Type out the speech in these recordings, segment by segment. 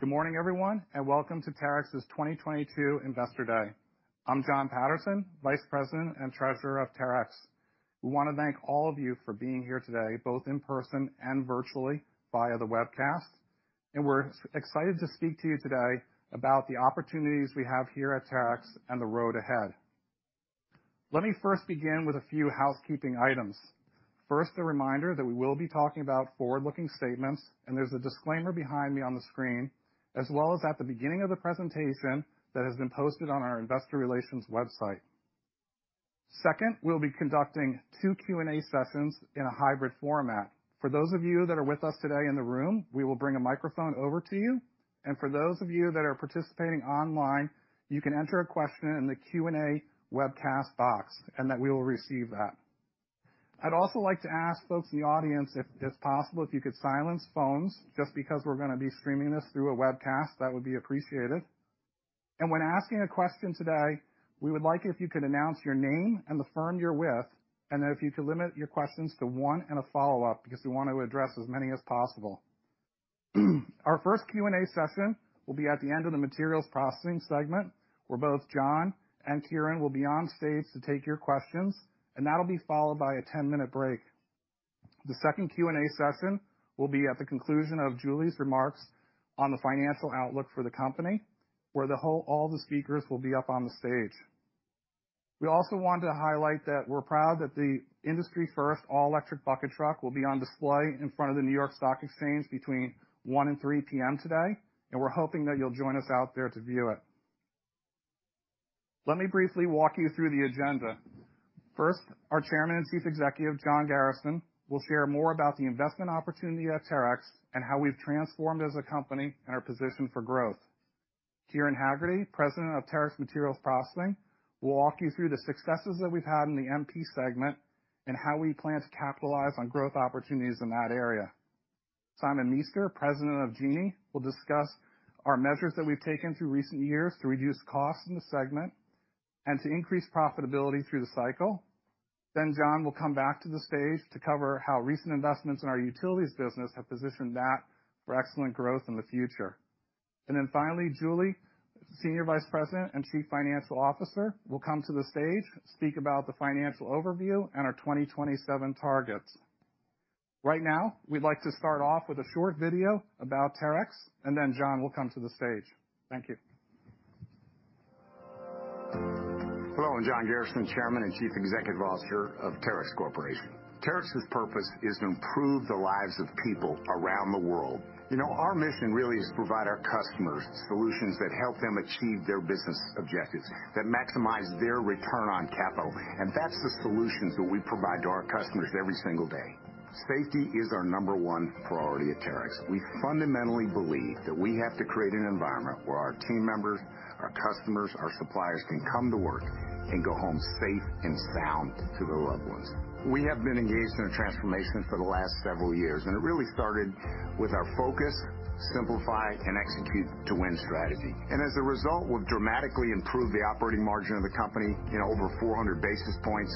Good morning, everyone, welcome to Terex's 2022 Investor Day. I'm Jon Paterson, Vice President and Treasurer of Terex. We wanna thank all of you for being here today, both in person and virtually via the webcast. We're excited to speak to you today about the opportunities we have here at Terex and the road ahead. Let me first begin with a few housekeeping items. First, a reminder that we will be talking about forward-looking statements, there's a disclaimer behind me on the screen, as well as at the beginning of the presentation that has been posted on our investor relations website. Second, we'll be conducting two Q&A sessions in a hybrid format. For those of you that are with us today in the room, we will bring a microphone over to you, and for those of you that are participating online, you can enter a question in the Q&A webcast box, and that we will receive that. I'd also like to ask folks in the audience, if possible, if you could silence phones just because we're gonna be streaming this through a webcast. That would be appreciated. When asking a question today, we would like if you could announce your name and the firm you're with, and then if you could limit your questions to one and a follow-up because we want to address as many as possible. Our first Q&A session will be at the end of the Terex Materials Processing segment where both John Garrison and Kieran Hegarty will be on stage to take your questions, that'll be followed by a 10-minute break. The second Q&A session will be at the conclusion of Julie's remarks on the financial outlook for the company, where all the speakers will be up on the stage. We also want to highlight that we're proud that the industry first all-electric bucket truck will be on display in front of the New York Stock Exchange between 1 and 3 P.M. today. We're hoping that you'll join us out there to view it. Let me briefly walk you through the agenda. First, our Chairman and Chief Executive, John Garrison, will share more about the investment opportunity at Terex and how we've transformed as a company and our position for growth. Kieran Hegarty, President of Terex Materials Processing, will walk you through the successes that we've had in the MP segment and how we plan to capitalize on growth opportunities in that area. Simon Meester, President of Genie, will discuss our measures that we've taken through recent years to reduce costs in the segment and to increase profitability through the cycle. John will come back to the stage to cover how recent investments in our utilities business have positioned that for excellent growth in the future. Finally, Julie, Senior Vice President and Chief Financial Officer, will come to the stage, speak about the financial overview and our 2027 targets. Right now, we'd like to start off with a short video about Terex, and then John will come to the stage. Thank you. Hello, I'm John Garrison, Chairman and Chief Executive Officer of Terex Corporation. Terex's purpose is to improve the lives of people around the world. You know, our mission really is to provide our customers solutions that help them achieve their business objectives, that maximize their return on capital. That's the solutions that we provide to our customers every single day. Safety is our 1 priority at Terex. We fundamentally believe that we have to create an environment where our team members, our customers, our suppliers can come to work and go home safe and sound to their loved ones. We have been engaged in a transformation for the last several years. It really started with our focus, simplify, and Execute to Win strategy. As a result, we've dramatically improved the operating margin of the company in over 400 basis points.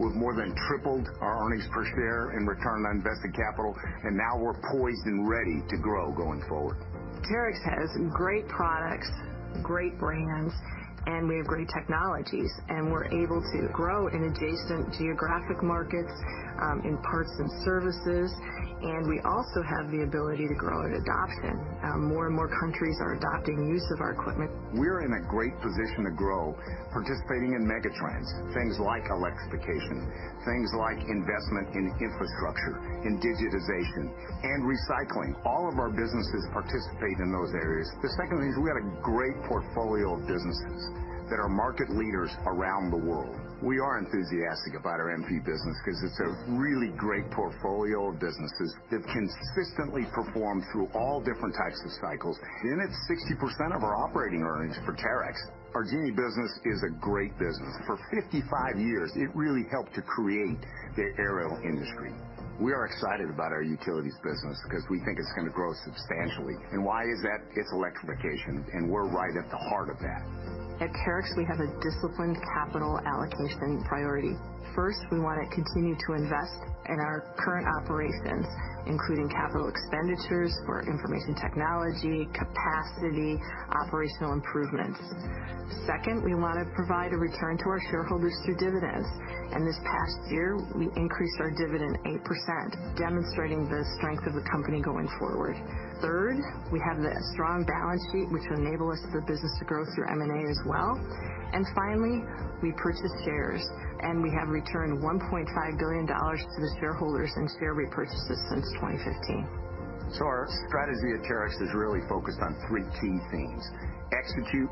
We've more than tripled our earnings per share in return on invested capital and now we're poised and ready to grow going forward. Terex has great products, great brands, and we have great technologies. We're able to grow in adjacent geographic markets, in parts and services and we also have the ability to grow at adoption. More and more countries are adopting the use of our equipment. We're in a great position to grow participating in megatrends, things like electrification, things like investment in infrastructure, in digitization and recycling. All of our businesses participate in those areas. The second thing is we have a great portfolio of businesses that are market leaders around the world. We are enthusiastic about our MP business 'cause it's a really great portfolio of businesses that consistently perform through all different types of cycles. It's 60% of our operating earnings for Terex. Our Genie business is a great business. For 55 years it really helped to create the aerial industry. We are excited about our utilities business 'cause we think it's gonna grow substantially. Why is that? It's electrification and we're right at the heart of that. At Terex we have a disciplined capital allocation priority. First, we wanna continue to invest in our current operations, including capital expenditures for information technology, capacity, operational improvements. Second, we wanna provide a return to our shareholders through dividends. This past year we increased our dividend 8%, demonstrating the strength of the company going forward. Third, we have the strong balance sheet which will enable us as a business to grow through M&A as well. Finally, we purchase shares and we have returned $1.5 billion to the shareholders in share repurchases since 2015. Our strategy at Terex is really focused on three key themes: execute,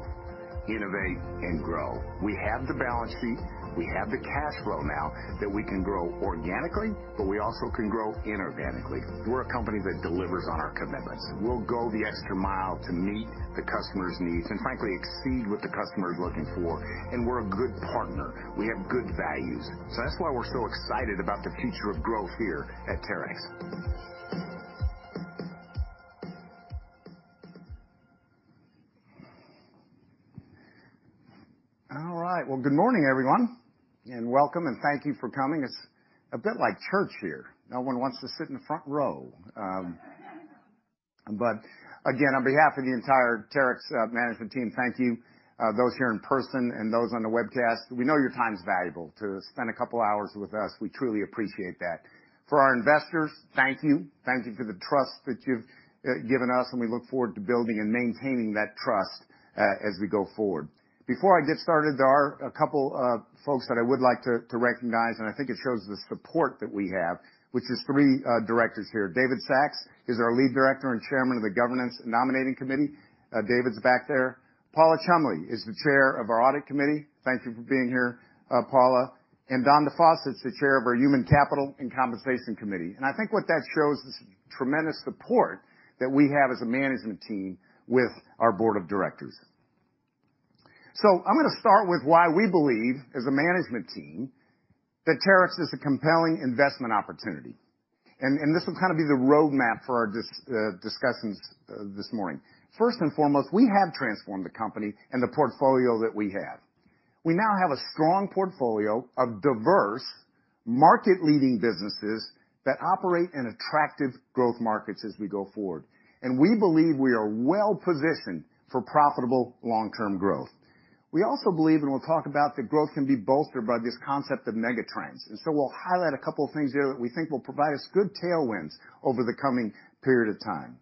innovate, and grow. We have the balance sheet, we have the cash flow now that we can grow organically but we also can grow inorganically. We're a company that delivers on our commitments. We'll go the extra mile to meet the customer's needs and frankly exceed what the customer is looking for and we're a good partner. We have good values. That's why we're so excited about the future of growth here at Terex. All right. Good morning everyone, and welcome and thank you for coming. It's a bit like church here. No one wants to sit in the front row. Again, on behalf of the entire Terex management team, thank you. Those here in person and those on the webcast, we know your time is valuable. To spend a couple hours with us, we truly appreciate that. For our investors, thank you. Thank you for the trust that you've given us, and we look forward to building and maintaining that trust as we go forward. Before I get started, there are a couple folks that I would like to recognize, and I think it shows the support that we have, which is three directors here. David Sachs is our Lead Director and Chairman of the Governance Nominating Committee. David's back there. Paula Cholmondeley is the Chair of our Audit Committee. Thank you for being here, Paula. Don DeFosset's the Chair of our Human Capital and Compensation Committee. I think what that shows is tremendous support that we have as a management team with our board of directors. I'm gonna start with why we believe, as a management team, that Terex is a compelling investment opportunity, and this will kind of be the roadmap for our discussions this morning. First and foremost, we have transformed the company and the portfolio that we have. We now have a strong portfolio of diverse market-leading businesses that operate in attractive growth markets as we go forward. We believe we are well-positioned for profitable long-term growth. We also believe, we'll talk about, the growth can be bolstered by this concept of megatrends. We'll highlight a couple of things there that we think will provide us good tailwinds over the coming period of time.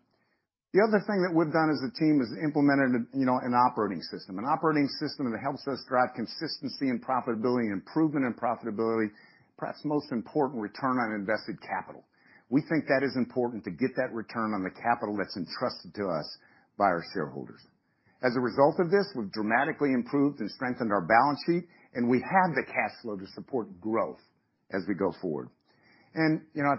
The other thing that we've done as a team is implemented, you know, an operating system. An operating system that helps us drive consistency and profitability, improvement in profitability, perhaps most important, return on invested capital. We think that is important to get that return on the capital that's entrusted to us by our shareholders. As a result of this, we've dramatically improved and strengthened our balance sheet, and we have the cash flow to support growth as we go forward. You know,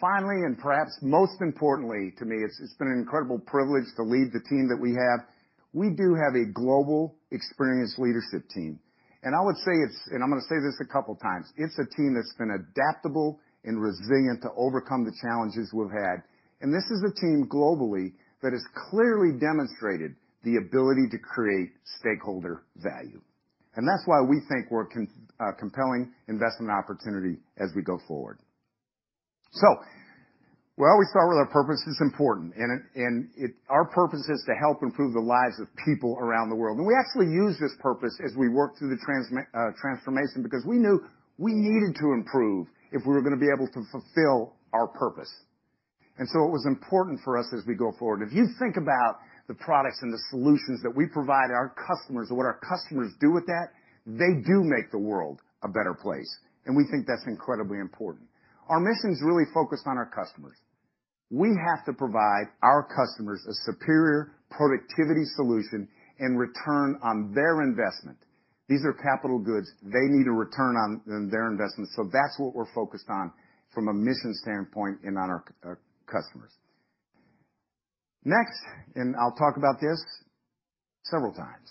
finally, and perhaps most importantly to me, it's been an incredible privilege to lead the team that we have. We do have a global experienced leadership team. I would say. I'm gonna say this a couple times. It's a team that's been adaptable and resilient to overcome the challenges we've had. This is a team globally that has clearly demonstrated the ability to create stakeholder value. That's why we think we're a compelling investment opportunity as we go forward. We always start with our purpose is important. Our purpose is to help improve the lives of people around the world. We actually use this purpose as we work through the transformation, because we knew we needed to improve if we were gonna be able to fulfill our purpose. It was important for us as we go forward. If you think about the products and the solutions that we provide our customers and what our customers do with that, they do make the world a better place. We think that's incredibly important. Our mission's really focused on our customers. We have to provide our customers a superior productivity solution and return on their investment. These are capital goods. They need a return on their investment. That's what we're focused on from a mission standpoint and on our customers. Next, I'll talk about this several times,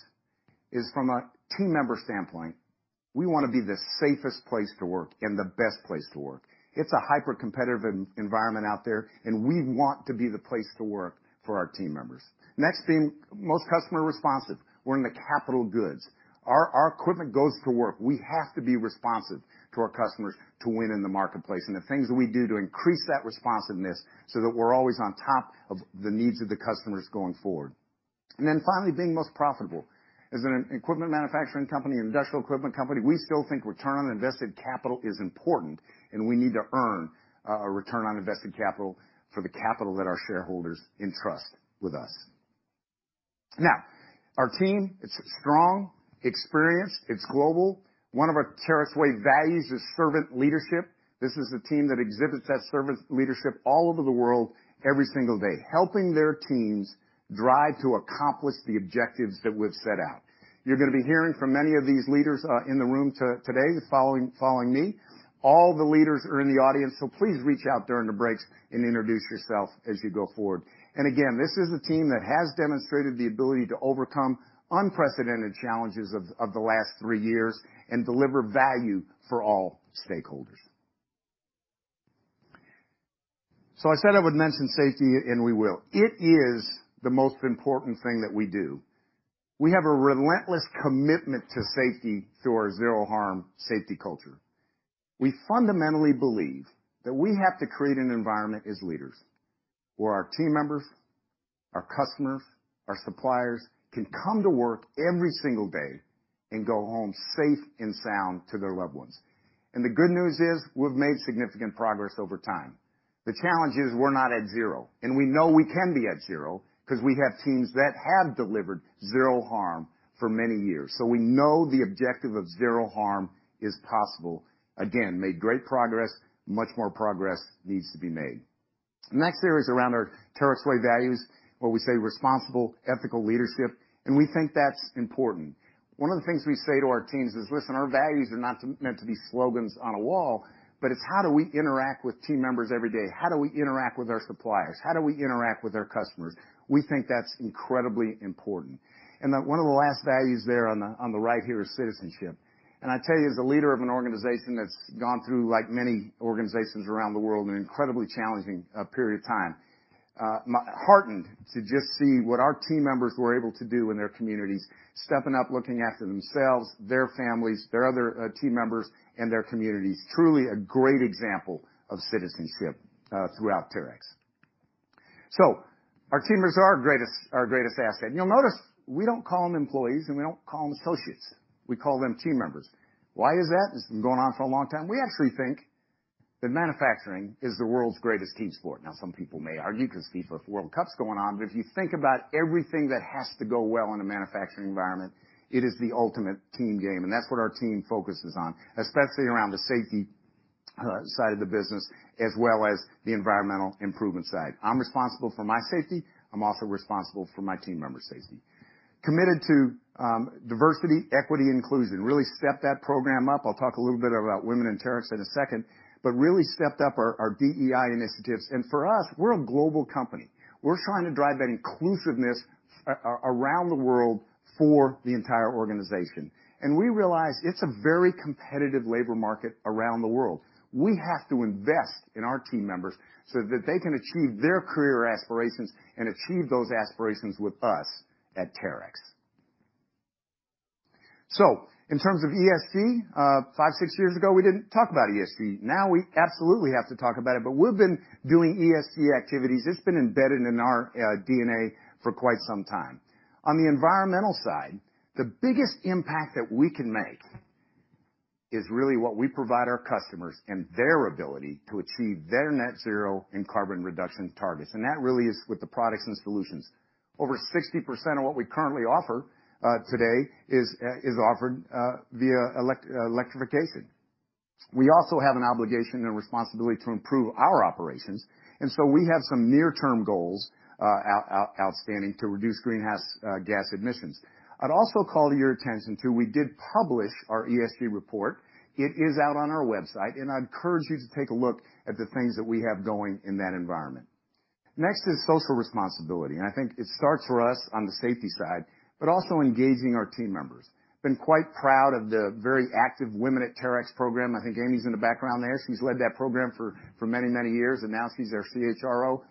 is from a team member standpoint, we wanna be the safest place to work and the best place to work. It's a hyper-competitive environment out there. We want to be the place to work for our team members. Next thing, most customer responsive. We're in the capital goods. Our equipment goes to work. We have to be responsive to our customers to win in the marketplace, the things that we do to increase that responsiveness so that we're always on top of the needs of the customers going forward. Finally, being most profitable. As an equipment manufacturing company, industrial equipment company, we still think return on invested capital is important and we need to earn a return on invested capital for the capital that our shareholders entrust with us. Our team, it's strong, experienced, it's global. One of our Terex Way Values is servant leadership. This is a team that exhibits that servant leadership all over the world every single day, helping their teams drive to accomplish the objectives that we've set out. You're gonna be hearing from many of these leaders in the room today, following me. All the leaders are in the audience. Please reach out during the breaks and introduce yourself as you go forward. Again, this is a team that has demonstrated the ability to overcome unprecedented challenges of the last three years and deliver value for all stakeholders. I said I would mention safety, and we will. It is the most important thing that we do. We have a relentless commitment to safety through our Zero Harm safety culture. We fundamentally believe that we have to create an environment as leaders where our team members, our customers, our suppliers, can come to work every single day and go home safe and sound to their loved ones. The good news is, we've made significant progress over time. The challenge is we're not at zero. We know we can be at zero 'cause we have teams that have delivered Zero Harm for many years. We know the objective of Zero Harm is possible. Again, made great progress. Much more progress needs to be made. Next here is around our Terex Way Values, where we say responsible ethical leadership, and we think that's important. One of the things we say to our teams is, "Listen, our values are not meant to be slogans on a wall, but it's how do we interact with team members every day? How do we interact with our suppliers? How do we interact with our customers?" We think that's incredibly important. One of the last values there on the right here is citizenship. I tell you, as a leader of an organization that's gone through, like many organizations around the world, an incredibly challenging period of time. heartened to just see what our team members were able to do in their communities, stepping up, looking after themselves, their families, their other team members, and their communities. Truly a great example of citizenship throughout Terex. Our team is our greatest asset. You'll notice we don't call them employees, and we don't call them associates. We call them team members. Why is that? It's been going on for a long time. We actually think that manufacturing is the world's greatest team sport. Some people may argue 'cause FIFA World Cup's going on, but if you think about everything that has to go well in a manufacturing environment, it is the ultimate team game, and that's what our team focuses on, especially around the safety side of the business, as well as the environmental improvement side. I'm responsible for my safety. I'm also responsible for my team members' safety. Committed to diversity, equity, and inclusion. Really stepped that program up. I'll talk a little bit about Women at Terex in a second, really stepped up our DEI initiatives. For us, we're a global company. We're trying to drive that inclusiveness around the world for the entire organization. We realize it's a very competitive labor market around the world. We have to invest in our team members so that they can achieve their career aspirations and achieve those aspirations with us at Terex. In terms of ESG, 5, 6 years ago, we didn't talk about ESG. Now we absolutely have to talk about it, we've been doing ESG activities. It's been embedded in our DNA for quite some time. On the environmental side, the biggest impact that we can make is really what we provide our customers and their ability to achieve their net zero and carbon reduction targets, and that really is with the products and solutions. Over 60% of what we currently offer today is offered via electrification. We also have an obligation and responsibility to improve our operations, we have some near term goals outstanding to reduce greenhouse gas emissions. I'd also call to your attention too, we did publish our ESG report. It is out on our website. I encourage you to take a look at the things that we have going in that environment. Next is social responsibility, and I think it starts for us on the safety side, but also engaging our team members. Been quite proud of the very active Women at Terex program. I think Amy's in the background there. She's led that program for many, many years, and now she's our CHRO.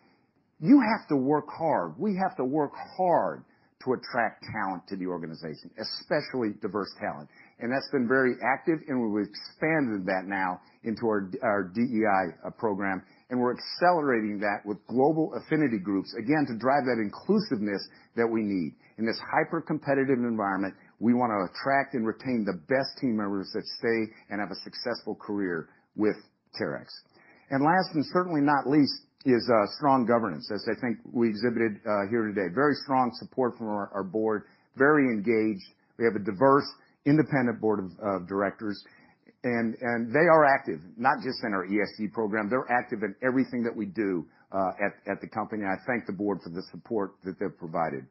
You have to work hard. We have to work hard to attract talent to the organization, especially diverse talent. That's been very active, and we've expanded that now into our DEI program, and we're accelerating that with global affinity groups, again, to drive that inclusiveness that we need. In this hypercompetitive environment, we wanna attract and retain the best team members that stay and have a successful career with Terex. Last, and certainly not least, is strong governance, as I think we exhibited here today. Very strong support from our board, very engaged. We have a diverse, independent board of directors, and they are active, not just in our ESG program. They're active in everything that we do at the company, and I thank the board for the support that they've provided.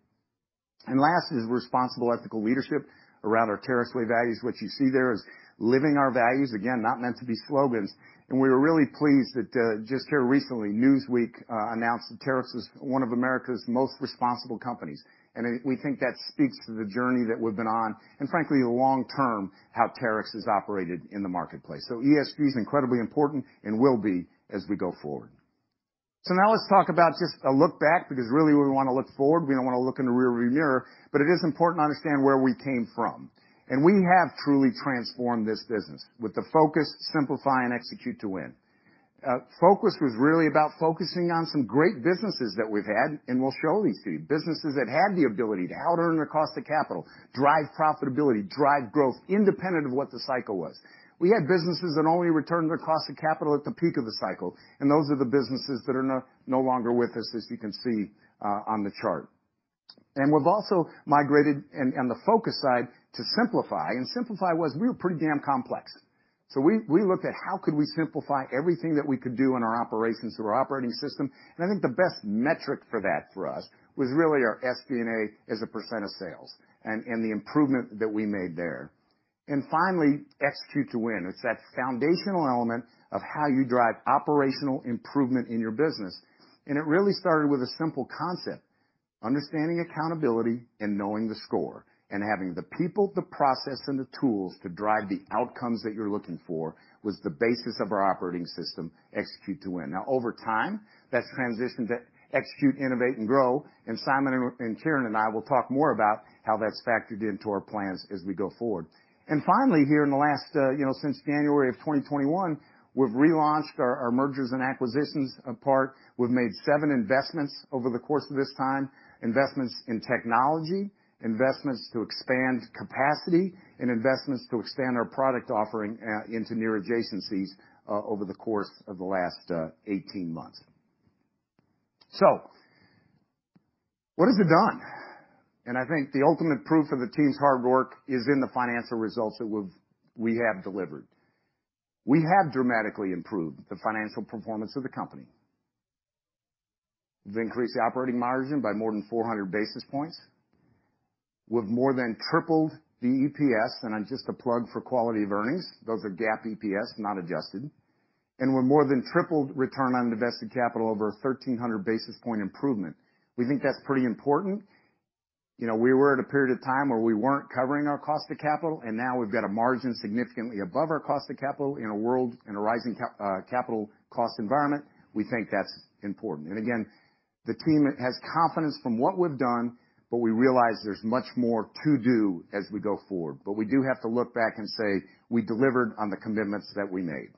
Last is responsible ethical leadership around our Terex Way Values. What you see there is living our values, again, not meant to be slogans. We were really pleased that just here recently, Newsweek announced that Terex is one of America's most responsible companies. We think that speaks to the journey that we've been on, and frankly, the long term, how Terex has operated in the marketplace. ESG is incredibly important and will be as we go forward. Now let's talk about just a look back because really we wanna look forward. We don't wanna look in the rearview mirror, but it is important to understand where we came from. We have truly transformed this business with the focus, simplify, and Execute to Win. Focus was really about focusing on some great businesses that we've had, and we'll show these to you. Businesses that had the ability to outearn their cost of capital, drive profitability, drive growth independent of what the cycle was. We had businesses that only returned their cost of capital at the peak of the cycle. Those are the businesses that are no longer with us, as you can see, on the chart. We've also migrated on the focus side to simplify, and simplify was we were pretty damn complex. We looked at how could we simplify everything that we could do in our operations through our operating system, and I think the best metric for that for us was really our SG&A as a % of sales and the improvement that we made there. Finally, Execute to Win. It's that foundational element of how you drive operational improvement in your business. It really started with a simple concept, understanding accountability and knowing the score and having the people, the process, and the tools to drive the outcomes that you're looking for was the basis of our operating system, Execute to Win. Over time, that's transitioned to execute, innovate, and grow, Simon and Kieran and I will talk more about how that's factored into our plans as we go forward. Finally, here in the last, you know, since January of 2021, we've relaunched our mergers and acquisitions apart. We've made seven investments over the course of this time, investments in technology, investments to expand capacity, and investments to expand our product offering into near adjacencies over the course of the last 18 months. What has it done? I think the ultimate proof of the team's hard work is in the financial results that we have delivered. We have dramatically improved the financial performance of the company. We've increased the operating margin by more than 400 basis points. We've more than tripled the EPS, and just a plug for quality of earnings. Those are GAAP EPS, not adjusted. We've more than tripled return on invested capital over a 1,300 basis point improvement. We think that's pretty important. You know, we were at a period of time where we weren't covering our cost of capital, and now we've got a margin significantly above our cost of capital in a world in a rising capital cost environment. We think that's important. Again, the team has confidence from what we've done, but we realize there's much more to do as we go forward. We do have to look back and say we delivered on the commitments that we made.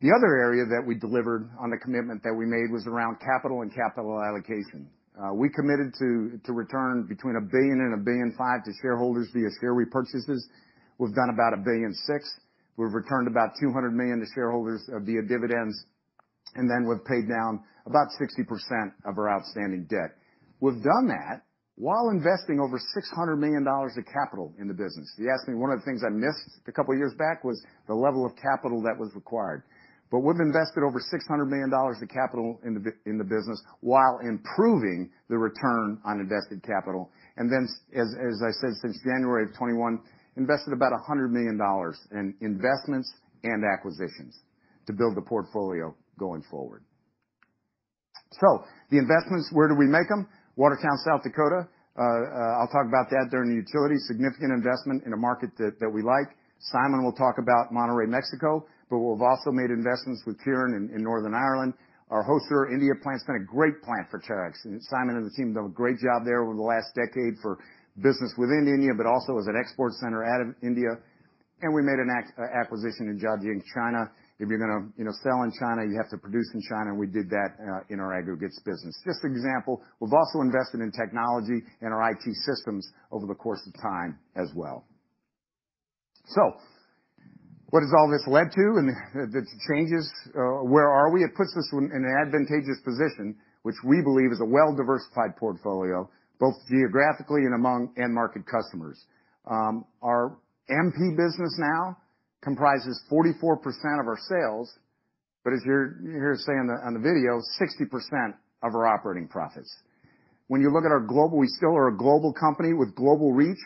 The other area that we delivered on the commitment that we made was around capital and capital allocation. We committed to return between $1 billion and $1.5 billion to shareholders via share repurchases. We've done about $1.6 billion. We've returned about $200 million to shareholders via dividends, we've paid down about 60% of our outstanding debt. We've done that while investing over $600 million of capital in the business. You asked me one of the things I missed a couple years back was the level of capital that was required. We've invested over $600 million of capital in the business while improving the return on invested capital. As I said, since January of 2021, invested about $100 million in investments and acquisitions to build the portfolio going forward. The investments, where do we make them? Watertown, South Dakota. I'll talk about that during the utility. Significant investment in a market that we like. Simon will talk about Monterrey, Mexico. We've also made investments with Kieran in Northern Ireland. Our Hosur, India plant's been a great plant for Terex, and Simon and the team have done a great job there over the last decade for business within India, but also as an export center out of India. We made an acquisition in Jiading, China. If you're gonna, you know, sell in China, you have to produce in China, and we did that in our aggregates business. Just for example, we've also invested in technology and our IT systems over the course of time as well. What has all this led to and the changes? Where are we? It puts us in an advantageous position, which we believe is a well-diversified portfolio, both geographically and among end market customers. Our MP business now comprises 44% of our sales, but as you hear us say on the video, 60% of our operating profits. When you look at our global, we still are a global company with global reach,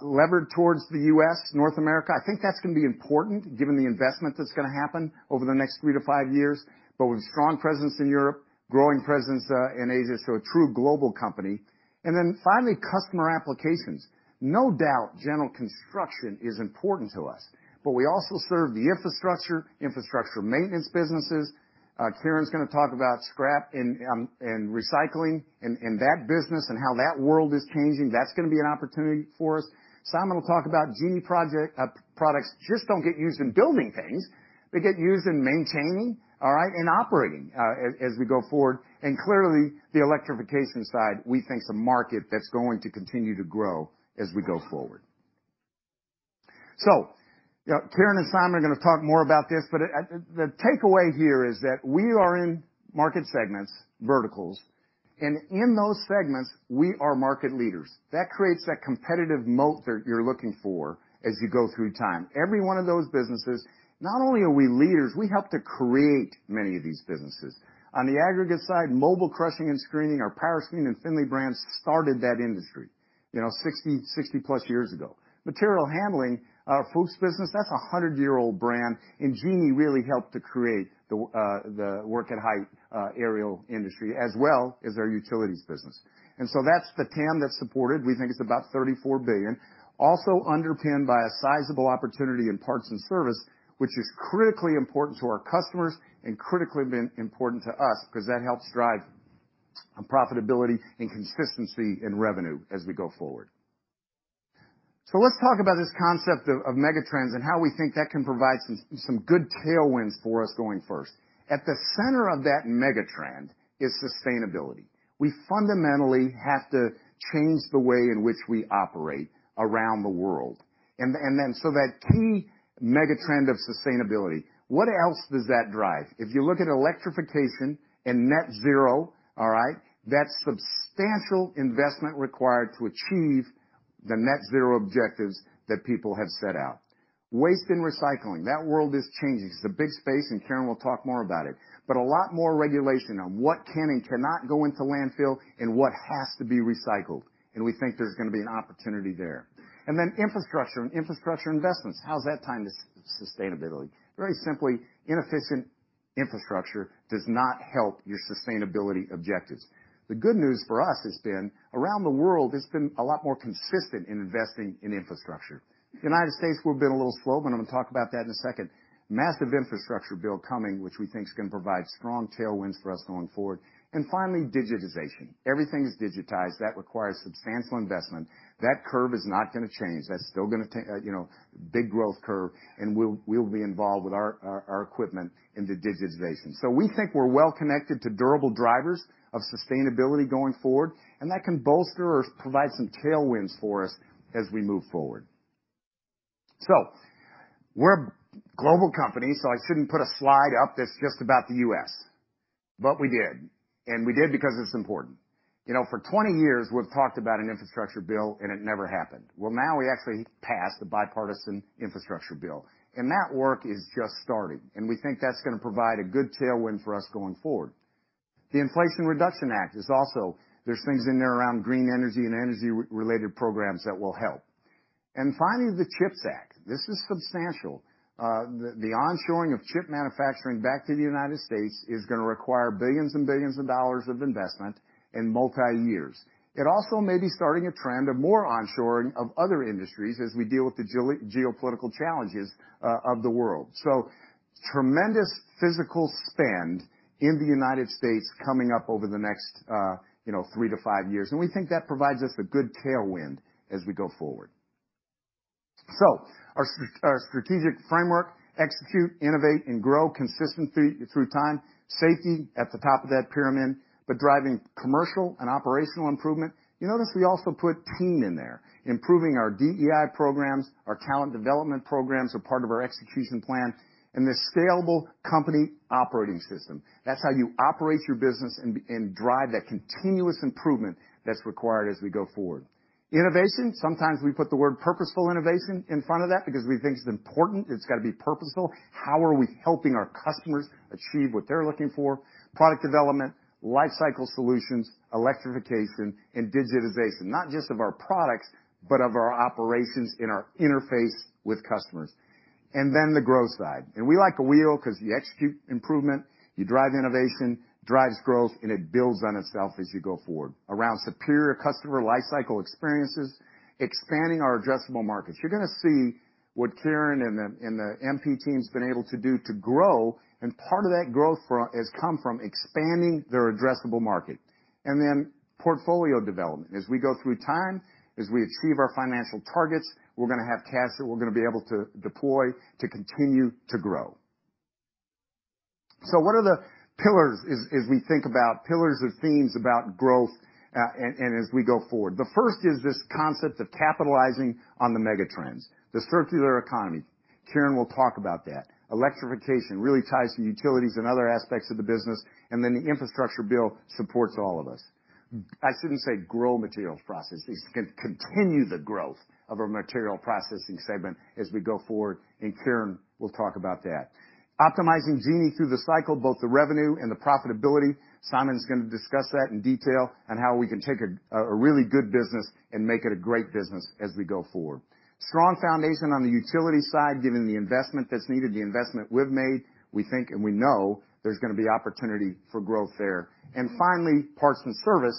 levered towards the U.S., North America. I think that's gonna be important given the investment that's gonna happen over the next 3-5 years. With strong presence in Europe, growing presence in Asia, so a true global company. Finally, customer applications. No doubt general construction is important to us. We also serve the infrastructure maintenance businesses. Kieran's gonna talk about scrap and recycling and that business and how that world is changing. That's gonna be an opportunity for us. Simon will talk about Genie products just don't get used in building things. They get used in maintaining, all right, and operating as we go forward. Clearly, the electrification side, we think, is a market that's going to continue to grow as we go forward. You know, Kieran and Simon are gonna talk more about this. The takeaway here is that we are in market segments, verticals, and in those segments, we are market leaders. That creates that competitive moat that you're looking for as you go through time. Every one of those businesses, not only are we leaders, we help to create many of these businesses. On the aggregate side, mobile crushing and screening, our Powerscreen and Finlay brands started that industry, you know, 60-plus years ago. Material handling, Fuchs business, that's a 100-year-old brand. Genie really helped to create the work at height aerial industry, as well as our utilities business. That's the TAM that's supported. We think it's about $34 billion. Also underpinned by a sizable opportunity in parts and service, which is critically important to our customers and critically been important to us 'cause that helps drive profitability and consistency in revenue as we go forward. Let's talk about this concept of megatrends and how we think that can provide some good tailwinds for us going first. At the center of that megatrend is sustainability. We fundamentally have to change the way in which we operate around the world. That key megatrend of sustainability, what else does that drive? If you look at electrification and net zero, all right, that's substantial investment required to achieve the net zero objectives that people have set out. Waste and recycling, that world is changing. It's a big space, and Kieran will talk more about it. A lot more regulation on what can and cannot go into landfill and what has to be recycled, and we think there's going to be an opportunity there. Infrastructure and infrastructure investments. How's that tied to sustainability? Very simply, inefficient infrastructure does not help your sustainability objectives. The good news for us has been around the world, there's been a lot more consistent in investing in infrastructure. United States, we've been a little slow, but I'm gonna talk about that in a second. Massive infrastructure bill coming, which we think is gonna provide strong tailwinds for us going forward. Finally, digitization. Everything is digitized. That requires substantial investment. That curve is not gonna change. That's still gonna, you know, big growth curve, and we'll be involved with our equipment in the digitization. We think we're well connected to durable drivers of sustainability going forward, and that can bolster or provide some tailwinds for us as we move forward. We're a global company, so I shouldn't put a slide up that's just about the U.S. We did, and we did because it's important. You know, for 20 years, we've talked about an infrastructure bill, and it never happened. Well, now we actually passed the Bipartisan Infrastructure Bill, that work is just starting, and we think that's gonna provide a good tailwind for us going forward. The Inflation Reduction Act is also, there's things in there around green energy and energy-related programs that will help. Finally, the CHIPS Act. This is substantial. The onshoring of chip manufacturing back to the United States is gonna require billions and billions of dollars of investment in multi-years. It also may be starting a trend of more onshoring of other industries as we deal with the geopolitical challenges of the world. Tremendous physical spend in the United States coming up over the next, you know, three to five years. We think that provides us a good tailwind as we go forward. Our strategic framework, execute, innovate, and grow consistency through time, safety at the top of that pyramid, driving commercial and operational improvement. You notice we also put team in there. Improving our DEI programs, our talent development programs are part of our execution plan and the scalable company operating system. That's how you operate your business and drive that continuous improvement that's required as we go forward. Innovation, sometimes we put the word purposeful innovation in front of that because we think it's important. It's gotta be purposeful. How are we helping our customers achieve what they're looking for? Product development, lifecycle solutions, electrification, and digitization, not just of our products, but of our operations in our interface with customers. The growth side. We like a wheel 'cause you execute improvement, you drive innovation, drives growth, and it builds on itself as you go forward. Around superior customer lifecycle experiences, expanding our addressable markets. You're gonna see what Kieran and the MP team's been able to do to grow, and part of that growth has come from expanding their addressable market. Portfolio development. As we go through time, as we achieve our financial targets, we're gonna have cash that we're gonna be able to deploy to continue to grow. What are the pillars as we think about pillars or themes about growth, and as we go forward? The first is this concept of capitalizing on the mega trends. The circular economy. Kieran will talk about that. Electrification really ties to utilities and other aspects of the business. The Infrastructure Bill supports all of us. I shouldn't say grow Materials Processing. It's going to continue the growth of our Materials Processing segment as we go forward. Kieran will talk about that. Optimizing Genie through the cycle, both the revenue and the profitability. Simon is going to discuss that in detail on how we can take a really good business and make it a great business as we go forward. Strong foundation on the utility side, given the investment that's needed, the investment we've made, we think and we know there's going to be opportunity for growth there. Finally, parts and service,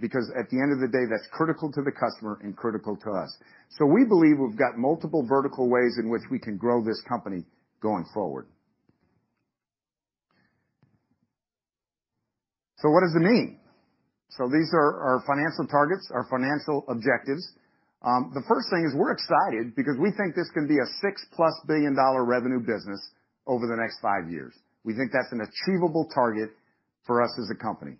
because at the end of the day, that's critical to the customer and critical to us. We believe we've got multiple vertical ways in which we can grow this company going forward. What does it mean? These are our financial targets, our financial objectives. The first thing is we're excited because we think this can be a $6+ billion revenue business over the next 5 years. We think that's an achievable target for us as a company.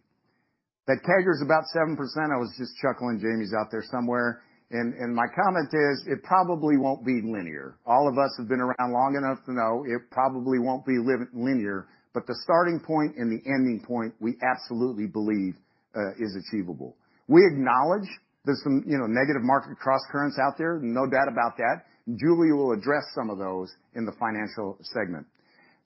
That CAGR is about 7%. I was just chuckling, Jamie's out there somewhere. My comment is, it probably won't be linear. All of us have been around long enough to know it probably won't be linear, but the starting point and the ending point, we absolutely believe is achievable. We acknowledge there's some, you know, negative market crosscurrents out there, no doubt about that. Julie will address some of those in the financial segment.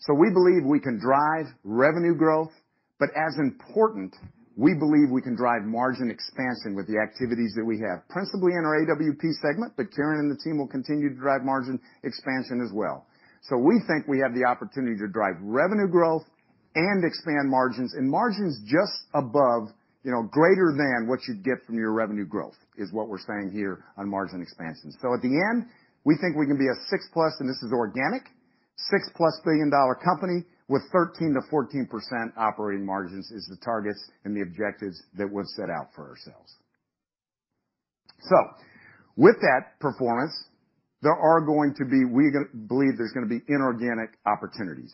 We believe we can drive revenue growth, but as important, we believe we can drive margin expansion with the activities that we have, principally in our AWP segment, but Kieran and the team will continue to drive margin expansion as well. We think we have the opportunity to drive revenue growth and expand margins, and margins just above, you know, greater than what you'd get from your revenue growth is what we're saying here on margin expansion. At the end, we think we can be a $6+, and this is organic, $6+ billion-dollar company with 13%-14% operating margins is the targets and the objectives that we've set out for ourselves. With that performance, we believe there's gonna be inorganic opportunities.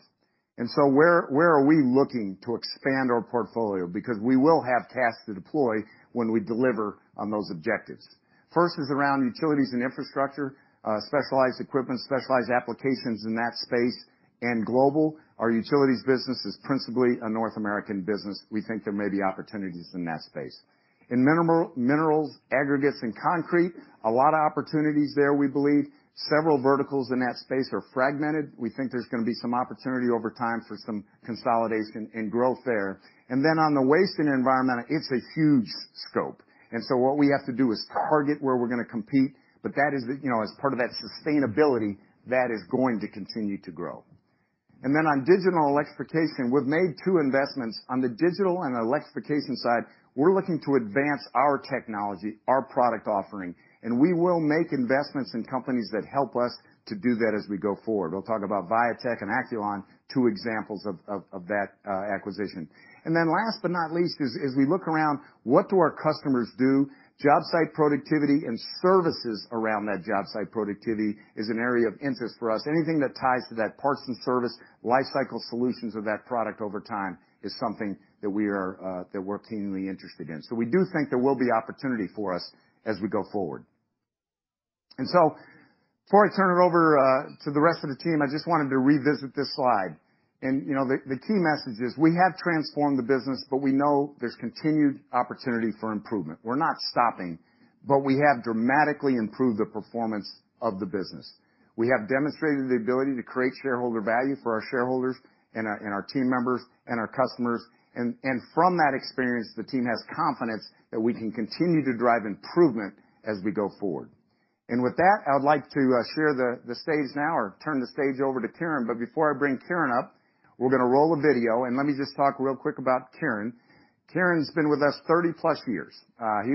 Where are we looking to expand our portfolio? We will have tasks to deploy when we deliver on those objectives. First is around utilities and infrastructure, specialized equipment, specialized applications in that space and global. Our utilities business is principally a North American business. We think there may be opportunities in that space. In minerals, aggregates, and concrete, a lot of opportunities there, we believe. Several verticals in that space are fragmented. We think there's gonna be some opportunity over time for some consolidation and growth there. On the waste and environment, it's a huge scope. What we have to do is target where we're gonna compete, but that is, you know, as part of that sustainability, that is going to continue to grow. On digital and electrification, we've made two investments. On the digital and electrification side, we're looking to advance our technology, our product offering. We will make investments in companies that help us to do that as we go forward. We'll talk about Viatec and Acculon, two examples of that acquisition. Last but not least is we look around, what do our customers do? Job site productivity and services around that job site productivity is an area of interest for us. Anything that ties to that parts and service, lifecycle solutions of that product over time, is something that we are that we're keenly interested in. We do think there will be opportunity for us as we go forward. Before I turn it over to the rest of the team, I just wanted to revisit this slide. You know, the key message is we have transformed the business, but we know there's continued opportunity for improvement. We're not stopping, but we have dramatically improved the performance of the business. We have demonstrated the ability to create shareholder value for our shareholders and our team members and our customers. From that experience, the team has confidence that we can continue to drive improvement as we go forward. With that, I would like to share the stage now or turn the stage over to Kieran. Before I bring Kieran up, we're gonna roll a video and let me just talk real quick about Kieran. Kieran's been with us 30-plus years. He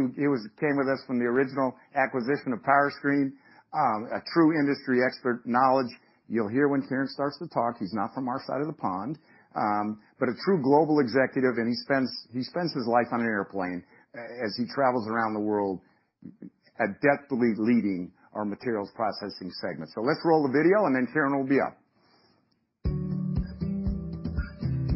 came with us from the original acquisition of Powerscreen. A true industry expert, knowledge. You'll hear when Kieran starts to talk, he's not from our side of the pond, but a true global executive, and he spends his life on an airplane as he travels around the world adeptly leading our Materials Processing segment. Let's roll the video, and then Kieran will be up.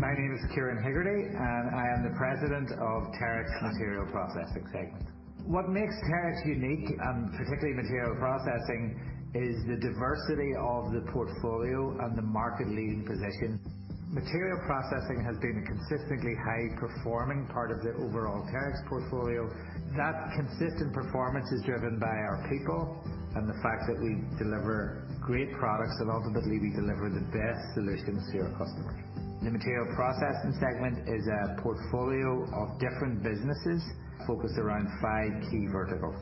My name is Kieran Hegarty, and I am the President of Terex Materials Processing segment. What makes Terex unique, and particularly Materials Processing, is the diversity of the portfolio and the market leading position. Materials Processing has been a consistently high performing part of the overall Terex portfolio. That consistent performance is driven by our people and the fact that we deliver great products and ultimately we deliver the best solutions to our customers. The Materials Processing segment is a portfolio of different businesses focused around five key verticals.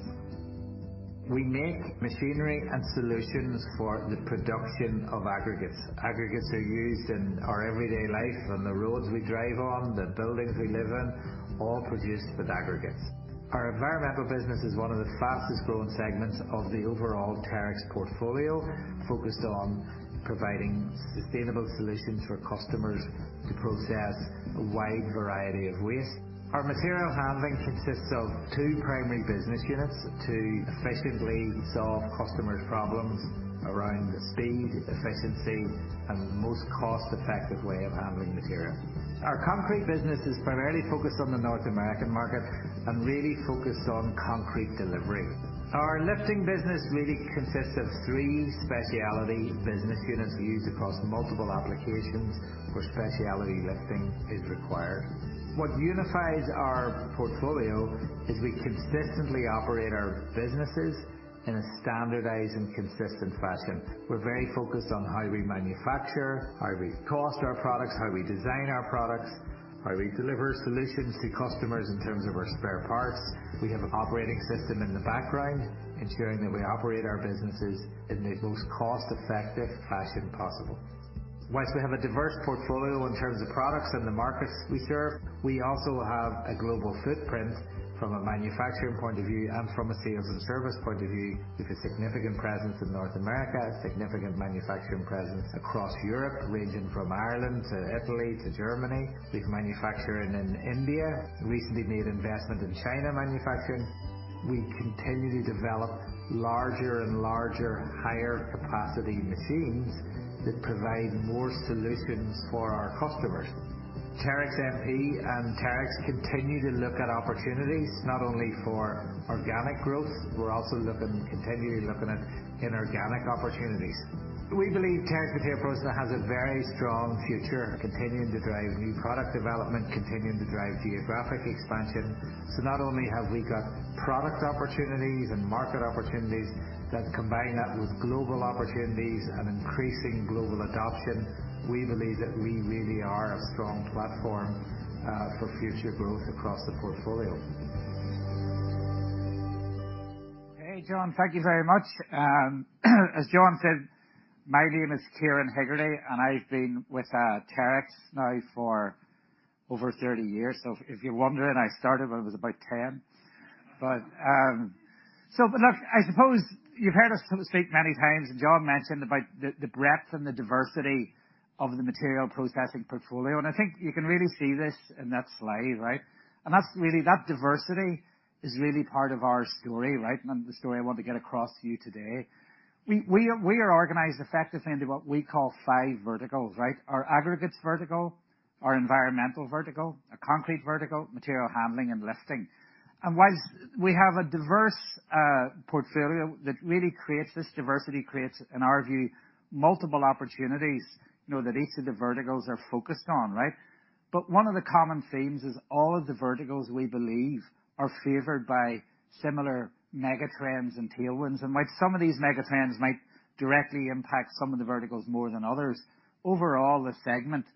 We make machinery and solutions for the production of aggregates. Aggregates are used in our everyday life on the roads we drive on, the buildings we live in, all produced with aggregates. Our environmental business is one of the fastest growing segments of the overall Terex portfolio, focused on providing sustainable solutions for customers to process a wide variety of waste. Our material handling consists of two primary business units to efficiently solve customer problems around the speed, efficiency, and most cost-effective way of handling material. Our concrete business is primarily focused on the North American market and really focused on concrete delivery. Our lifting business really consists of three specialty business units used across multiple applications where specialty lifting is required. What unifies our portfolio is we consistently operate our businesses in a standardized and consistent fashion. We're very focused on how we manufacture, how we cost our products, how we design our products, how we deliver solutions to customers in terms of our spare parts. We have an operating system in the background ensuring that we operate our businesses in the most cost-effective fashion possible. We have a diverse portfolio in terms of products and the markets we serve, we also have a global footprint from a manufacturing point of view and from a sales and service point of view with a significant presence in North America, a significant manufacturing presence across Europe, ranging from Ireland to Italy to Germany. We have manufacturing in India, recently made investment in China manufacturing. We continue to develop larger and larger higher capacity machines that provide more solutions for our customers. Terex MP and Terex continue to look at opportunities not only for organic growth, we're also looking, continually looking at inorganic opportunities. We believe Terex Materials Processing has a very strong future, continuing to drive new product development, continuing to drive geographic expansion. Not only have we got product opportunities and market opportunities that combine that with global opportunities and increasing global adoption, we believe that we really are a strong platform for future growth across the portfolio. Hey, John, thank you very much. As John said, my name is Kieran Hegarty, and I've been with Terex now for over 30 years. If you're wondering, I started when I was about 10. I suppose you've heard us sort of speak many times, and John mentioned about the breadth and the diversity of the Materials Processing portfolio. I think you can really see this in that slide, right? That's really, that diversity is really part of our story, right? The story I want to get across to you today. We are organized effectively into what we call five verticals, right? Our aggregates vertical, our environmental vertical, our concrete vertical, material handling and lifting. Whilst we have a diverse portfolio that really creates this diversity, creates, in our view, multiple opportunities, you know, that each of the verticals are focused on, right? One of the common themes is all of the verticals we believe are favored by similar mega trends and tailwinds. While some of these mega trends might directly impact some of the verticals more than others, overall, the segment,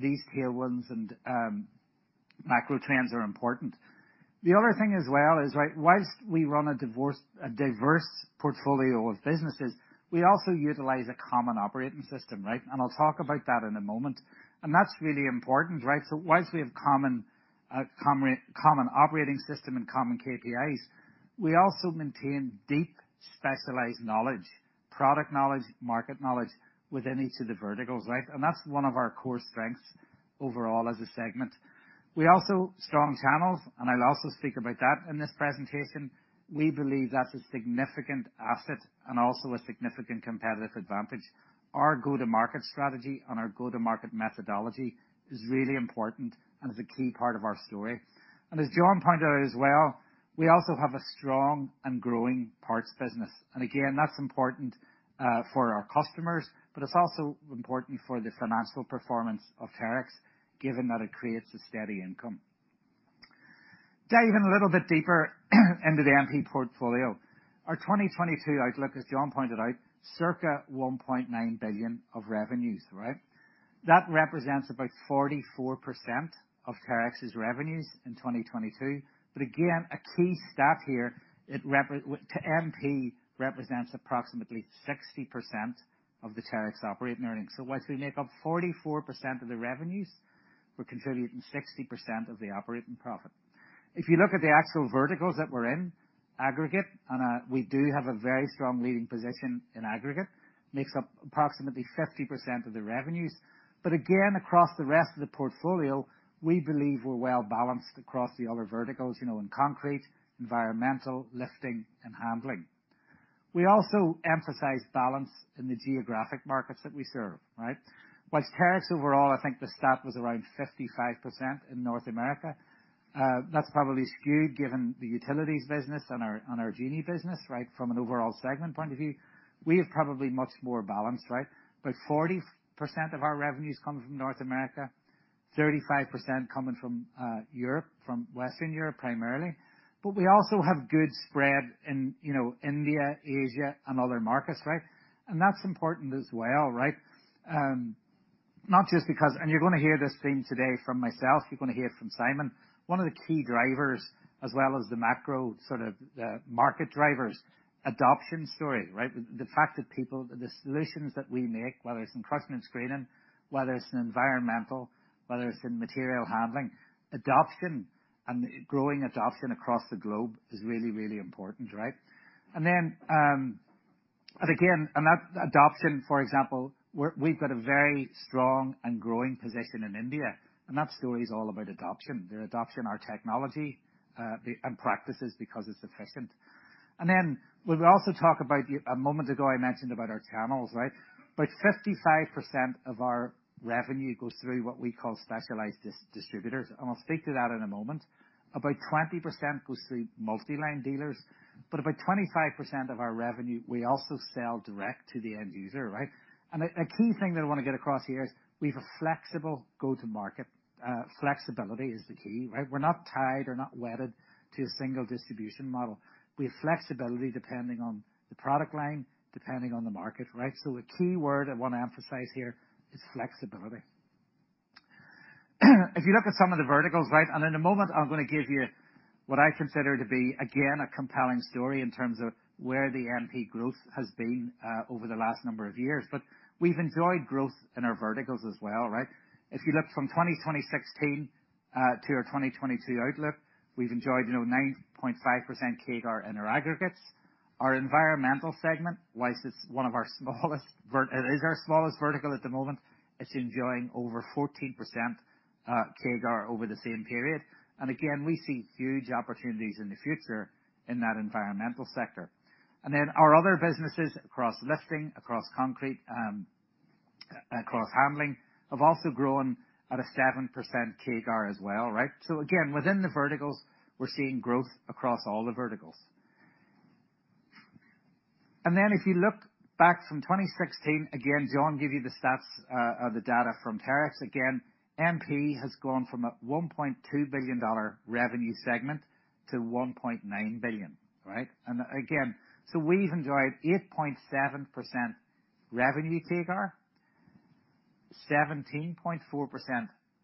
these tailwinds and macro trends are important. The other thing as well is, right, whilst we run a diverse portfolio of businesses, we also utilize a common operating system, right? I'll talk about that in a moment. That's really important, right? Whilst we have common operating system and common KPIs, we also maintain deep specialized knowledge, product knowledge, market knowledge within each of the verticals, right? That's one of our core strengths overall as a segment. We also strong channels, and I'll also speak about that in this presentation. We believe that's a significant asset and also a significant competitive advantage. Our go-to-market strategy and our go-to-market methodology is really important and is a key part of our story. As John pointed out as well, we also have a strong and growing parts business. Again, that's important for our customers, but it's also important for the financial performance of Terex, given that it creates a steady income. Dive in a little bit deeper into the MP portfolio. Our 2022 outlook, as John pointed out, circa $1.9 billion of revenues, right? That represents about 44% of Terex's revenues in 2022. Again, a key stat here, MP represents approximately 60% of the Terex operating earnings. Whilst we make up 44% of the revenues, we're contributing 60% of the operating profit. If you look at the actual verticals that we're in, aggregate, and we do have a very strong leading position in aggregate, makes up approximately 50% of the revenues. Again, across the rest of the portfolio, we believe we're well-balanced across the other verticals, you know, in concrete, environmental, lifting, and handling. We also emphasize balance in the geographic markets that we serve, right? Whilst Terex overall, I think the stat was around 55% in North America, that's probably skewed given the utilities business and our Genie business, right? From an overall segment point of view. We have probably much more balanced, right? About 40% of our revenues come from North America, 35% coming from Europe, from Western Europe primarily. We also have good spread in, you know, India, Asia and other markets, right? That's important as well, right? You're gonna hear this theme today from myself, you're gonna hear it from Simon. One of the key drivers as well as the macro sort of market drivers adoption story, right? The solutions that we make, whether it's in crushing and screening, whether it's in environmental, whether it's in material handling, adoption and growing adoption across the globe is really, really important, right? That adoption, for example, we've got a very strong and growing position in India, and that story is all about adoption. They're adopting our technology and practices because it's efficient. We'll also talk about a moment ago, I mentioned about our channels, right? 55% of our revenue goes through what we call specialized distributors, and I'll speak to that in a moment. About 20% goes to multi-line dealers, about 25% of our revenue, we also sell direct to the end user, right? A key thing that I wanna get across here is we've a flexible go-to market. Flexibility is the key, right? We're not tied, we're not wedded to a single distribution model. We have flexibility depending on the product line, depending on the market, right? A key word I wanna emphasize here is flexibility. If you look at some of the verticals, right. In a moment, I'm gonna give you what I consider to be, again, a compelling story in terms of where the MP growth has been over the last number of years. We've enjoyed growth in our verticals as well, right. If you look from 2016 to our 2022 outlook, we've enjoyed, you know, 9.5% CAGR in our aggregates. Our environmental segment, whilst it's one of our smallest it is our smallest vertical at the moment. It's enjoying over 14% CAGR over the same period. Again, we see huge opportunities in the future in that environmental sector. Our other businesses across lifting, across concrete, across handling, have also grown at a 7% CAGR as well, right? Again, within the verticals, we're seeing growth across all the verticals. If you look back from 2016, again, John gave you the stats of the data from Terex. Again, MP has gone from a $1.2 billion revenue segment to $1.9 billion, right? We've enjoyed 8.7% revenue CAGR, 17.4%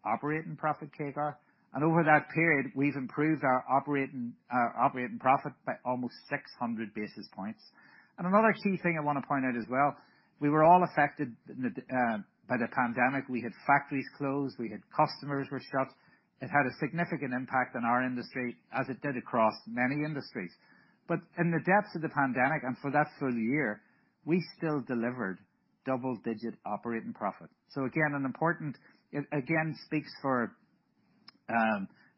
operating profit CAGR. Over that period, we've improved our operating operating profit by almost 600 basis points. Another key thing I wanna point out as well, we were all affected in the by the pandemic. We had factories closed, we had customers were shut. It had a significant impact on our industry as it did across many industries. In the depths of the pandemic, and for that full year, we still delivered double-digit operating profit. Again, it again speaks for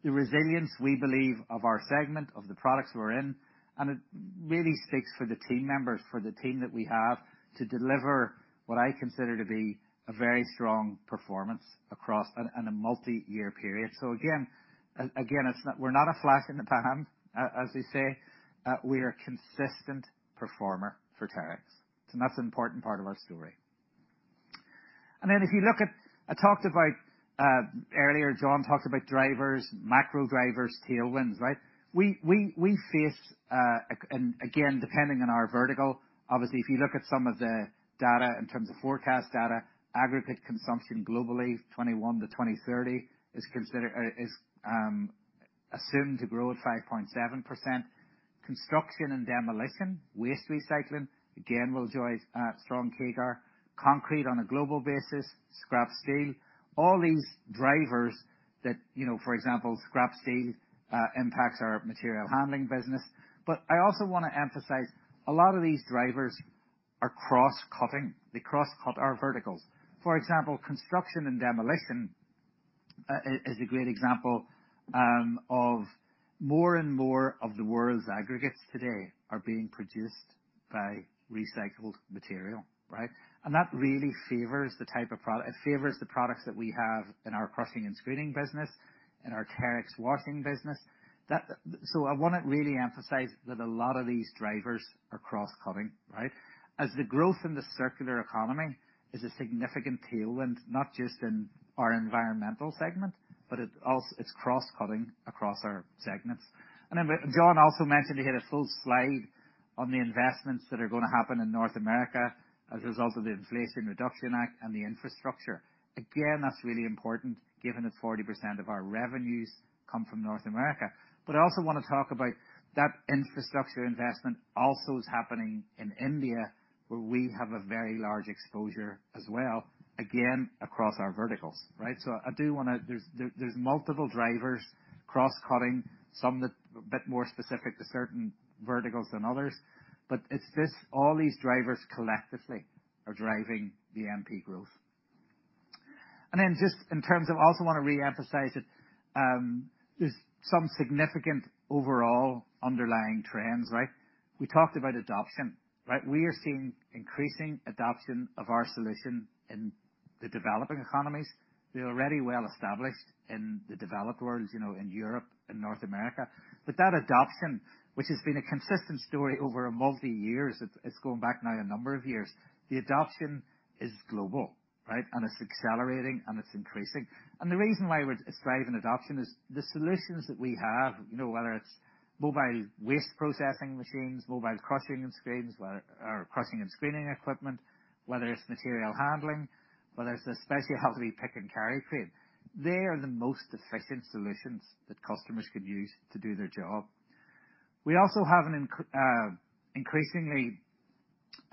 the resilience we believe of our segment, of the products we're in. It really speaks for the team members, for the team that we have to deliver what I consider to be a very strong performance in a multi-year period. Again, again, we're not a flash in the pan, as they say. We are a consistent performer for Terex, and that's an important part of our story. If I talked about earlier, John talked about drivers, macro drivers, tailwinds, right? We face and again, depending on our vertical, obviously if you look at some of the data in terms of forecast data, aggregate consumption globally, 2021-2030, is considered or is assumed to grow at 5.7%. Construction and demolition, waste recycling, again will enjoy strong CAGR. Concrete on a global basis, scrap steel, all these drivers that, you know, for example, scrap steel, impacts our material handling business. I also wanna emphasize a lot of these drivers are cross-cutting. They cross-cut our verticals. For example, construction and demolition, is a great example of more and more of the world's aggregates today are being produced by recycled material, right? That really favors the type of it favors the products that we have in our crushing and screening business and our Terex washing business. I wanna really emphasize that a lot of these drivers are cross-cutting, right? The growth in the circular economy is a significant tailwind, not just in our environmental segment, but it also it's cross-cutting across our segments. John also mentioned, he had a full slide on the investments that are gonna happen in North America as a result of the Inflation Reduction Act and the infrastructure. That's really important given that 40% of our revenues come from North America. I also wanna talk about that infrastructure investment also is happening in India, where we have a very large exposure as well, again, across our verticals, right? There's multiple drivers cross-cutting, some that a bit more specific to certain verticals than others. All these drivers collectively are driving the MP growth. Just in terms of also wanna reemphasize that, there's some significant overall underlying trends, right. We talked about adoption, right. We are seeing increasing adoption of our solution in the developing economies. We are already well established in the developed worlds, you know, in Europe and North America. That adoption, which has been a consistent story over a multi years, it's going back now a number of years. The adoption is global, right. And it's accelerating and it's increasing. The reason why we're excited in adoption is the solutions that we have, you know, whether it's mobile waste processing machines, mobile crushing and screens or crushing and screening equipment, whether it's material handling, whether it's the specialty pick and carry crane, they are the most efficient solutions that customers could use to do their job. We also have an increasingly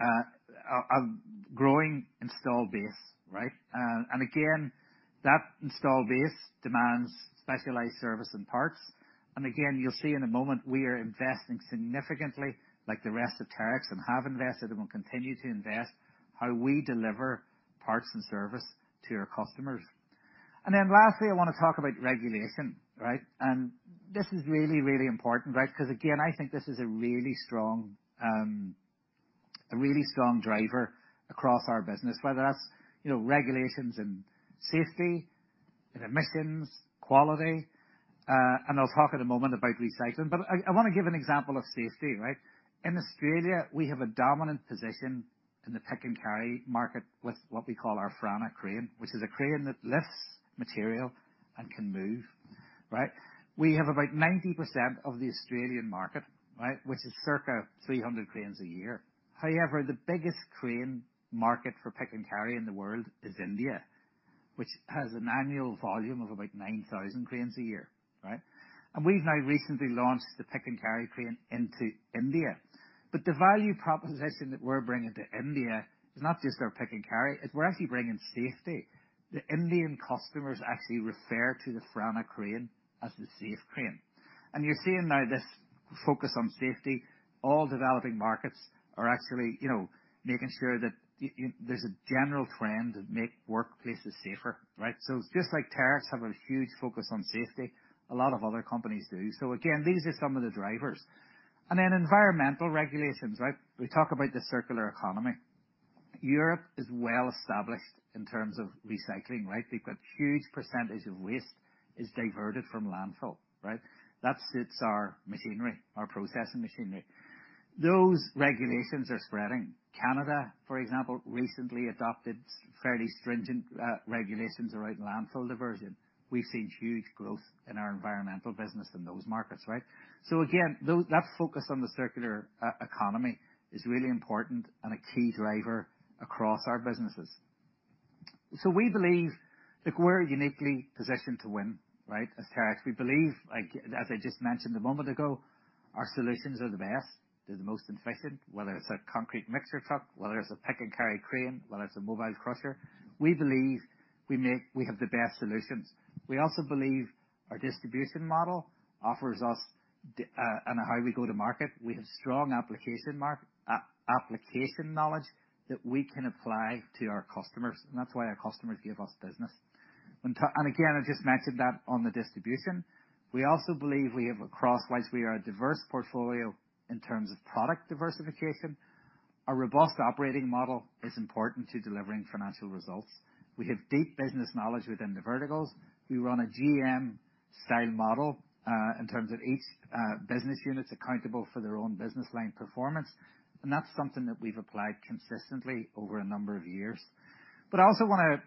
a growing install base, right? Again, that install base demands specialized service and parts. Again, you'll see in a moment we are investing significantly like the rest of Terex and have invested and will continue to invest, how we deliver parts and service to our customers. Lastly, I wanna talk about regulation, right? This is really important, right? Because again, I think this is a really strong driver across our business, whether that's, you know, regulations in safety, in emissions, quality, and I'll talk in a moment about recycling. I wanna give an example of safety, right? In Australia, we have a dominant position in the pick and carry market with what we call our Franna crane, which is a crane that lifts material and can move, right? We have about 90% of the Australian market, right, which is circa 300 cranes a year. However, the biggest crane market for pick and carry in the world is India, which has an annual volume of about 9,000 cranes a year, right? We've now recently launched the pick and carry crane into India. The value proposition that we're bringing to India is not just our pick and carry, is we're actually bringing safety. The Indian customers actually refer to the Franna crane as the safe crane. You're seeing now this focus on safety. All developing markets are actually, you know, making sure that there's a general trend of make workplaces safer, right? Just like Terex have a huge focus on safety, a lot of other companies do. Again, these are some of the drivers. Environmental regulations, right? We talk about the circular economy. Europe is well established in terms of recycling, right? They've got huge percentage of waste is diverted from landfill, right? That suits our machinery, our processing machinery. Those regulations are spreading. Canada, for example, recently adopted fairly stringent regulations around landfill diversion. We've seen huge growth in our environmental business in those markets, right? Again, that focus on the circular economy is really important and a key driver across our businesses. We believe, look, we're uniquely positioned to win, right? As Terex, we believe, like, as I just mentioned a moment ago, our solutions are the best. They're the most efficient, whether it's a concrete mixer truck, whether it's a pick and carry crane, whether it's a mobile crusher. We believe we have the best solutions. We also believe our distribution model offers us on how we go to market, we have strong application knowledge that we can apply to our customers, and that's why our customers give us business. Again, I just mentioned that on the distribution. We also believe we have across, whilst we are a diverse portfolio in terms of product diversification, our robust operating model is important to delivering financial results. We have deep business knowledge within the verticals. We run a GM style model in terms of each business unit's accountable for their own business line performance. That's something that we've applied consistently over a number of years. I also wanna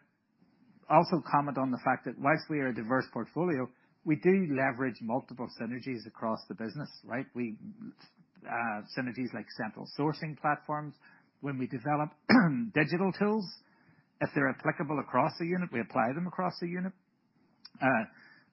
also comment on the fact that whilst we are a diverse portfolio, we do leverage multiple synergies across the business, right? We synergies like central sourcing platforms when we develop digital tools. If they're applicable across a unit, we apply them across a unit.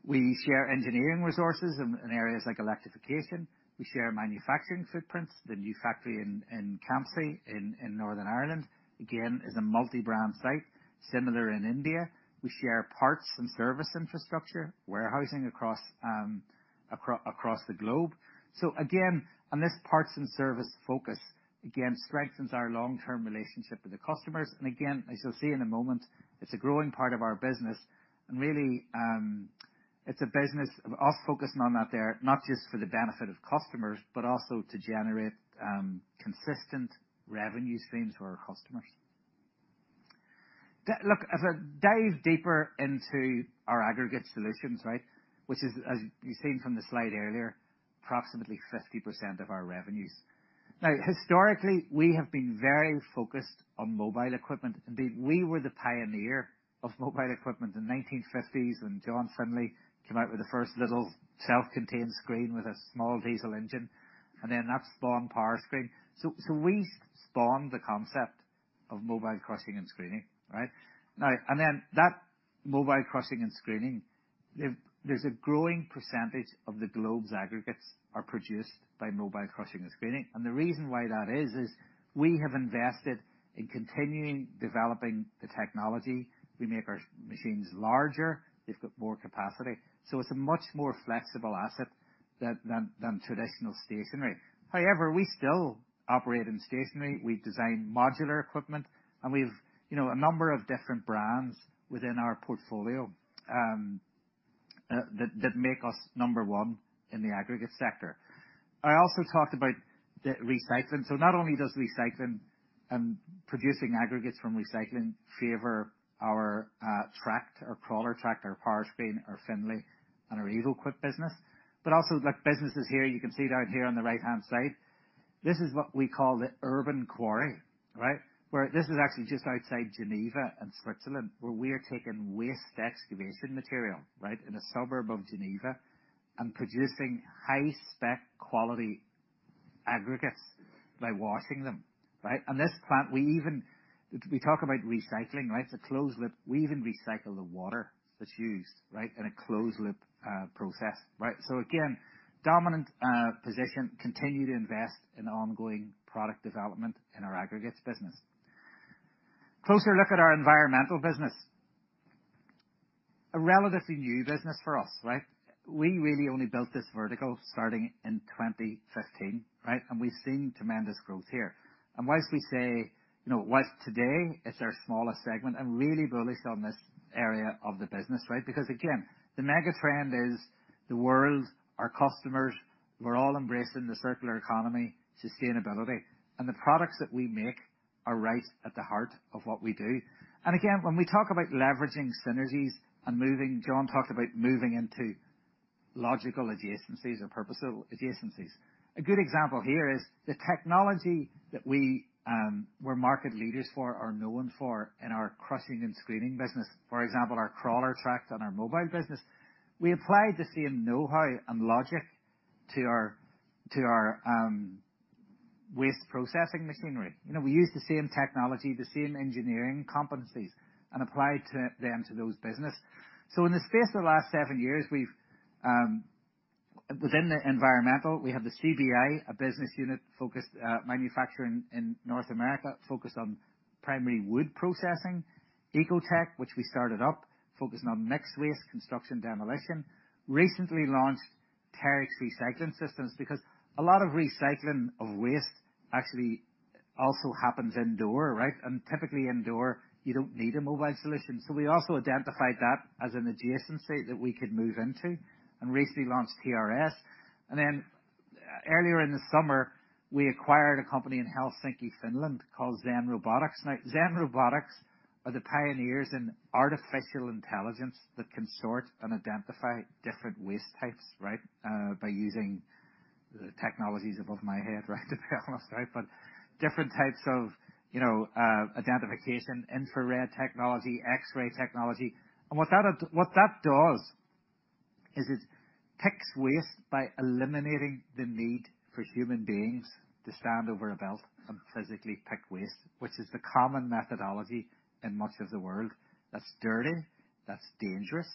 We share engineering resources in areas like electrification. We share manufacturing footprints. The new factory in Campsie, in Northern Ireland, again, is a multi-brand site. Similar in India. We share parts from service infrastructure, warehousing across the globe. Again, this parts and service focus, again, strengthens our long-term relationship with the customers. Again, as you'll see in a moment, it's a growing part of our business and really, it's a business of us focusing on that there, not just for the benefit of customers, but also to generate consistent revenue streams for our customers. Look, as I dive deeper into our aggregate solutions, right? Which is, as you've seen from the slide earlier, approximately 50% of our revenues. Historically, we have been very focused on mobile equipment. Indeed, we were the pioneer of mobile equipment in the 1950s when John Finlay came out with the first little self-contained screen with a small diesel engine, that spawned Powerscreen. So we spawned the concept of mobile crushing and screening, right? That mobile crushing and screening, there's a growing percentage of the globe's aggregates are produced by mobile crushing and screening. The reason why that is we have invested in continuing developing the technology. We make our machines larger, they've got more capacity, so it's a much more flexible asset than traditional stationary. However, we still operate in stationary. We design modular equipment, and we've, you know, a number of different brands within our portfolio that make us number one in the aggregate sector. I also talked about the recycling. Not only does recycling and producing aggregates from recycling favor our tracked or crawler tracked, our Powerscreen, our Finlay and our EvoQuip business, but also like businesses here, you can see down here on the right-hand side, this is what we call the urban quarry, right? Where this is actually just outside Geneva in Switzerland, where we are taking waste excavation material, right, in a suburb of Geneva and producing high spec quality aggregates by washing them, right? This plant we even talk about recycling, right? It's a closed loop. We even recycle the water that's used, right, in a closed loop process, right? Again, dominant position. Continue to invest in ongoing product development in our aggregates business. Closer look at our environmental business. A relatively new business for us, right? We really only built this vertical starting in 2015, right? We've seen tremendous growth here. Whilst we say, you know, whilst today it's our smallest segment, I'm really bullish on this area of the business, right? Because again, the mega trend is the world, our customers, we're all embracing the circular economy, sustainability. The products that we make are right at the heart of what we do. Again, when we talk about leveraging synergies and moving, John talked about moving into logical adjacencies or purposeful adjacencies. A good example here is the technology that we're market leaders for are known for in our crushing and screening business. For example, our crawler tracked on our mobile business. We applied the same know-how and logic to our, to our waste processing machinery. You know, we use the same technology, the same engineering competencies, and applied to them to those business. In the space of the last seven years, we've, within the environmental, we have the CBI, a business unit focused, manufacturing in North America, focused on primary wood processing. Ecotec, which we started up focusing on mixed waste construction demolition. Recently launched Terex Recycling Systems because a lot of recycling of waste actually also happens indoor, right? Typically indoor you don't need a mobile solution. We also identified that as an adjacency that we could move into and recently launched TRS. Earlier in the summer, we acquired a company in Helsinki, Finland, called ZenRobotics. Now, ZenRobotics are the pioneers in artificial intelligence that can sort and identify different waste types, right, by using the technologies above my head, right, to be honest, right? Different types of, you know, identification, infrared technology, X-ray technology. What that does is it picks waste by eliminating the need for human beings to stand over a belt and physically pick waste, which is the common methodology in much of the world. That's dirty, that's dangerous,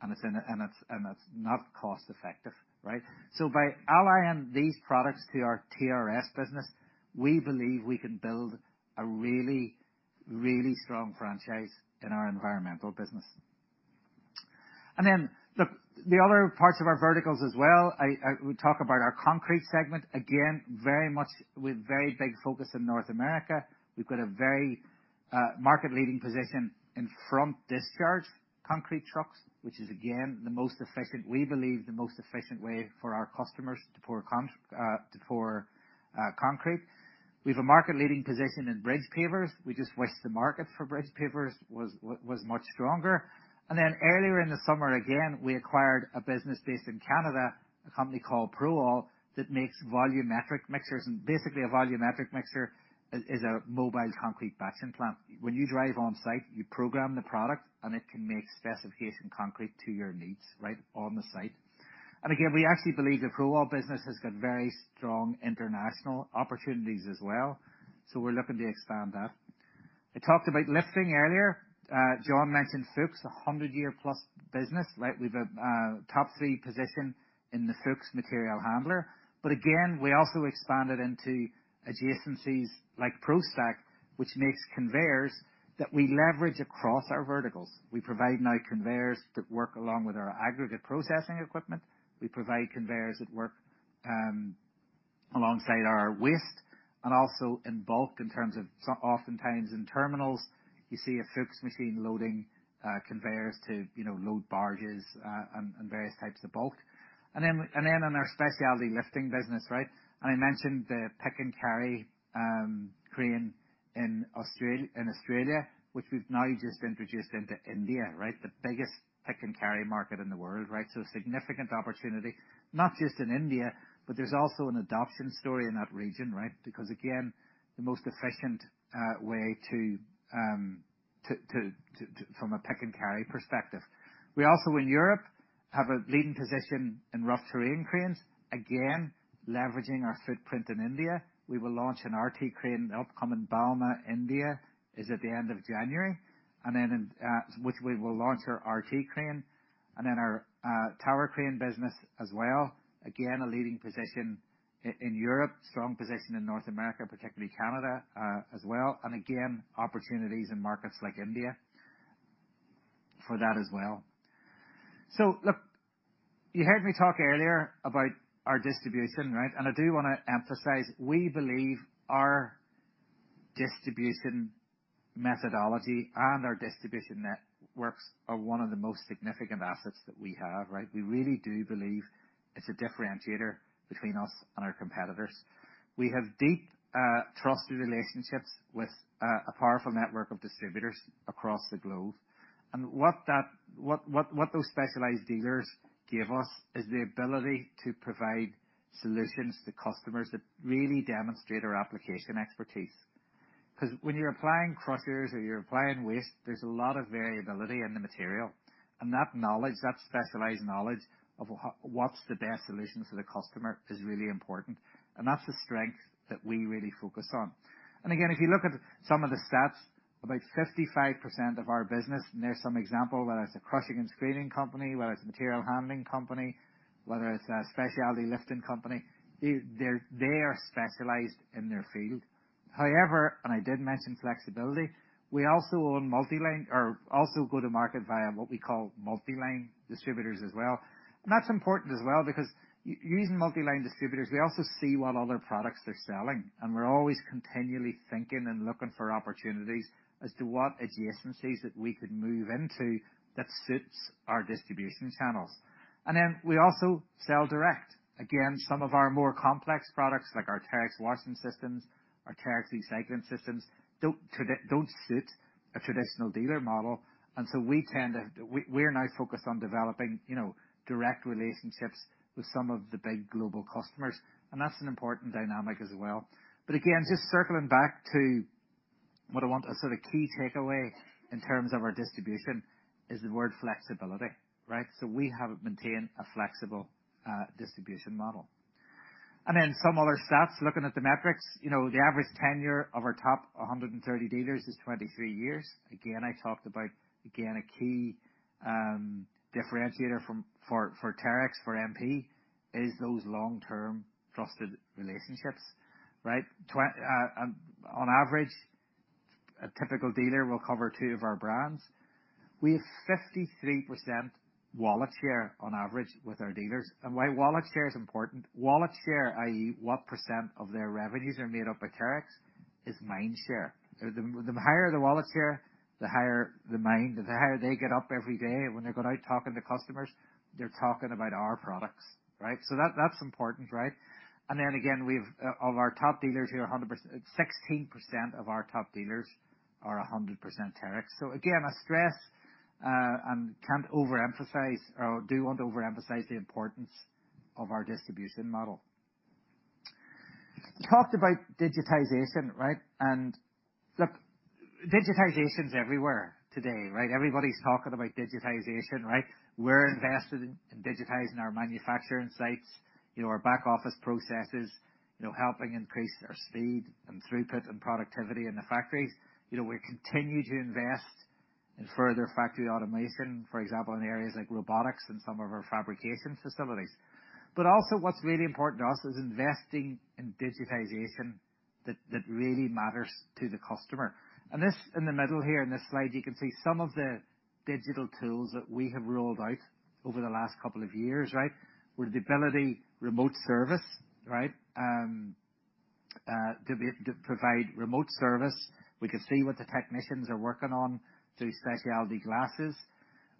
and it's not cost effective, right? By allying these products to our TRS business, we believe we can build a really, really strong franchise in our environmental business. Look, the other parts of our verticals as well. We talk about our concrete segment, again, very much with very big focus in North America. We've got a very market-leading position in front discharge concrete trucks, which is again the most efficient, we believe, the most efficient way for our customers to pour concrete. We've a market-leading position in bridge pavers. We just wish the market for bridge pavers was much stronger. Earlier in the summer, again, we acquired a business based in Canada, a company called ProAll, that makes volumetric mixers. Basically a volumetric mixer is a mobile concrete batching plant. When you drive on site, you program the product, and it can make specification concrete to your needs right on the site. Again, we actually believe the ProAll business has got very strong international opportunities as well, so we're looking to expand that. I talked about lifting earlier. John mentioned Fuchs, a 100-year-plus business, right? With a top three position in the Fuchs material handler. Again, we also expanded into adjacencies like ProStack, which makes conveyors that we leverage across our verticals. We provide now conveyors that work along with our aggregate processing equipment. We provide conveyors that work alongside our waste and also in bulk in terms of so oftentimes in terminals, you see a Fuchs machine loading conveyors to, you know, load barges and various types of bulk. In our specialty lifting business, right? I mentioned the pick and carry crane in Australia, which we've now just introduced into India, right? The biggest pick and carry market in the world, right? Significant opportunity, not just in India, but there's also an adoption story in that region, right? Again, the most efficient way to from a pick and carry perspective. We also in Europe have a leading position in Rough Terrain Cranes. Again, leveraging our footprint in India. We will launch an RT crane, the upcoming Bauma India is at the end of January. In which we will launch our RT crane and then our Tower Crane business as well. Again, a leading position in Europe, strong position in North America, particularly Canada, as well. Again, opportunities in markets like India for that as well. Look, you heard me talk earlier about our distribution, right? I do wanna emphasize, we believe our distribution methodology and our distribution networks are one of the most significant assets that we have, right? We really do believe it's a differentiator between us and our competitors. We have deep, trusted relationships with a powerful network of distributors across the globe. What those specialized dealers give us is the ability to provide solutions to customers that really demonstrate our application expertise. 'Cause when you're applying crushers or you're applying waste, there's a lot of variability in the material. That knowledge, that specialized knowledge of what's the best solution for the customer is really important, and that's the strength that we really focus on. Again, if you look at some of the stats, about 55% of our business, and there's some example, whether it's a crushing and screening company, whether it's a material handling company, whether it's a specialty lifting company, they are specialized in their field. However, I did mention flexibility, we also own multi-line or also go to market via what we call multi-line distributors as well. That's important as well because using multi-line distributors, we also see what other products they're selling, and we're always continually thinking and looking for opportunities as to what adjacencies that we could move into that suits our distribution channels. Then we also sell direct. Again, some of our more complex products, like our Terex Washing Systems, our Terex Recycling Systems, don't suit a traditional dealer model. We're now focused on developing, you know, direct relationships with some of the big global customers, and that's an important dynamic as well. Just circling back to what I want a sort of key takeaway in terms of our distribution is the word flexibility, right? We have maintained a flexible distribution model. Some other stats, looking at the metrics, you know, the average tenure of our top 130 dealers is 23 years. I talked about a key differentiator for Terex, for MP, is those long-term trusted relationships, right? On average, a typical dealer will cover 2 of our brands. We have 53% wallet share on average with our dealers. Why wallet share is important, wallet share, i.e., what % of their revenues are made up by Terex is mind share. The higher the wallet share, the higher the mind, the higher they get up every day when they go out talking to customers, they're talking about our products, right? That's important, right? Again, 16% of our top dealers are 100% Terex. I stress, and can't overemphasize or do want to overemphasize the importance of our distribution model. Talked about digitization, right? Look, digitization's everywhere today, right? Everybody's talking about digitization, right? We're invested in digitizing our manufacturing sites, you know, our back-office processes, you know, helping increase our speed and throughput and productivity in the factories. You know, we continue to invest in further factory automation, for example, in areas like robotics and some of our fabrication facilities. Also what's really important to us is investing in digitization that really matters to the customer. This in the middle here in this slide, you can see some of the digital tools that we have rolled out over the last couple of years, right? With the ability remote service, right? to be able to provide remote service. We can see what the technicians are working on through specialty glasses.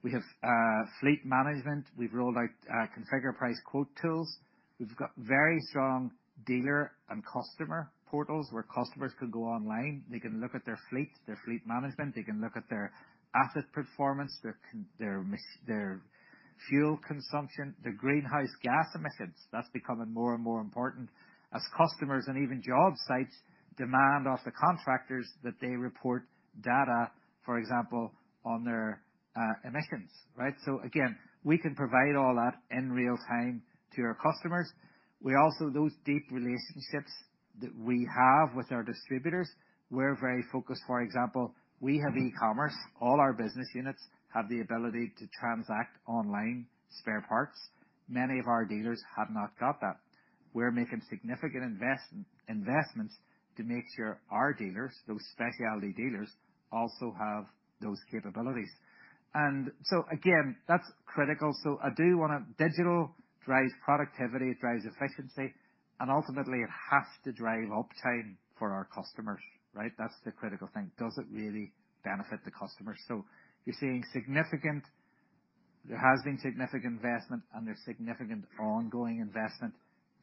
We have fleet management. We've rolled out configure, price, quote tools. We've got very strong dealer and customer portals where customers can go online, they can look at their fleet, their fleet management, they can look at their asset performance, their fuel consumption, their greenhouse gas emissions. That's becoming more and more important as customers and even job sites demand of the contractors that they report data, for example, on their emissions, right? Again, we can provide all that in real time to our customers. We also, those deep relationships that we have with our distributors, we're very focused. For example, we have e-commerce. All our business units have the ability to transact online spare parts. Many of our dealers have not got that. We're making significant investments to make sure our dealers, those specialty dealers, also have those capabilities. Again, that's critical. Digital drives productivity, it drives efficiency, and ultimately it has to drive uptime for our customers, right? That's the critical thing. Does it really benefit the customer? There has been significant investment and there's significant ongoing investment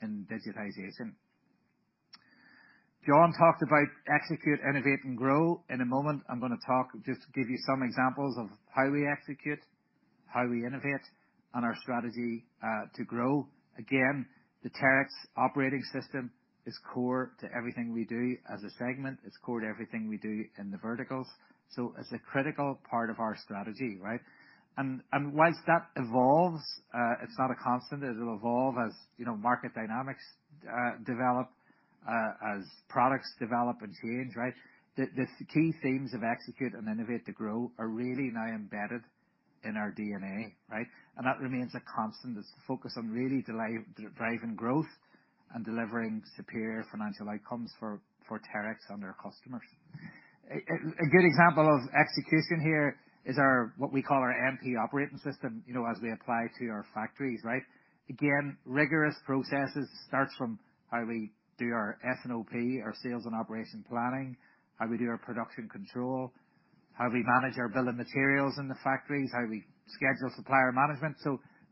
in digitization. John talked about execute, innovate, and grow. In a moment, I'm gonna talk, just to give you some examples of how we execute, how we innovate, and our strategy to grow. Again, the Terex operating system is core to everything we do as a segment. It's core to everything we do in the verticals. It's a critical part of our strategy, right? Whilst that evolves, it's not a constant, it'll evolve as, you know, market dynamics develop, as products develop and change, right? The key themes of execute and innovate to grow are really now embedded in our DNA, right? That remains a constant, is to focus on really driving growth and delivering superior financial outcomes for Terex and their customers. A good example of execution here is our what we call our MP operating system, you know, as we apply to our factories, right. Again, rigorous processes starts from how we do our S&OP, our sales and operation planning, how we do our production control, how we manage our bill of materials in the factories, how we schedule supplier management.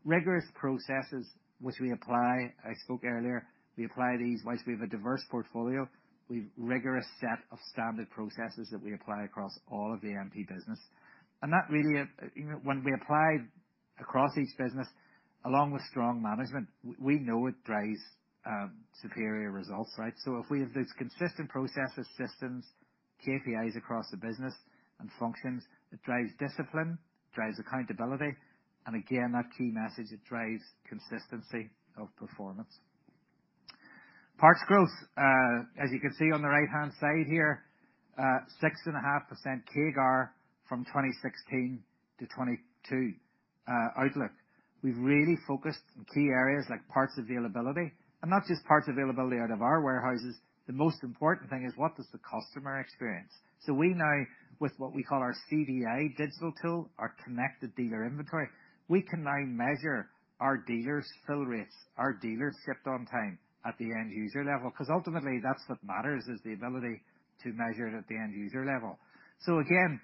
Rigorous processes which we apply. I spoke earlier, we apply these whilst we have a diverse portfolio. We've rigorous set of standard processes that we apply across all of the MP business. That really, you know, when we applied across each business, along with strong management, we know it drives superior results, right. If we have these consistent processes, systems, KPIs across the business and functions, it drives discipline, drives accountability, and again, that key message, it drives consistency of performance. Parts growth, as you can see on the right-hand side here, 6.5% CAGR from 2016 to 2022 outlook. We've really focused on key areas like parts availability, and not just parts availability out of our warehouses. The most important thing is what does the customer experience. We now, with what we call our CDI digital tool, our Connected Dealer Inventory, we can now measure our dealers' fill rates, our dealers shipped on time at the end user level, because ultimately that's what matters, is the ability to measure it at the end user level. Again,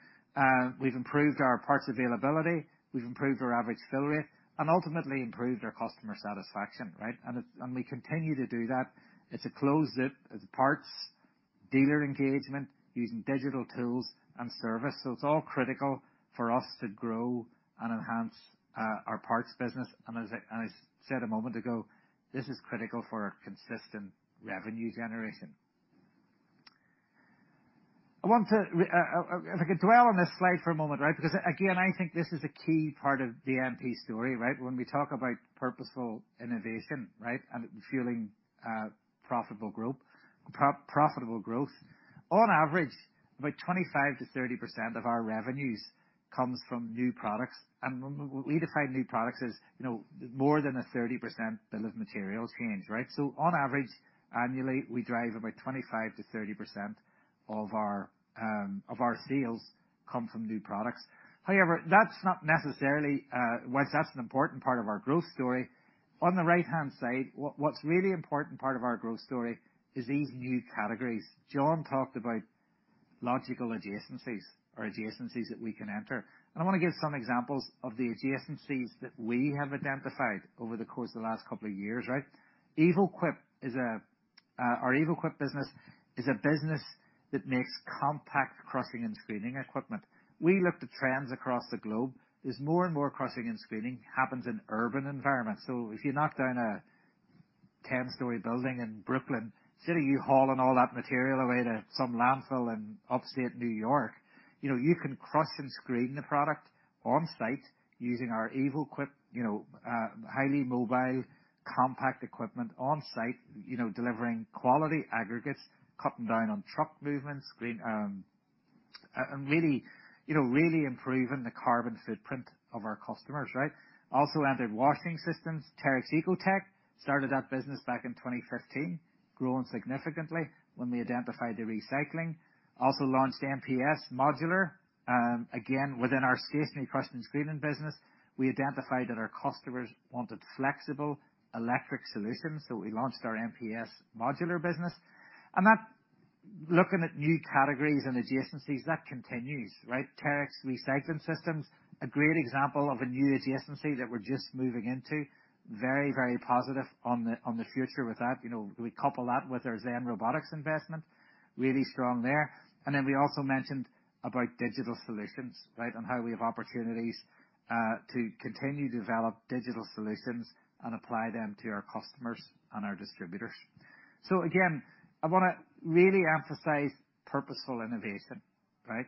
we've improved our parts availability, we've improved our average fill rate and ultimately improved our customer satisfaction, right? We continue to do that. It's a closed loop. It's parts, dealer engagement using digital tools and service. It's all critical for us to grow and enhance our parts business. As I said a moment ago, this is critical for our consistent revenue generation. I want if I could dwell on this slide for a moment, right? Because again, I think this is a key part of the MP story, right? When we talk about purposeful innovation, right? Fueling profitable growth. On average, about 25%-30% of our revenues comes from new products. We define new products as, you know, more than a 30% bill of materials change, right? On average, annually, we drive about 25%-30% of our sales come from new products. That's not necessarily, whilst that's an important part of our growth story. On the right-hand side, what's really important part of our growth story is these new categories. John talked about logical adjacencies or adjacencies that we can enter. I want to give some examples of the adjacencies that we have identified over the course of the last couple of years, right. EvoQuip is our EvoQuip business is a business that makes compact crushing and screening equipment. We look to trends across the globe, is more and more crushing and screening happens in urban environments. If you knock down a 10-story building in Brooklyn, instead of you hauling all that material away to some landfill in upstate New York, you know, you can crush and screen the product on-site using our EvoQuip, you know, highly mobile compact equipment on-site, you know, delivering quality aggregates, cutting down on truck movements, green, and really, you know, really improving the carbon footprint of our customers, right? Also entered washing systems. Terex Ecotec started that business back in 2015, growing significantly when we identified the recycling. Also launched MPS Modular, again, within our stationary crushing and screening business. We identified that our customers wanted flexible electric solutions, so we launched our MPS Modular business. That, looking at new categories and adjacencies, that continues, right? Terex Recycling Systems, a great example of a new adjacency that we're just moving into. Very, very positive on the, on the future with that. You know, we couple that with our ZenRobotics investment, really strong there. We also mentioned about digital solutions, right? On how we have opportunities to continue to develop digital solutions and apply them to our customers and our distributors. Again, I wanna really emphasize purposeful innovation, right?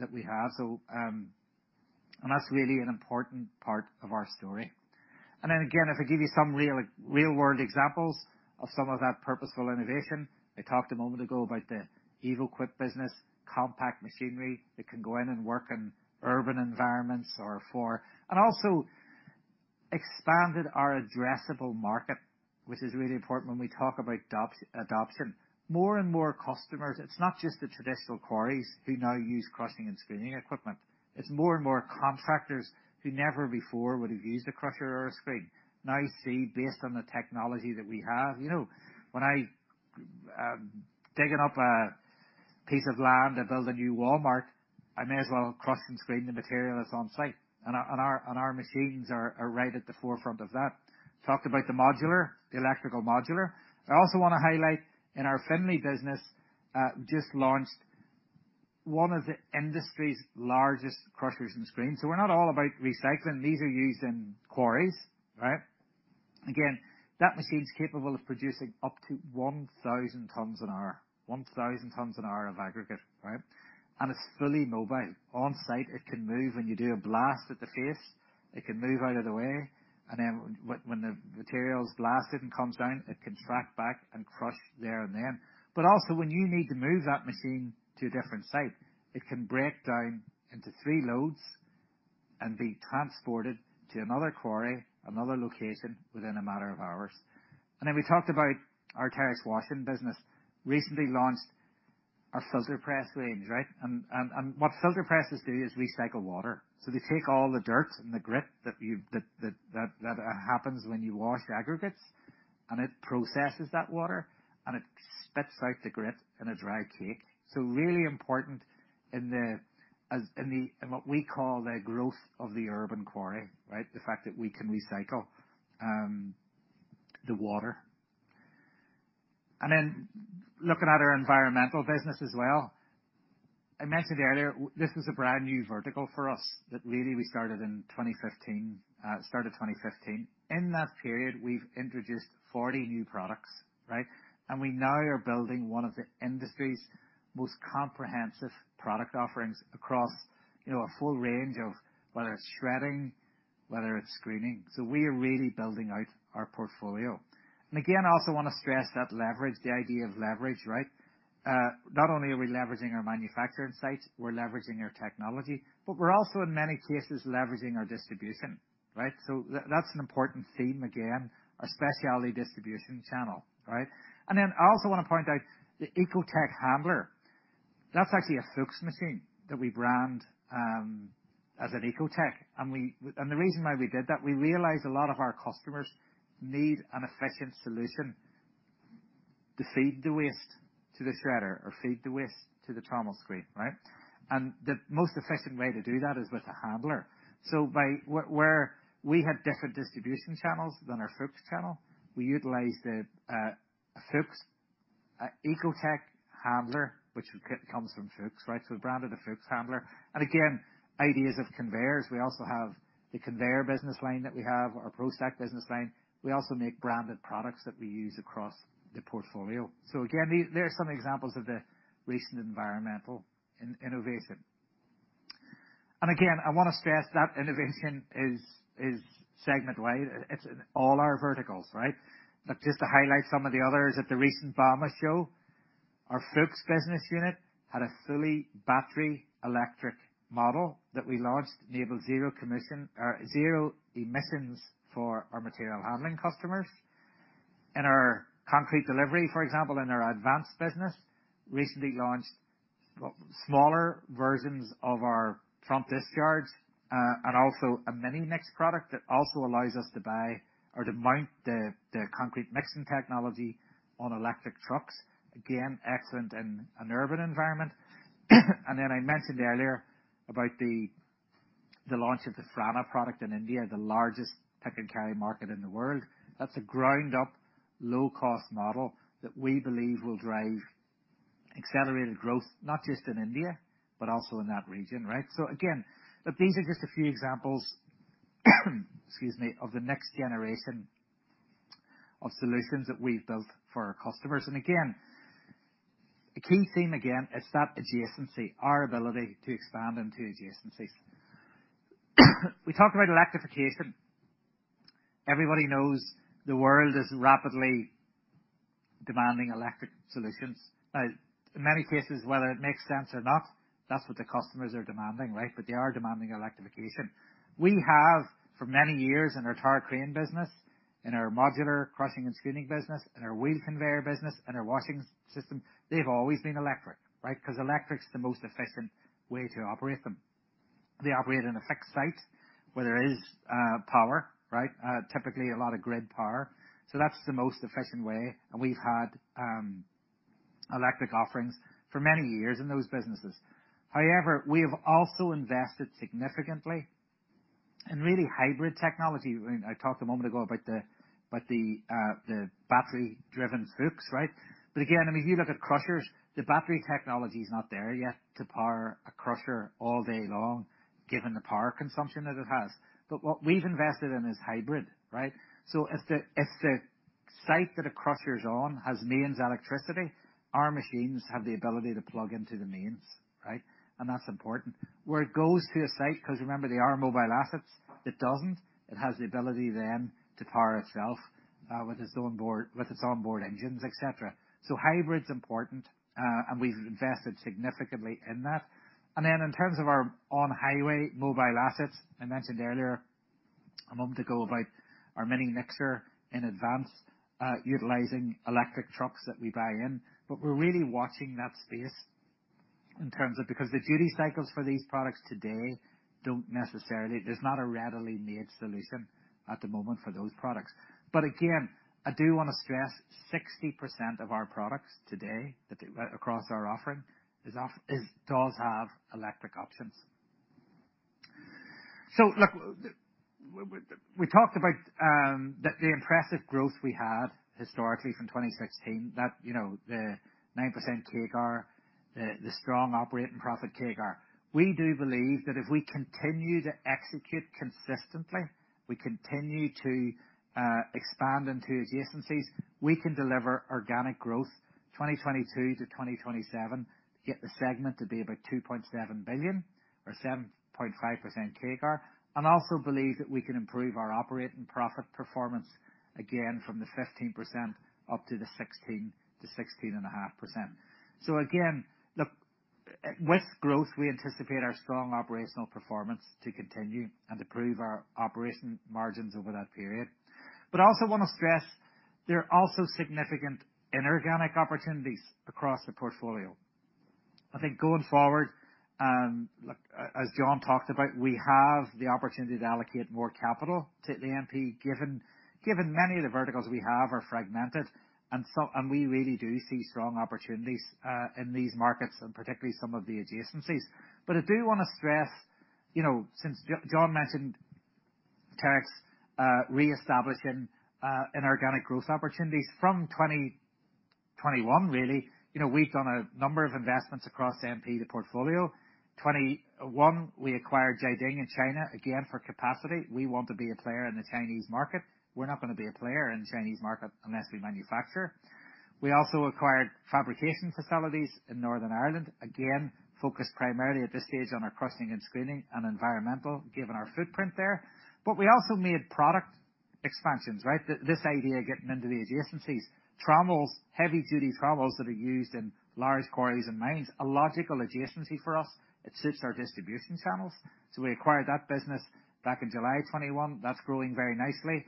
That we have. That's really an important part of our story. Again, if I give you some real world examples of some of that purposeful innovation. I talked a moment ago about the EvoQuip business compact machinery that can go in and work in urban environments or and also expanded our addressable market, which is really important when we talk about adoption. More and more customers, it's not just the traditional quarries who now use crushing and screening equipment. It's more and more contractors who never before would have used a crusher or a screen. Now you see based on the technology that we have, when I digging up a piece of land to build a new Walmart, I may as well crush and screen the material that's on-site and our machines are right at the forefront of that. Talked about the modular, the electrical modular. I also wanna highlight in our Finlay business, just launched one of the industry's largest crushers and screens. We're not all about recycling. These are used in quarries, right? Again, that machine's capable of producing up to 1,000 tons an hour of aggregate, right? It's fully mobile. On-site, it can move when you do a blast at the face, it can move out of the way, and then when the material's blasted and comes down, it can track back and crush there and then. Also when you need to move that machine to a different site, it can break down into three loads and be transported to another quarry, another location within a matter of hours. We talked about our Terex washing business recently launched a filter press range, right? What filter presses do is recycle water. They take all the dirts and the grit that happens when you wash aggregates, and it processes that water, and it spits out the grit in a dry cake. Really important in the growth of the urban quarry, right? The fact that we can recycle the water. Looking at our environmental business as well. I mentioned earlier, this was a brand new vertical for us that really we started in 2015. In that period, we've introduced 40 new products, right? We now are building one of the industry's most comprehensive product offerings across, you know, a full range of whether it's shredding, whether it's screening. We are really building out our portfolio. Again, I also wanna stress that leverage, the idea of leverage, right? Not only are we leveraging our manufacturing site, we're leveraging our technology, but we're also in many cases leveraging our distribution, right? That's an important theme, again, our specialty distribution channel, right? I also wanna point out the Ecotec handler. That's actually a Fuchs machine that we brand as an Ecotec. The reason why we did that, we realized a lot of our customers need an efficient solution to feed the waste to the shredder or feed the waste to the trommel screen, right? The most efficient way to do that is with a handler. Where we have different distribution channels than our Fuchs channel, we utilize the Fuchs Ecotec handler, which comes from Fuchs, right? We branded a Fuchs handler. Again, ideas of conveyors. We also have the conveyor business line that we have, our ProStack business line. We also make branded products that we use across the portfolio. Again, there are some examples of the recent environmental innovation. Again, I wanna stress that innovation is segment wide. It's in all our verticals, right? Just to highlight some of the others, at the recent Bauma show, our Fuchs business unit had a fully battery electric model that we launched, enabled zero emissions for our material handling customers. In our concrete delivery, for example, in our Advance business, recently launched, well, smaller versions of our front discharge, and also a Mini-Mix product that also allows us to buy or to mount the concrete mixing technology on electric trucks. Again, excellent in an urban environment. I mentioned earlier about the launch of the Franna product in India, the largest pick and carry market in the world. That's a ground up low cost model that we believe will drive accelerated growth, not just in India, but also in that region, right? Again, these are just a few examples excuse me, of the next generation of solutions that we've built for our customers. Again, the key theme again is that adjacency, our ability to expand into adjacencies. We talked about electrification. Everybody knows the world is rapidly demanding electric solutions. In many cases, whether it makes sense or not, that's what the customers are demanding, right? They are demanding electrification. We have for many years in our tower crane business, in our modular crushing and screening business, in our wheel conveyor business, in our washing system, they've always been electric, right? 'Cause electric's the most efficient way to operate them. They operate in a fixed site where there is power, right? Typically a lot of grid power. That's the most efficient way. We've had electric offerings for many years in those businesses. We have also invested significantly in really hybrid technology. I mean, I talked a moment ago about the battery-driven Fuchs, right? Again, I mean, if you look at crushers, the battery technology is not there yet to power a crusher all day long, given the power consumption that it has. What we've invested in is hybrid, right? If the site that a crusher's on has mains electricity, our machines have the ability to plug into the mains, right? That's important. Where it goes to a site, 'cause remember, they are mobile assets, it has the ability then to power itself with its onboard engines, et cetera. Hybrid's important, and we've invested significantly in that. In terms of our on-highway mobile assets, I mentioned earlier a moment ago about our Mini-Mix Advance, utilizing electric trucks that we buy in. We're really watching that space. In terms of because the duty cycles for these products today don't necessarily. There's not a readily made solution at the moment for those products. Again, I do want to stress 60% of our products today that across our offering does have electric options. Look, we talked about the impressive growth we had historically from 2016. That, you know, the 9% CAGR, the strong operating profit CAGR. We do believe that if we continue to execute consistently, we continue to expand into adjacencies, we can deliver organic growth 2022-2027 to get the segment to be about $2.7 billion or 7.5% CAGR. Also believe that we can improve our operating profit performance again from the 15% up to the 16%-16.5%. Again, look, with growth, we anticipate our strong operational performance to continue and improve our operation margins over that period. I also want to stress there are also significant inorganic opportunities across the portfolio. I think going forward, as John talked about, we have the opportunity to allocate more capital to the MP given many of the verticals we have are fragmented and we really do see strong opportunities in these markets and particularly some of the adjacencies. I do want to stress, you know, since John mentioned Terex reestablishing inorganic growth opportunities from 2021, really, you know, we've done a number of investments across MP, the portfolio. 2021, we acquired Jiading in China, again for capacity. We want to be a player in the Chinese market. We're not going to be a player in the Chinese market unless we manufacture. We also acquired fabrication facilities in Northern Ireland. Again, focused primarily at this stage on our crushing and screening and environmental given our footprint there. We also made product expansions, right? This idea of getting into the adjacencies, trommels, heavy-duty trommels that are used in large quarries and mines, a logical adjacency for us. It suits our distribution channels. We acquired that business back in July of 21. That's growing very nicely.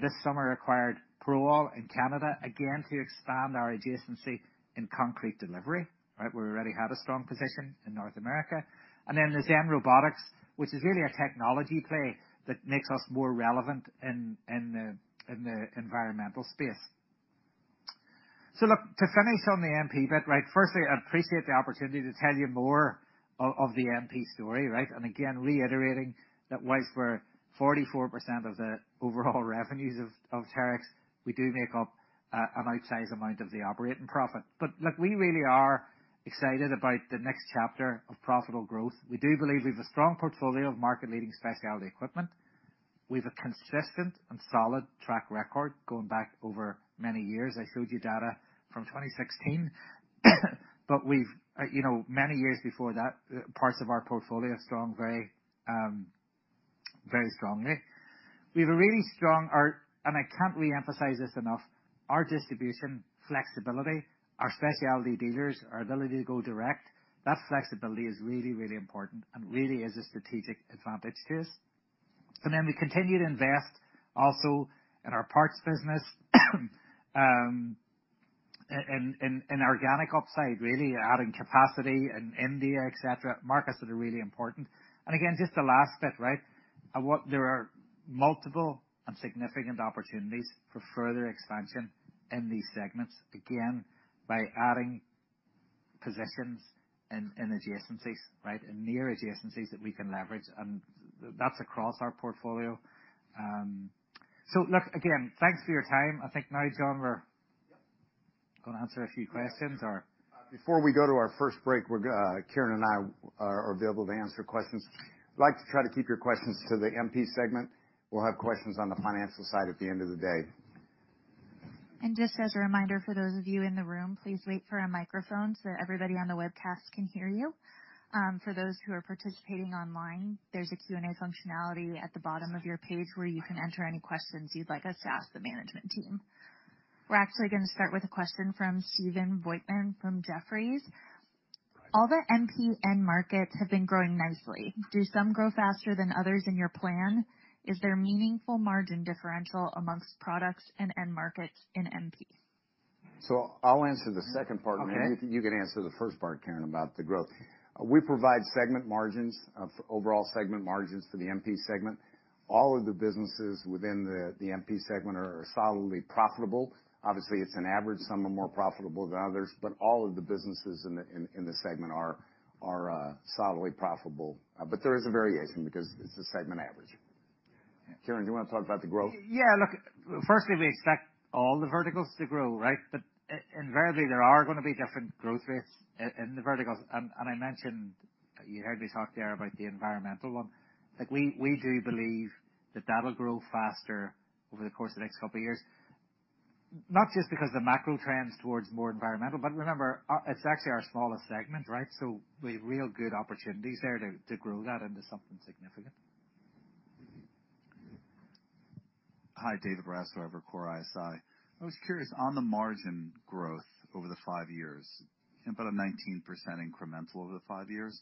This summer acquired ProAll in Canada, again, to expand our adjacency in concrete delivery, right? Where we already had a strong position in North America. The ZenRobotics, which is really a technology play that makes us more relevant in the environmental space. Look, to finish on the MP bit, right? Firstly, I appreciate the opportunity to tell you more of the MP story, right? Again, reiterating that whilst we're 44% of the overall revenues of Terex, we do make up an outsized amount of the operating profit. Look, we really are excited about the next chapter of profitable growth. We do believe we have a strong portfolio of market leading specialty equipment. We have a consistent and solid track record going back over many years. I showed you data from 2016, but we've, you know, many years before that, parts of our portfolio are strong, very strongly. We have a really strong, and I can't reemphasize this enough, our distribution flexibility, our specialty dealers, our ability to go direct. That flexibility is really, really important and really is a strategic advantage to us. We continue to invest also in our parts business, in organic upside, really adding capacity in India, et cetera, markets that are really important. Again, just the last bit, right? There are multiple and significant opportunities for further expansion in these segments, again, by adding positions in adjacencies, right? In near adjacencies that we can leverage, and that's across our portfolio. Look, again, thanks for your time. I think now, John, we're gonna answer a few questions. Before we go to our first break, Kieran and I are available to answer questions. I'd like to try to keep your questions to the MP segment. We'll have questions on the financial side at the end of the day. Just as a reminder for those of you in the room, please wait for a microphone so everybody on the webcast can hear you. For those who are participating online, there's a Q&A functionality at the bottom of your page where you can enter any questions you'd like us to ask the management team. We're actually gonna start with a question from Stephen Volkmann from Jefferies. All the MP end markets have been growing nicely. Do some grow faster than others in your plan? Is there meaningful margin differential amongst products and end markets in MP? I'll answer the second part. Okay. You can answer the first part, Kieran, about the growth. We provide segment margins overall segment margins for the MP segment. All of the businesses within the MP segment are solidly profitable. Obviously, it's an average. Some are more profitable than others, but all of the businesses in the segment are solidly profitable. There is a variation because it's a segment average. Kieran, do you want to talk about the growth? Yeah. Look, firstly, we expect all the verticals to grow, right? Invariably there are going to be different growth rates in the verticals. I mentioned you heard me talk there about the environmental one. Like we do believe that that'll grow faster over the course of the next couple of years, not just because the macro trends towards more environmental, but remember, it's actually our smallest segment, right? We have real good opportunities there to grow that into something significant. Hi, David Raso from Evercore ISI. I was curious on the margin growth over the five years, about a 19% incremental over the five years.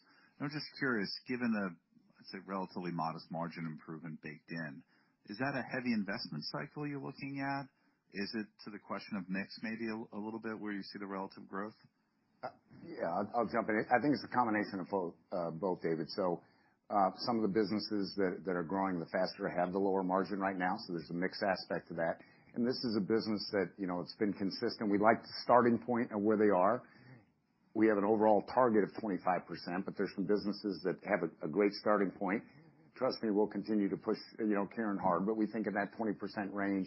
I'm just curious, given it's a relatively modest margin improvement baked in. Is that a heavy investment cycle you're looking at? Is it to the question of mix, maybe a little bit where you see the relative growth? Yeah, I'll jump in. I think it's a combination of both, David. Some of the businesses that are growing the faster have the lower margin right now, so there's a mixed aspect to that. This is a business that, you know, it's been consistent. We like the starting point of where they are. We have an overall target of 25%, but there's some businesses that have a great starting point. Trust me, we'll continue to push, you know, Kieran hard, but we think in that 20% range,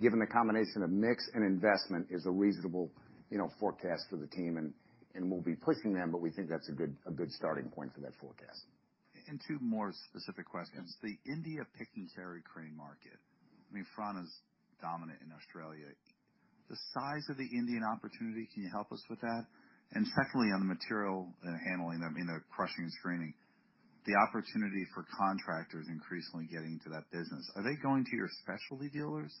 given the combination of mix and investment, is a reasonable, you know, forecast for the team, and we'll be pushing them. We think that's a good starting point for that forecast. Two more specific questions. Yeah. The India pick-and-carry crane market. I mean, Franna's dominant in Australia. The size of the Indian opportunity, can you help us with that? Secondly, on the material handling, I mean, the crushing and screening, the opportunity for contractors increasingly getting to that business, are they going to your specialty dealers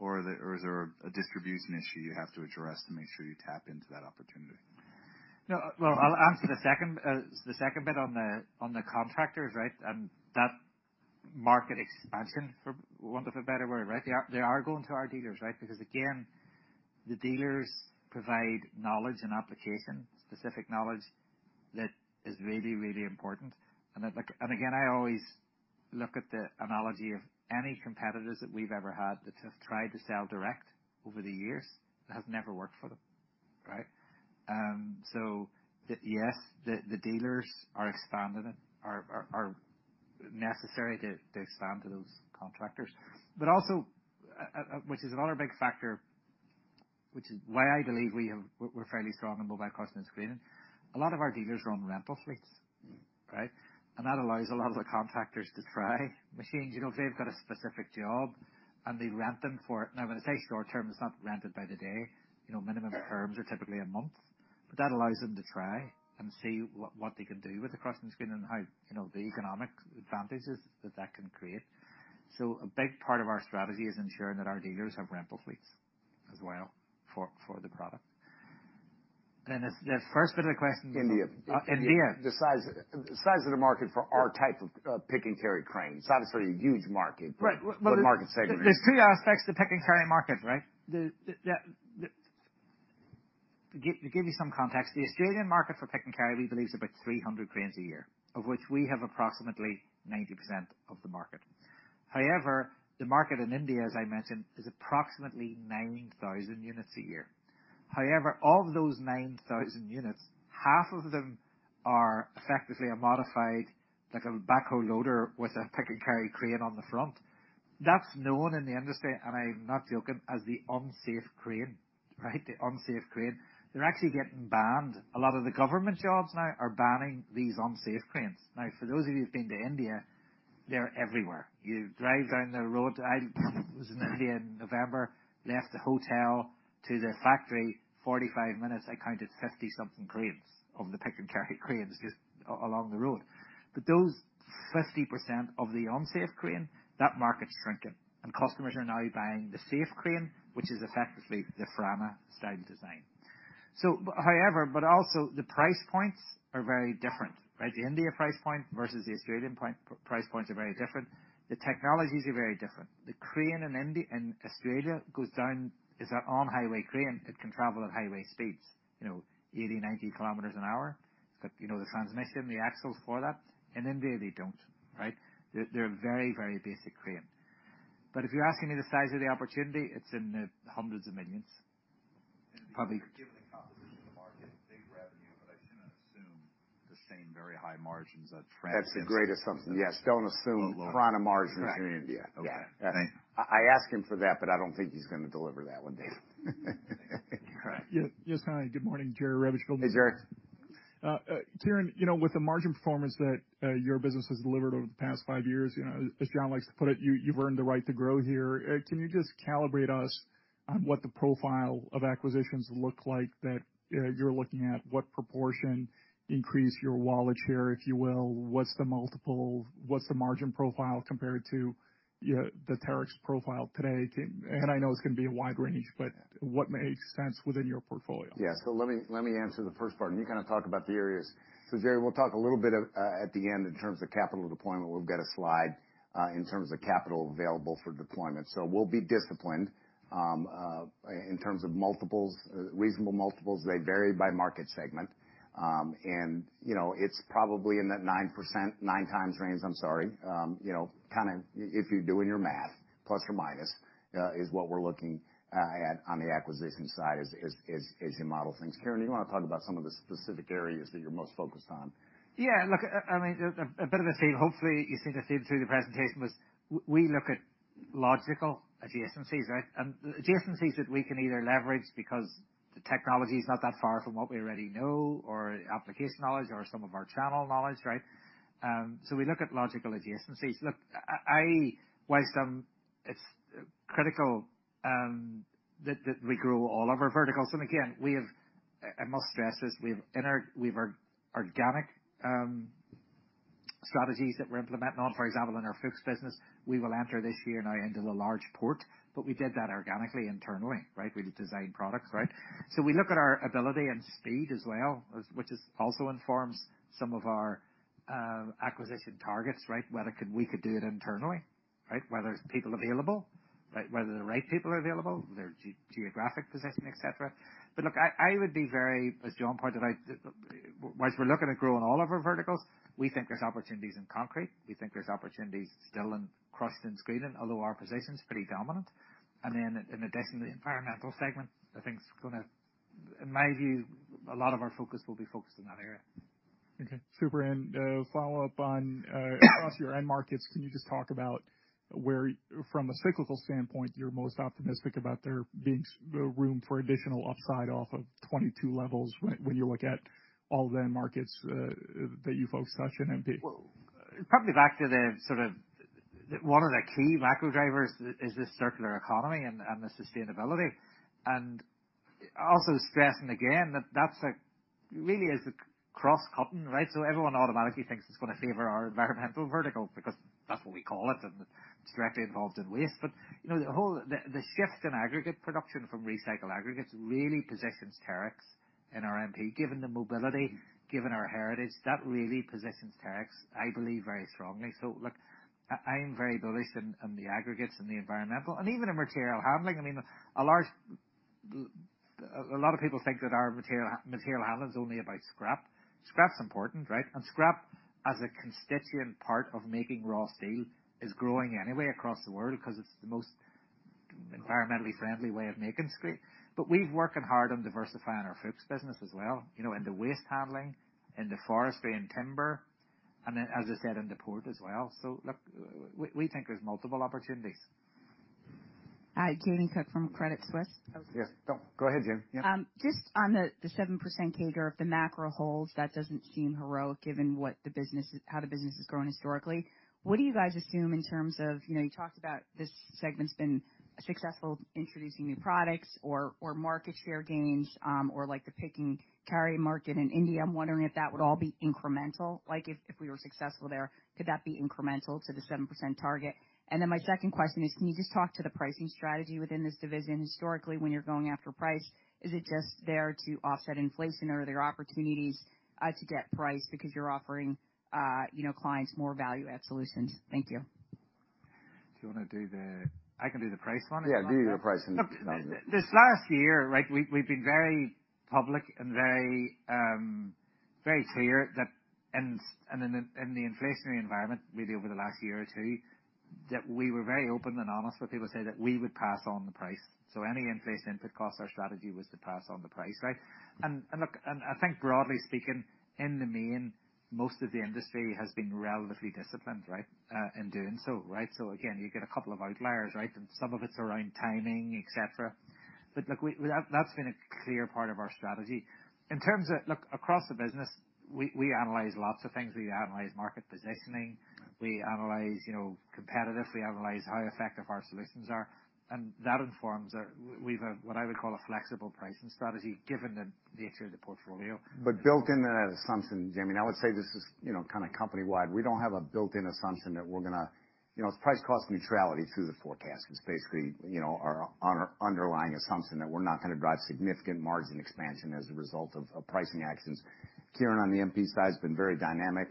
or is there a distribution issue you have to address to make sure you tap into that opportunity? No. Well, I'll answer the second bit on the contractors, right? That market expansion for want of a better word, right? They are going to our dealers, right? Because again, the dealers provide knowledge and application, specific knowledge that is really, really important. And again, I always look at the analogy of any competitors that we've ever had that have tried to sell direct over the years, it has never worked for them, right? Yes, the dealers are expanding it, are necessary to expand to those contractors. Also, which is another big factor, which is why I believe we're fairly strong in mobile crushing and screening. A lot of our dealers run rental fleets, right? That allows a lot of the contractors to try machines. You know, if they've got a specific job and they rent them for. Now, when I say short-term, it's not rented by the day, you know, minimum terms are typically a month. That allows them to try and see what they can do with the crushing and screening and how, you know, the economic advantages that that can create. A big part of our strategy is ensuring that our dealers have rental fleets as well for the product. The first bit of the question was what? India. India. The size of the market for our type of pick-and-carry cranes. It's obviously a huge market. Right. Well. What market segment... There's 2 aspects to pick-and-carry market, right? To give you some context, the Australian market for pick-and-carry, we believe is about 300 cranes a year, of which we have approximately 90% of the market. The market in India, as I mentioned, is approximately 9,000 units a year. Of those 9,000 units, half of them are effectively a modified, like a backhoe loader with a pick-and-carry crane on the front. That's known in the industry, and I'm not joking, as the unsafe crane, right? The unsafe crane. They're actually getting banned. A lot of the government jobs now are banning these unsafe cranes. For those of you who've been to India, they're everywhere. You drive down the road. I was in India in November, left the hotel to the factory, 45 minutes, I counted 50 something cranes of the pick-and-carry cranes just along the road. Those 50% of the unsafe crane, that market's shrinking and customers are now buying the safe crane, which is effectively the Franna style design. However, also the price points are very different, right? The India price point versus the Australian price points are very different. The technologies are very different. The crane in Australia goes down as an on-highway crane. It can travel at highway speeds, you know, 80, 90 kilometers an hour. You know, the transmission, the axles for that. In India, they don't, right? They're a very, very basic crane. If you're asking me the size of the opportunity, it's in the hundreds of millions, probably. Given the composition of the market, big revenue, but I shouldn't assume the same very high margins that Franna. That's the greatest assumption. Yes, don't assume Franna margins in India. Right. Okay. Yeah. Thank you. I asked him for that, but I don't think he's gonna deliver that one, David. Right. Yes. Hi, good morning. Jerry Revich. Hey, Jerry. Kieran, you know, with the margin performance that your business has delivered over the past five years, you know, as John likes to put it, you've earned the right to grow here. Can you just calibrate us on what the profile of acquisitions look like that you're looking at? What proportion increase your wallet share, if you will? What's the multiple? What's the margin profile compared to the Terex profile today? I know it's gonna be a wide range, but what makes sense within your portfolio? Let me, let me answer the first part, and you kinda talk about the areas. Jerry, we'll talk a little bit at the end in terms of capital deployment. We'll get a slide in terms of capital available for deployment. We'll be disciplined in terms of multiples, reasonable multiples, they vary by market segment. You know, it's probably in that 9%, 9x range, I'm sorry. You know, kinda if you're doing your math ±, is what we're looking at on the acquisition side as you model things. Kieran, you wanna talk about some of the specific areas that you're most focused on? Look, I mean, a bit of a theme. Hopefully, you see the theme through the presentation was we look at logical adjacencies, right? Adjacencies that we can either leverage because the technology is not that far from what we already know or application knowledge or some of our channel knowledge, right? We look at logical adjacencies. Look, whilst it's critical that we grow all of our verticals. Again, we have, I must stress this, we have organic strategies that we're implementing, for example, in our Fuchs business, we will enter this year now into the large port, but we did that organically, internally, right? We designed products, right? We look at our ability and speed as well, which also informs some of our acquisition targets, right? Whether we could do it internally, right? Whether there's people available, right? Whether the right people are available, their geographic position, et cetera. Look, I would be very, as John pointed out, while we're looking at growing all of our verticals, we think there's opportunities in concrete, we think there's opportunities still in crushing and screening, although our position is pretty dominant. Then in addressing the environmental segment, I think it's in my view, a lot of our focus will be focused in that area. Okay. Super. Follow up on across your end markets, can you just talk about where, from a cyclical standpoint, you're most optimistic about there being room for additional upside off of 22 levels when you look at all the end markets, that you folks touch in MP? Well, probably back to the sort of the, one of the key macro drivers is the circular economy and the sustainability. Also stressing again that that's a, really is a cross-cutting, right? Everyone automatically thinks it's gonna favor our environmental vertical because that's what we call it and it's directly involved in waste. You know, the whole, the shift in aggregate production from recycled aggregates really positions Terex in our MP. Given the mobility, given our heritage, that really positions Terex, I believe, very strongly. Look, I am very bullish in the aggregates and the environmental and even in material handling. I mean, a large a lot of people think that our material handling is only about scrap. Scrap's important, right? Scrap as a constituent part of making raw steel is growing anyway across the world because it's the most environmentally friendly way of making steel. We've working hard on diversifying our Fuchs business as well, you know, in the waste handling, in the forestry and timber, and then as I said, in the port as well. Look, we think there's multiple opportunities. Hi, Jamie Cook from Credit Suisse. Yeah. Go ahead, Jamie. Yeah. Just on the 7% CAGR of the macro goals, that doesn't seem heroic given how the business has grown historically. What do you guys assume in terms of, you know, you talked about this segment's been successful introducing new products or market share gains, or like the pick and carry market in India. I'm wondering if that would all be incremental. Like if we were successful there, could that be incremental to the 7% target? My second question is, can you just talk to the pricing strategy within this division historically when you're going after price, is it just there to offset inflation or are there opportunities to get price because you're offering, you know, clients more value-add solutions? Thank you. Do you wanna do the... I can do the price one if you want. Yeah, do the pricing. Look, this last year, right, we've been very public and very clear that in and in the inflationary environment really over the last year or 2, that we were very open and honest with people say that we would pass on the price. Any inflation input costs, our strategy was to pass on the price. Look, I think broadly speaking, in the main, most of the industry has been relatively disciplined. In doing so. Again, you get a couple of outliers. Some of it's around timing, et cetera. Look, that's been a clear part of our strategy. In terms of, look, across the business, we analyze lots of things. We analyze market positioning, we analyze, you know, competitive, we analyze how effective our solutions are. That informs we've a, what I would call a flexible pricing strategy given the nature of the portfolio. Built into that assumption, Jamie, and I would say this is, you know, kind of company-wide. We don't have a built-in assumption that we're gonna, you know, it's price cost neutrality through the forecast is basically, you know, our underlying assumption that we're not gonna drive significant margin expansion as a result of pricing actions. Kieran on the MP side has been very dynamic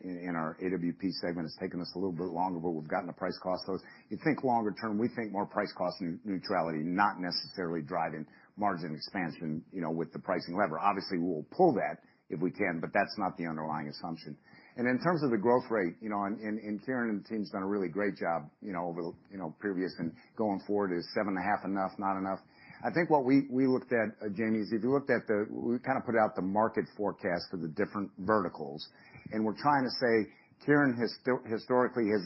in our AWP segment. It's taken us a little bit longer, but we've gotten to price cost. You think longer term, we think more price cost neutrality, not necessarily driving margin expansion, you know, with the pricing lever. Obviously, we'll pull that if we can, but that's not the underlying assumption. In terms of the growth rate, you know, and Kieran and the team's done a really great job, you know, over the, you know, previous and going forward. Is 7.5 enough, not enough? I think what we looked at, Jamie, is if you looked at we kind of put out the market forecast for the different verticals, and we're trying to say Kieran historically has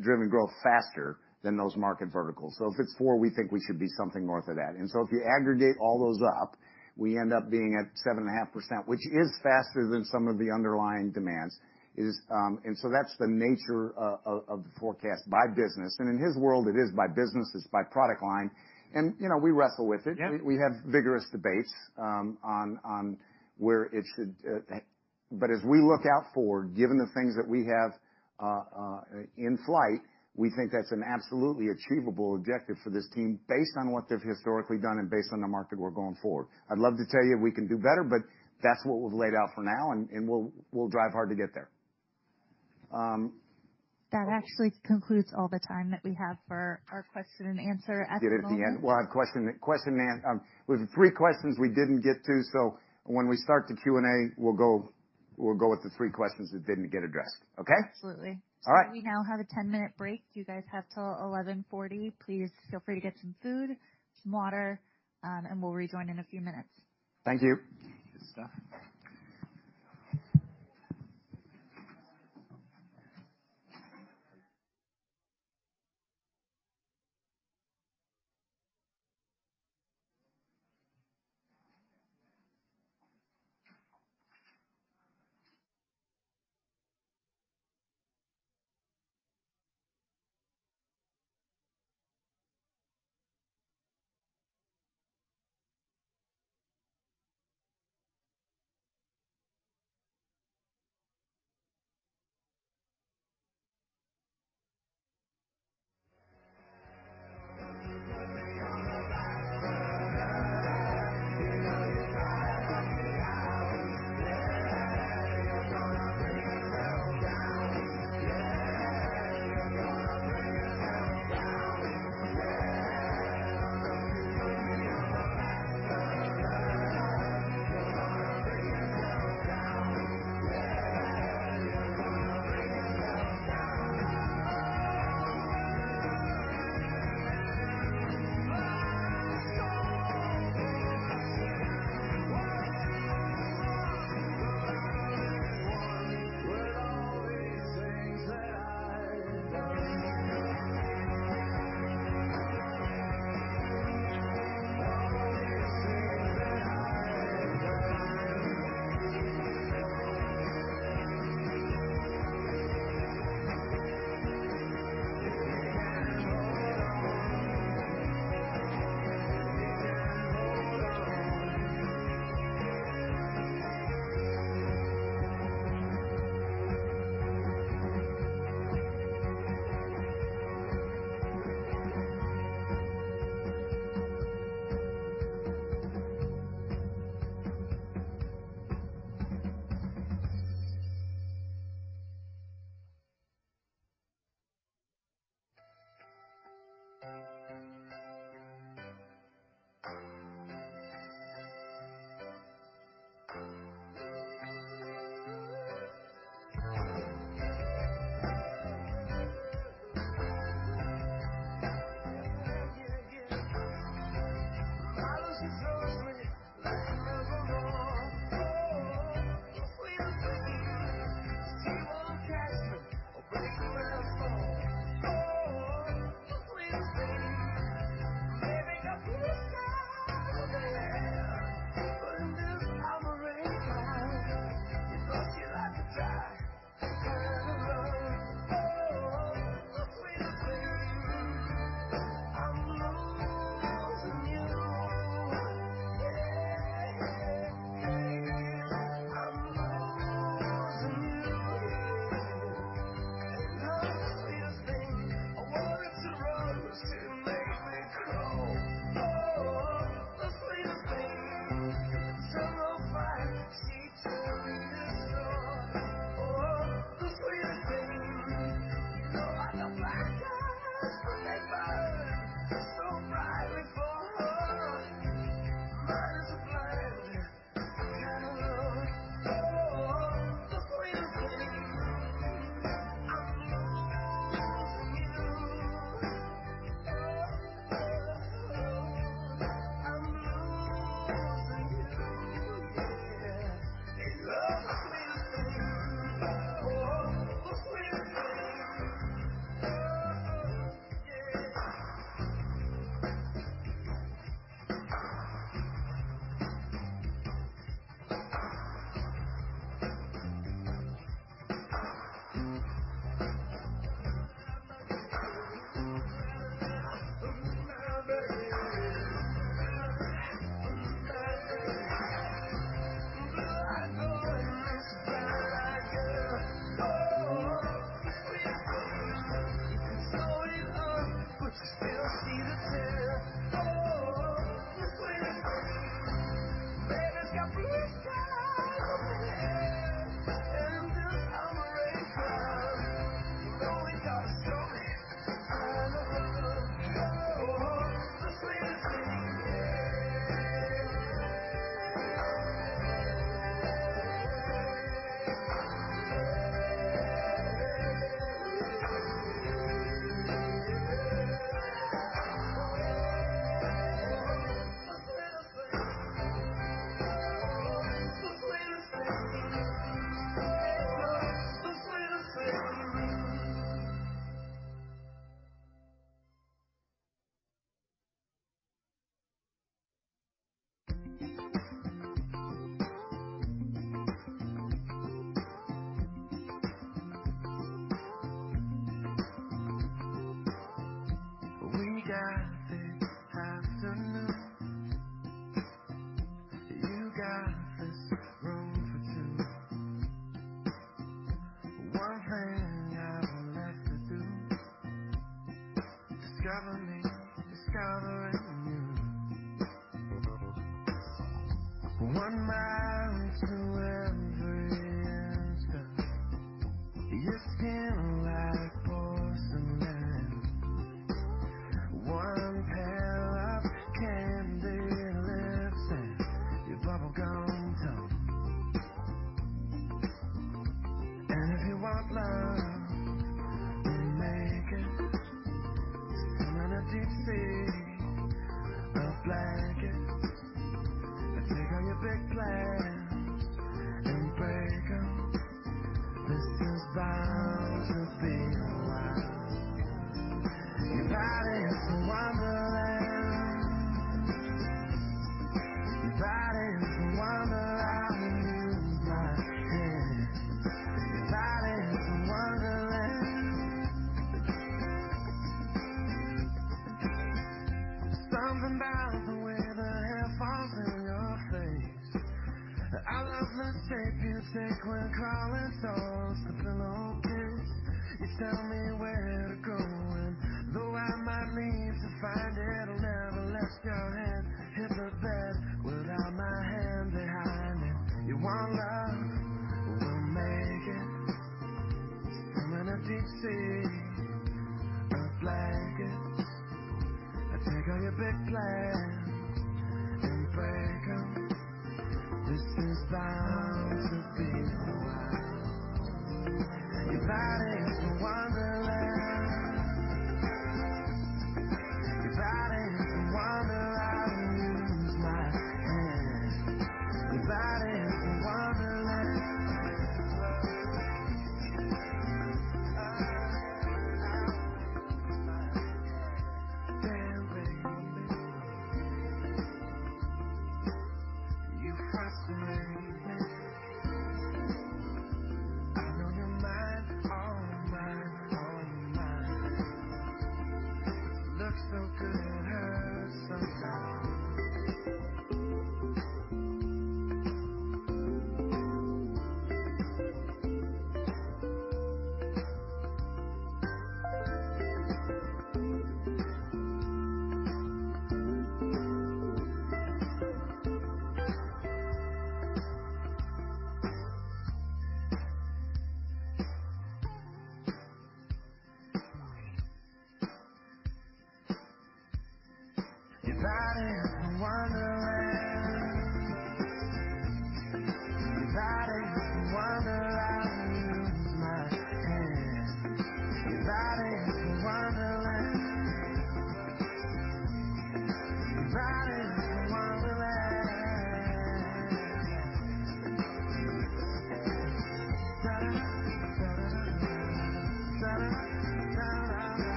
driven growth faster than those market verticals. If it's 4, we think we should be something north of that. If you aggregate all those up, we end up being at 7.5%, which is faster than some of the underlying demands is. That's the nature of the forecast by business. In his world, it is by business, it's by product line, and, you know, we wrestle with it. Yeah. We have vigorous debates, on where it should, but as we look out forward, given the things that we have in flight, we think that's an absolutely achievable objective for this team based on what they've historically done and based on the market we're going forward. I'd love to tell you if we can do better, but that's what we've laid out for now and we'll drive hard to get there. That actually concludes all the time that we have for our question and answer at the moment. Did it at the end. We'll have question, we have 3 questions we didn't get to, when we start the Q&A, we'll go with the 3 questions that didn't get addressed. Okay? Absolutely. All right. We now have a 10-minute break. You guys have till 11:40. Please feel free to get some food, some water. We'll rejoin in a few minutes. Thank you. Good stuff.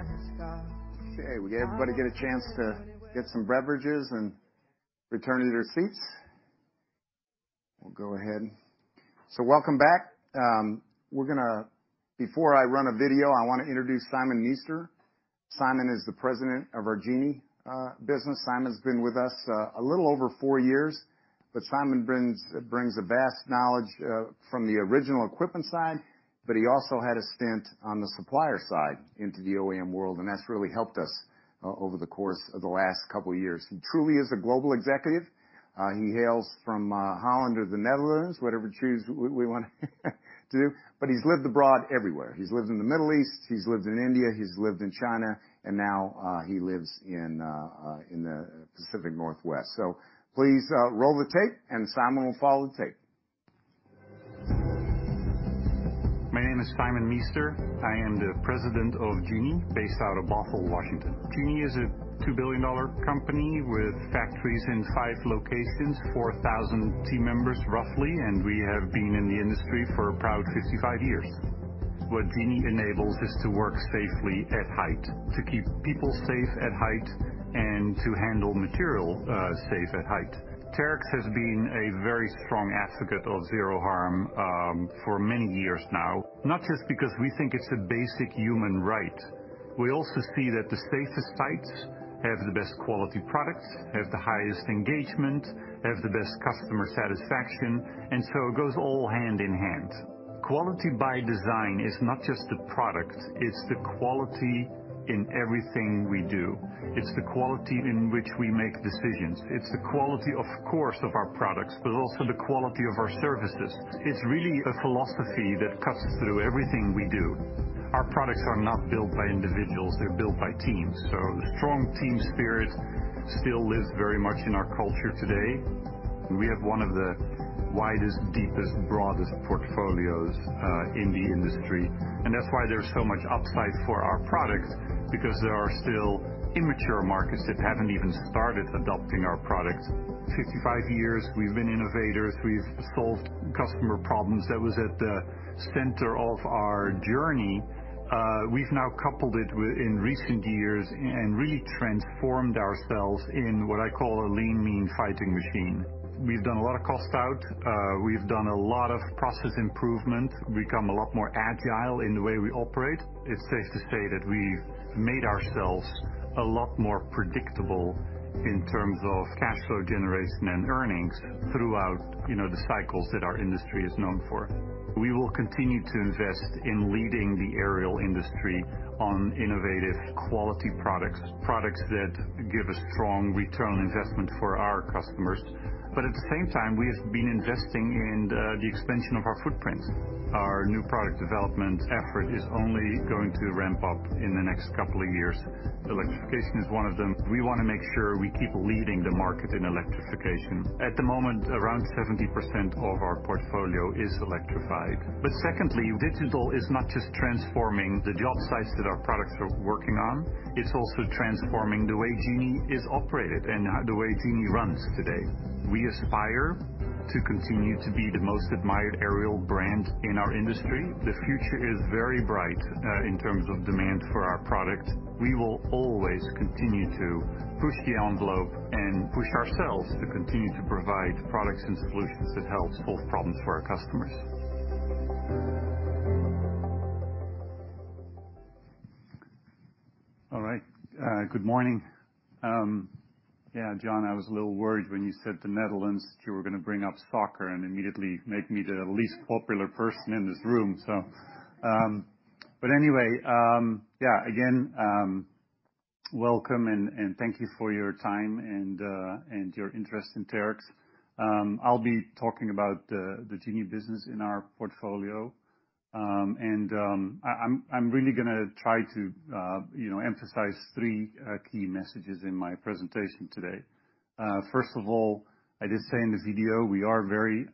Okay. We everybody get a chance to get some beverages and return to their seats? We'll go ahead. Welcome back. Before I run a video, I wanna introduce Simon Meester. Simon is the president of our Genie business. Simon's been with us a little over 4 years, Simon brings a vast knowledge from the original equipment side, but he also had a stint on the supplier side into the OEM world, that's really helped us over the course of the last couple years. He truly is a global executive. He hails from Holland or the Netherlands, whatever choose we wanna do, he's lived abroad everywhere. He's lived in the Middle East, he's lived in India, he's lived in China, now he lives in the Pacific Northwest. Please, roll the tape, and Simon will follow the tape. My name is Simon Meester. I am the president of Genie, based out of Bothell, Washington. Genie is a $2 billion company with factories in five locations, 4,000 team members, roughly, we have been in the industry for a proud 55 years. What Genie enables is to work safely at height, to keep people safe at height to handle material safe at height. Terex has been a very strong advocate of Zero Harm for many years now, not just because we think it's a basic human right. We also see that the safest sites have the best quality products, have the highest engagement, have the best customer satisfaction, it goes all hand in hand. Quality by Design is not just the product, it's the quality in everything we do. It's the quality in which we make decisions. It's the quality, of course, of our products, but also the quality of our services. It's really a philosophy that cuts through everything we do. Our products are not built by individuals, they're built by teams. The strong team spirit still lives very much in our culture today. We have one of the widest, deepest, broadest portfolios in the industry. That's why there's so much upside for our products, because there are still immature markets that haven't even started adopting our products. 55 years, we've been innovators, we've solved customer problems. That was at the center of our journey. We've now coupled it in recent years and really transformed ourselves in what I call a lean, mean fighting machine. We've done a lot of cost out. We've done a lot of process improvement, become a lot more agile in the way we operate. It's safe to say that we've made ourselves a lot more predictable in terms of cash flow generation and earnings throughout, you know, the cycles that our industry is known for. We will continue to invest in leading the aerial industry on innovative quality products that give a strong return on investment for our customers. At the same time, we have been investing in the expansion of our footprint. Our new product development effort is only going to ramp up in the next couple of years. Electrification is one of them. We wanna make sure we keep leading the market in electrification. At the moment, around 70% of our portfolio is electrified. Secondly, digital is not just transforming the job sites that our products are working on, it's also transforming the way Genie is operated and the way Genie runs today. We aspire to continue to be the most admired aerial brand in our industry. The future is very bright, in terms of demand for our product. We will always continue to push the envelope and push ourselves to continue to provide products and solutions that help solve problems for our customers. All right. good morning. yeah, John, I was a little worried when you said the Netherlands, that you were gonna bring up soccer and immediately make me the least popular person in this room. But anyway, yeah. Again, welcome and thank you for your time and your interest in Terex. I'll be talking about the Genie business in our portfolio. I'm really gonna try to, you know, emphasize three key messages in my presentation today. First of all, I did say in the video, we are very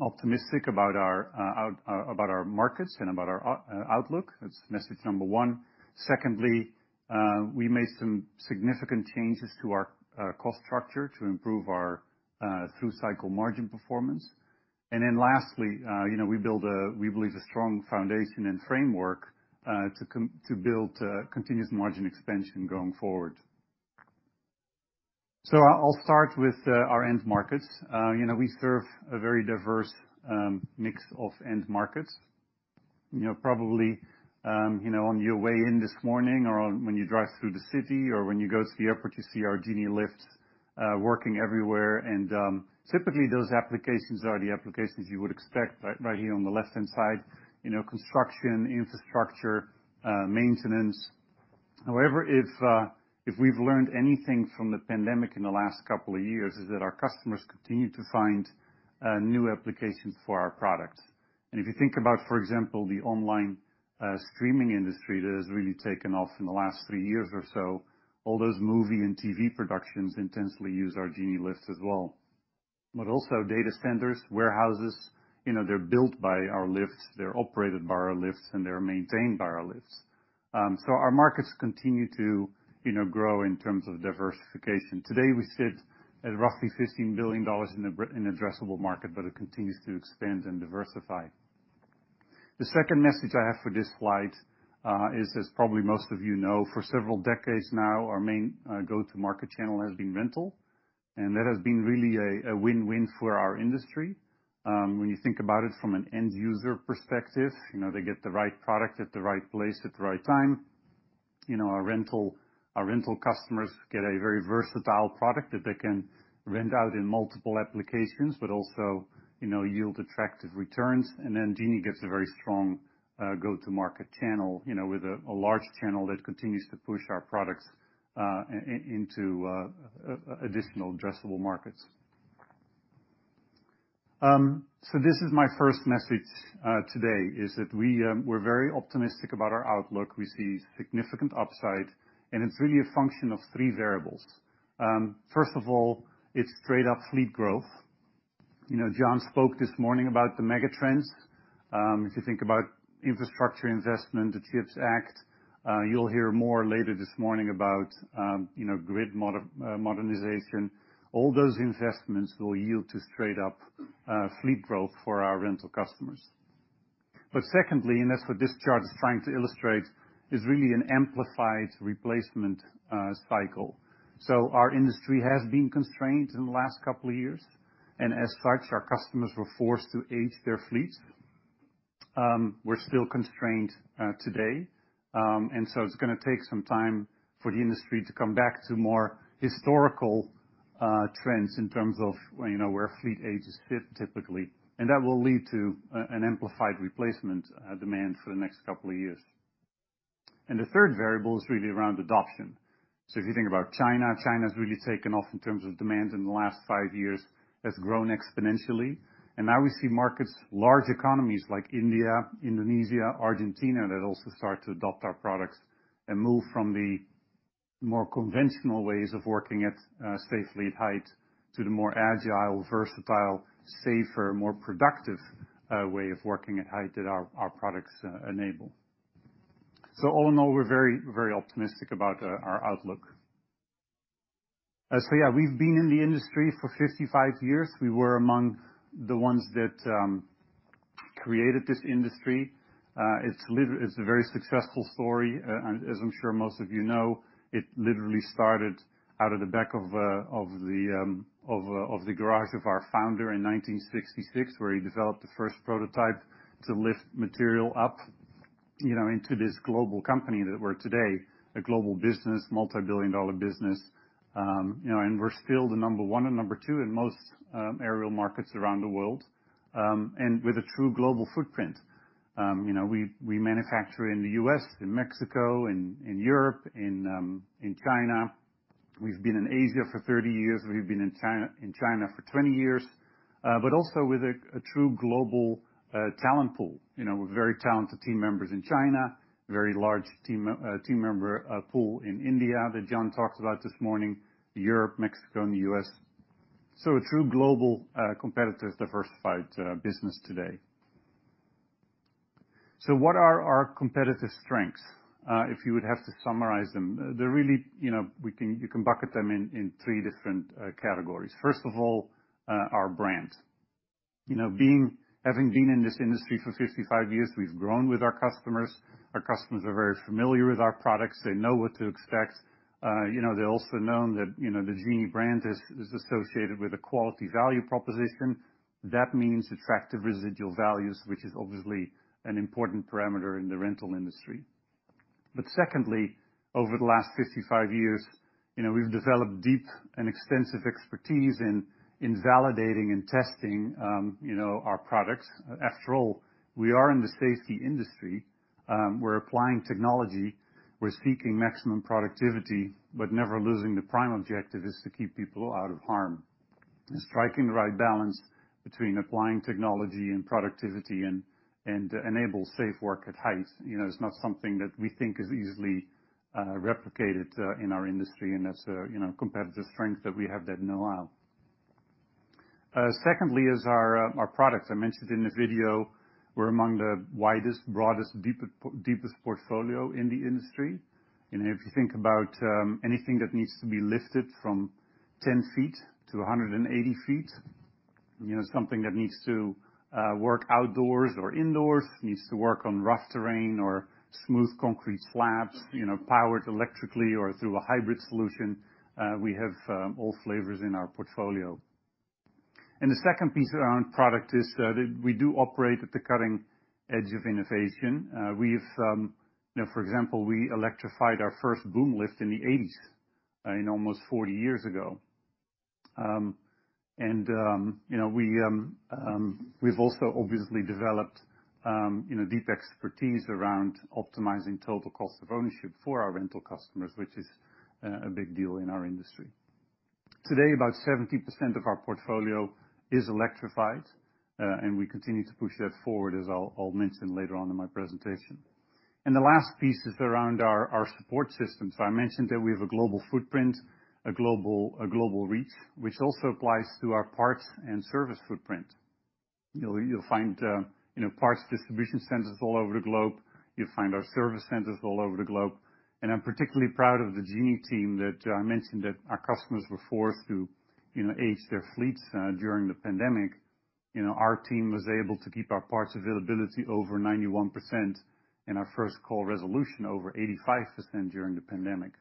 optimistic about our markets and about our out-outlook. That's message number 1. Secondly, we made some significant changes to our cost structure to improve our through cycle margin performance. Lastly, you know, we build a, we believe, a strong foundation and framework to build continuous margin expansion going forward. I'll start with our end markets. You know, we serve a very diverse mix of end markets. You know, probably, you know, on your way in this morning or when you drive through the city or when you go to the airport, you see our Genie lifts working everywhere. Typically those applications are the applications you would expect, right here on the left-hand side. You know, construction, infrastructure, maintenance. However, if we've learned anything from the pandemic in the last couple of years, is that our customers continue to find new applications for our products. If you think about, for example, the online streaming industry that has really taken off in the last 3 years or so, all those movie and TV productions intensely use our Genie lifts as well. Also data centers, warehouses, you know, they're built by our lifts, they're operated by our lifts, and they're maintained by our lifts. So our markets continue to, you know, grow in terms of diversification. Today, we sit at roughly $15 billion in addressable market, but it continues to expand and diversify. The second message I have for this slide is, as probably most of you know, for several decades now, our main go-to market channel has been rental. That has been really a win-win for our industry. When you think about it from an end user perspective, you know, they get the right product at the right place at the right time. You know, our rental customers get a very versatile product that they can rent out in multiple applications, but also, you know, yield attractive returns. Then Genie gets a very strong go-to market channel, you know, with a large channel that continues to push our products into additional addressable markets. This is my first message today, is that we're very optimistic about our outlook. We see significant upside, and it's really a function of 3 variables. First of all, it's straight up fleet growth. You know, John spoke this morning about the mega trends. If you think about infrastructure investment, the CHIPS Act, you'll hear more later this morning about, you know, grid modernization. All those investments will yield to straight up fleet growth for our rental customers. Secondly, and that's what this chart is trying to illustrate, is really an amplified replacement cycle. Our industry has been constrained in the last couple of years, and as such, our customers were forced to age their fleets. We're still constrained today. It's gonna take some time for the industry to come back to more historical trends in terms of, you know, where fleet ages sit typically. That will lead to an amplified replacement demand for the next couple of years. The third variable is really around adoption. If you think about China's really taken off in terms of demands in the last 5 years, has grown exponentially. Now we see markets, large economies like India, Indonesia, Argentina, that also start to adopt our products and move from the more conventional ways of working at safely at height to the more agile, versatile, safer, more productive way of working at height that our products enable. All in all, we're very, very optimistic about our outlook. Yeah, we've been in the industry for 55 years. We were among the ones that created this industry. It's a very successful story. As I'm sure most of you know, it literally started out of the back of the garage of our founder in 1966, where he developed the first prototype to lift material up, you know, into this global company that we're today. A global business, multi-billion dollar business. You know, we're still the number one and number two in most aerial markets around the world. With a true global footprint. You know, we manufacture in the U.S., in Mexico, in Europe, in China. We've been in Asia for 30 years. We've been in China for 20 years. Also with a true global talent pool. You know, with very talented team members in China, very large team member pool in India that John talked about this morning, Europe, Mexico, and the U.S. A true global, competitive, diversified, business today. What are our competitive strengths? If you would have to summarize them, they're really, you know, you can bucket them in three different categories. First of all, our brand. You know, having been in this industry for 55 years, we've grown with our customers. Our customers are very familiar with our products. They know what to expect. You know, they also known that, you know, the Genie brand is associated with a quality value proposition. That means attractive residual values, which is obviously an important parameter in the rental industry. Secondly, over the last 55 years, you know, we've developed deep and extensive expertise in validating and testing, you know, our products. After all, we are in the safety industry, we're applying technology, we're seeking maximum productivity, but never losing the prime objective is to keep people out of harm. Striking the right balance between applying technology and productivity and enable safe work at height, you know, is not something that we think is easily replicated in our industry. That's a, you know, competitive strength that we have that no one else. Secondly, is our products. I mentioned in the video we're among the widest, broadest, deepest portfolio in the industry. You know, if you think about anything that needs to be lifted from 10 feet to 180 feet, you know, something that needs to work outdoors or indoors, needs to work on rough terrain or smooth concrete slabs, you know, powered electrically or through a hybrid solution, we have all flavors in our portfolio. The second piece around product is that we do operate at the cutting edge of innovation. We've, you know, for example, we electrified our first boom lift in the 80s, you know, almost 40 years ago. You know, we've also obviously developed, you know, deep expertise around optimizing total cost of ownership for our rental customers, which is a big deal in our industry. Today, about 70% of our portfolio is electrified. We continue to push that forward, as I'll mention later on in my presentation. The last piece is around our support system. I mentioned that we have a global footprint, a global reach, which also applies to our parts and service footprint. You'll find, you know, parts distribution centers all over the globe. You'll find our service centers all over the globe. I'm particularly proud of the Genie team that I mentioned, that our customers were forced to, you know, age their fleets during the pandemic. You know, our team was able to keep our parts availability over 91% and our first call resolution over 85% during the pandemic.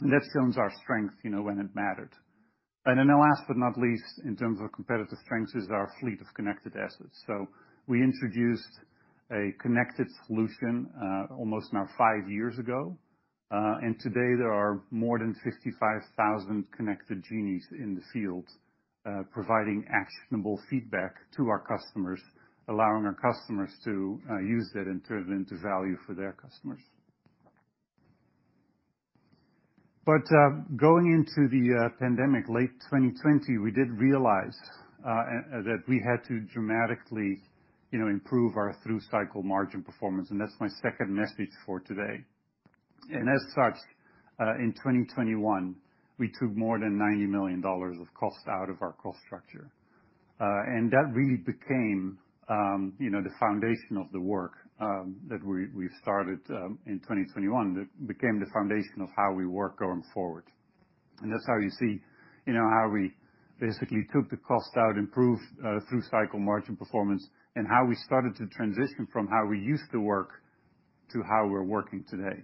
That shows our strength, you know, when it mattered. Last but not least, in terms of competitive strengths, is our fleet of connected assets. We introduced a connected solution, almost now 5 years ago. Today there are more than 55,000 connected Genies in the field, providing actionable feedback to our customers, allowing our customers to use that and turn it into value for their customers. Going into the pandemic late 2020, we did realize that we had to dramatically, you know, improve our through-cycle margin performance, and that's my second message for today. In 2021, we took more than $90 million of cost out of our cost structure. That really became, you know, the foundation of the work that we started in 2021. That became the foundation of how we work going forward. That's how you see, you know, how we basically took the cost out, improved through-cycle margin performance, and how we started to transition from how we used to work to how we're working today.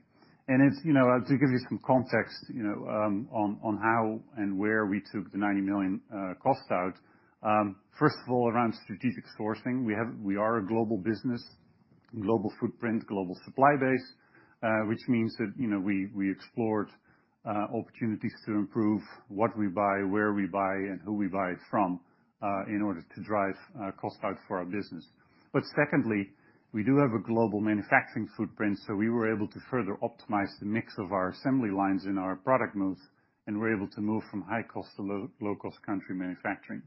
It's, you know, to give you some context, you know, on how and where we took the $90 million cost out. First of all, around strategic sourcing, we are a global business, global footprint, global supply base, which means that, you know, we explored opportunities to improve what we buy, where we buy, and who we buy it from, in order to drive cost out for our business. Secondly, we do have a global manufacturing footprint, so we were able to further optimize the mix of our assembly lines in our product moves, and we're able to move from high-cost to low, low-cost country manufacturing.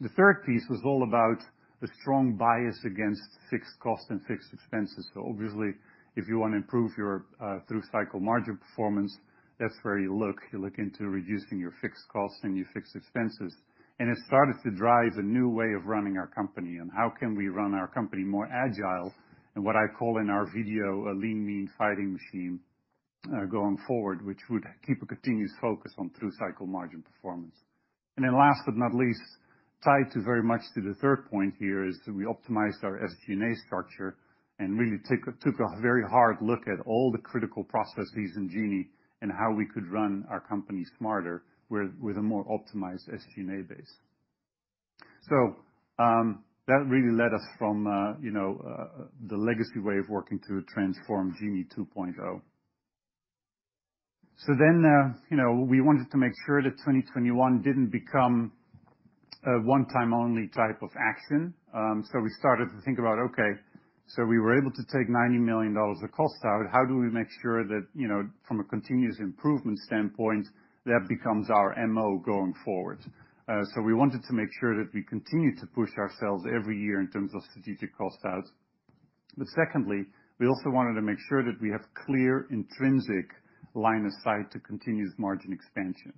The third piece was all about a strong bias against fixed cost and fixed expenses. Obviously, if you want to improve your through-cycle margin performance, that's where you look. You look into reducing your fixed costs and your fixed expenses. It started to drive a new way of running our company, on how can we run our company more agile and what I call in our video a lean, mean fighting machine, going forward, which would keep a continuous focus on through-cycle margin performance. Last but not least, tied very much to the third point here, is we optimized our SG&A structure and really took a very hard look at all the critical processes in Genie and how we could run our company smarter with a more optimized SG&A base. That really led us from, you know, the legacy way of working to a transformed Genie 2.0. We wanted to make sure that 2021 didn't become a one-time-only type of action. So we started to think about, okay, so we were able to take $90 million of cost out. How do we make sure that, you know, from a continuous improvement standpoint, that becomes our MO going forward? We wanted to make sure that we continue to push ourselves every year in terms of strategic cost outs. Secondly, we also wanted to make sure that we have clear intrinsic line of sight to continuous margin expansion.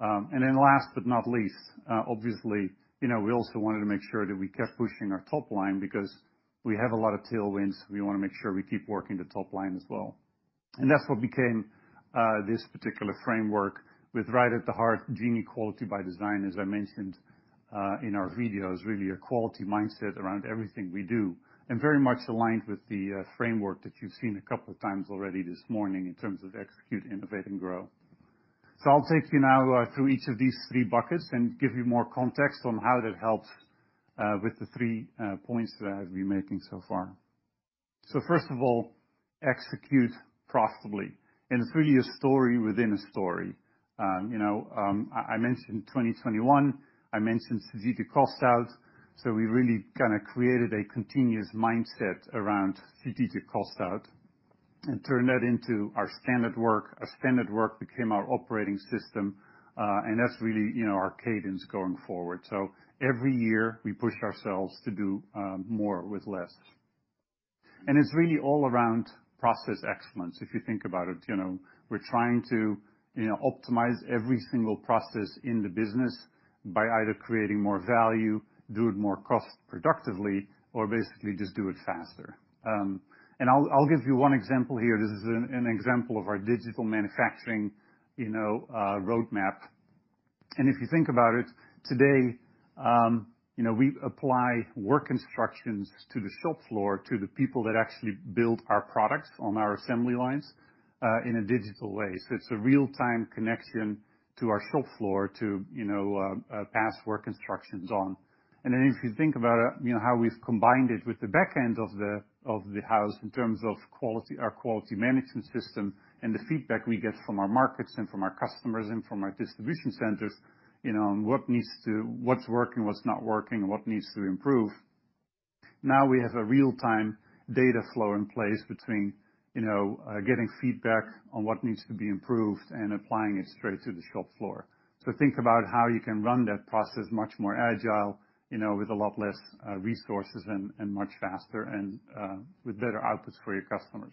Last but not least, obviously, you know, we also wanted to make sure that we kept pushing our top line because we have a lot of tailwinds. We wanna make sure we keep working the top line as well. That's what became this particular framework with right at the heart, Genie – Quality by Design, as I mentioned in our videos, really a quality mindset around everything we do, and very much aligned with the framework that you've seen a couple of times already this morning in terms of execute, innovate, and grow. I'll take you now through each of these 3 buckets and give you more context on how that helps with the 3 points that I have been making so far. First of all, execute profitably. It's really a story within a story. You know, I mentioned 2021, I mentioned strategic cost out, so we really kinda created a continuous mindset around strategic cost out and turned that into our standard work. A standard work became our operating system, and that's really, you know, our cadence going forward. Every year, we push ourselves to do more with less. It's really all around process excellence. If you think about it, you know, we're trying to, you know, optimize every single process in the business by either creating more value, do it more cost productively, or basically just do it faster. I'll give you one example here. This is an example of our digital manufacturing, you know, roadmap. If you think about it, today, you know, we apply work instructions to the shop floor, to the people that actually build our products on our assembly lines, in a digital way. So it's a real-time connection to our shop floor to, you know, pass work instructions on. If you think about, you know, how we've combined it with the back end of the house in terms of quality, our quality management system, and the feedback we get from our markets, from our customers, and from our distribution centers, you know, on what's working, what's not working, and what needs to improve. Now we have a real-time data flow in place between, you know, getting feedback on what needs to be improved and applying it straight to the shop floor. Think about how you can run that process much more agile, you know, with a lot less resources and much faster and with better outputs for your customers.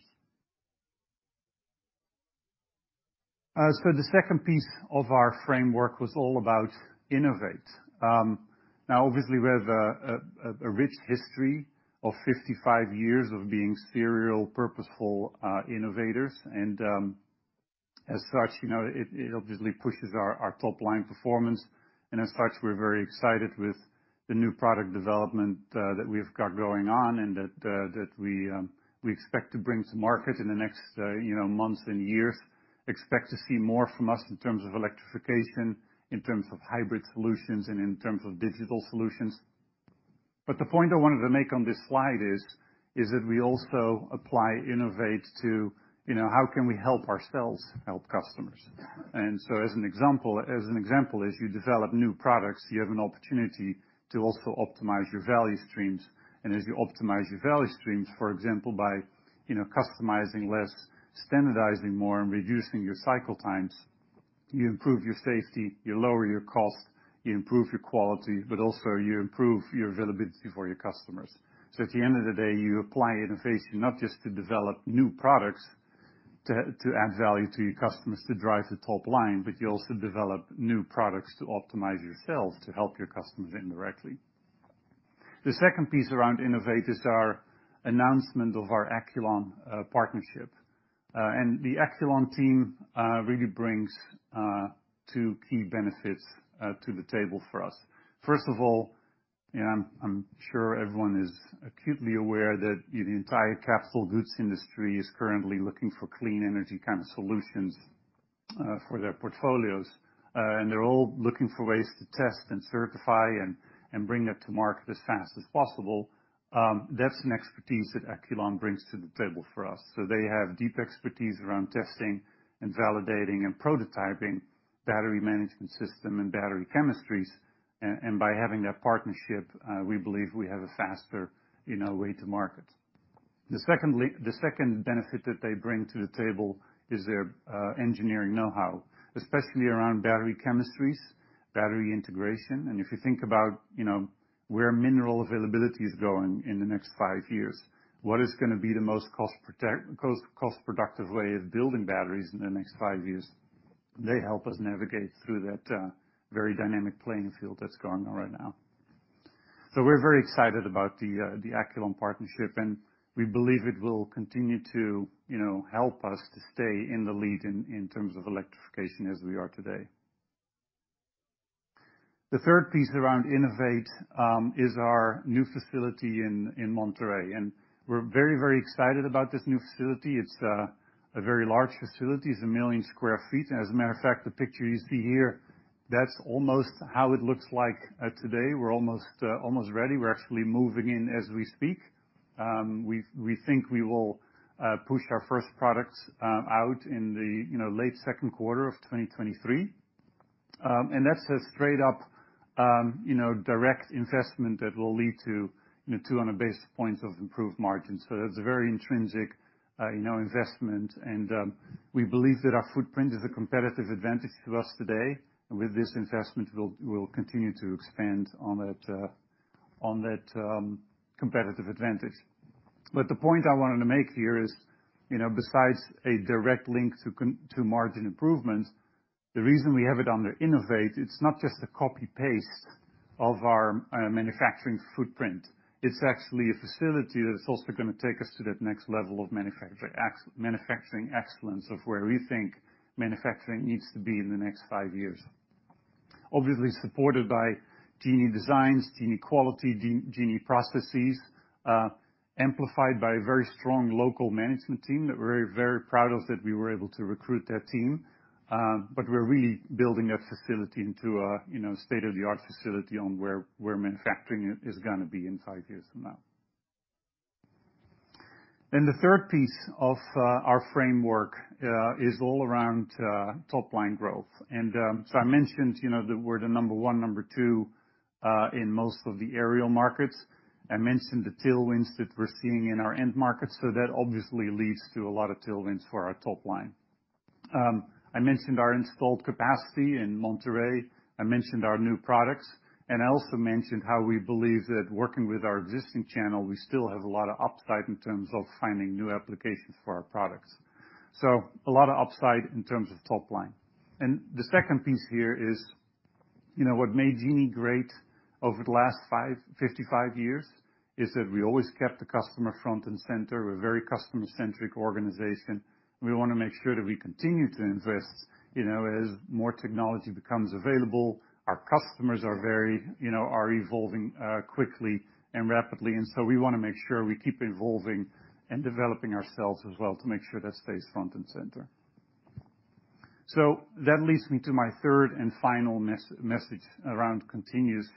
The second piece of our framework was all about innovate. Now obviously, we have a rich history of 55 years of being serial, purposeful innovators. As such, you know, it obviously pushes our top line performance. As such, we're very excited with the new product development that we've got going on and that we expect to bring to market in the next, you know, months and years. Expect to see more from us in terms of electrification, in terms of hybrid solutions, and in terms of digital solutions. The point I wanted to make on this slide is that we also apply innovate to, you know, how can we help ourselves help customers? As an example, as you develop new products, you have an opportunity to also optimize your value streams. As you optimize your value streams, for example, by, you know, customizing less, standardizing more, and reducing your cycle times, you improve your safety, you lower your cost, you improve your quality, but also you improve your availability for your customers. At the end of the day, you apply innovation not just to develop new products to add value to your customers to drive the top line, but you also develop new products to optimize yourself to help your customers indirectly. The second piece around innovate is our announcement of our Acculon partnership. The Acculon team really brings 2 key benefits to the table for us. First of all, I'm sure everyone is acutely aware that the entire capital goods industry is currently looking for clean energy kind of solutions for their portfolios. They're all looking for ways to test and certify and bring that to market as fast as possible. That's an expertise that Acculon brings to the table for us. They have deep expertise around testing and validating and prototyping battery management system and battery chemistries. By having that partnership, we believe we have a faster, you know, way to market. The second benefit that they bring to the table is their engineering know-how, especially around battery chemistries, battery integration. If you think about, you know, where mineral availability is going in the next five years, what is going to be the most cost-productive way of building batteries in the next five years, they help us navigate through that very dynamic playing field that's going on right now. We're very excited about the Acculon partnership, and we believe it will continue to, you know, help us to stay in the lead in terms of electrification as we are today. The third piece around innovate is our new facility in Monterrey, and we're very excited about this new facility. It's a very large facility. It's 1 million sq ft. As a matter of fact, the picture you see here, that's almost how it looks like today. We're almost ready. We're actually moving in as we speak. We think we will push our first products out in the, you know, late second quarter of 2023. And that's a straight up, you know, direct investment that will lead to, you know, 200 basis points of improved margins. That's a very intrinsic, you know, investment and we believe that our footprint is a competitive advantage to us today. With this investment, we'll continue to expand on that competitive advantage. The point I wanted to make here is, you know, besides a direct link to margin improvements, the reason we have it under innovate, it's not just a copy-paste of our manufacturing footprint. It's actually a facility that is also going to take us to that next level of manufacturing excellence of where we think manufacturing needs to be in the next 5 years. Obviously supported by Genie designs, Genie quality, Genie processes, amplified by a very strong local management team that we're very proud of that we were able to recruit that team. We're really building that facility into a, you know, state-of-the-art facility on where manufacturing is gonna be in 5 years from now. The third piece of our framework is all around top line growth. I mentioned, you know, that we're the number one, number two in most of the aerial markets. I mentioned the tailwinds that we're seeing in our end markets. That obviously leads to a lot of tailwinds for our top line. I mentioned our installed capacity in Monterrey. I mentioned our new products, and I also mentioned how we believe that working with our existing channel, we still have a lot of upside in terms of finding new applications for our products. A lot of upside in terms of top line. The second piece here is, you know, what made Genie great over the last 55 years, is that we always kept the customer front and center. We're a very customer-centric organization. We wanna make sure that we continue to invest, you know, as more technology becomes available. Our customers are very, you know, are evolving quickly and rapidly, and we wanna make sure we keep evolving and developing ourselves as well to make sure that stays front and center. That leads me to my third and final message around continuous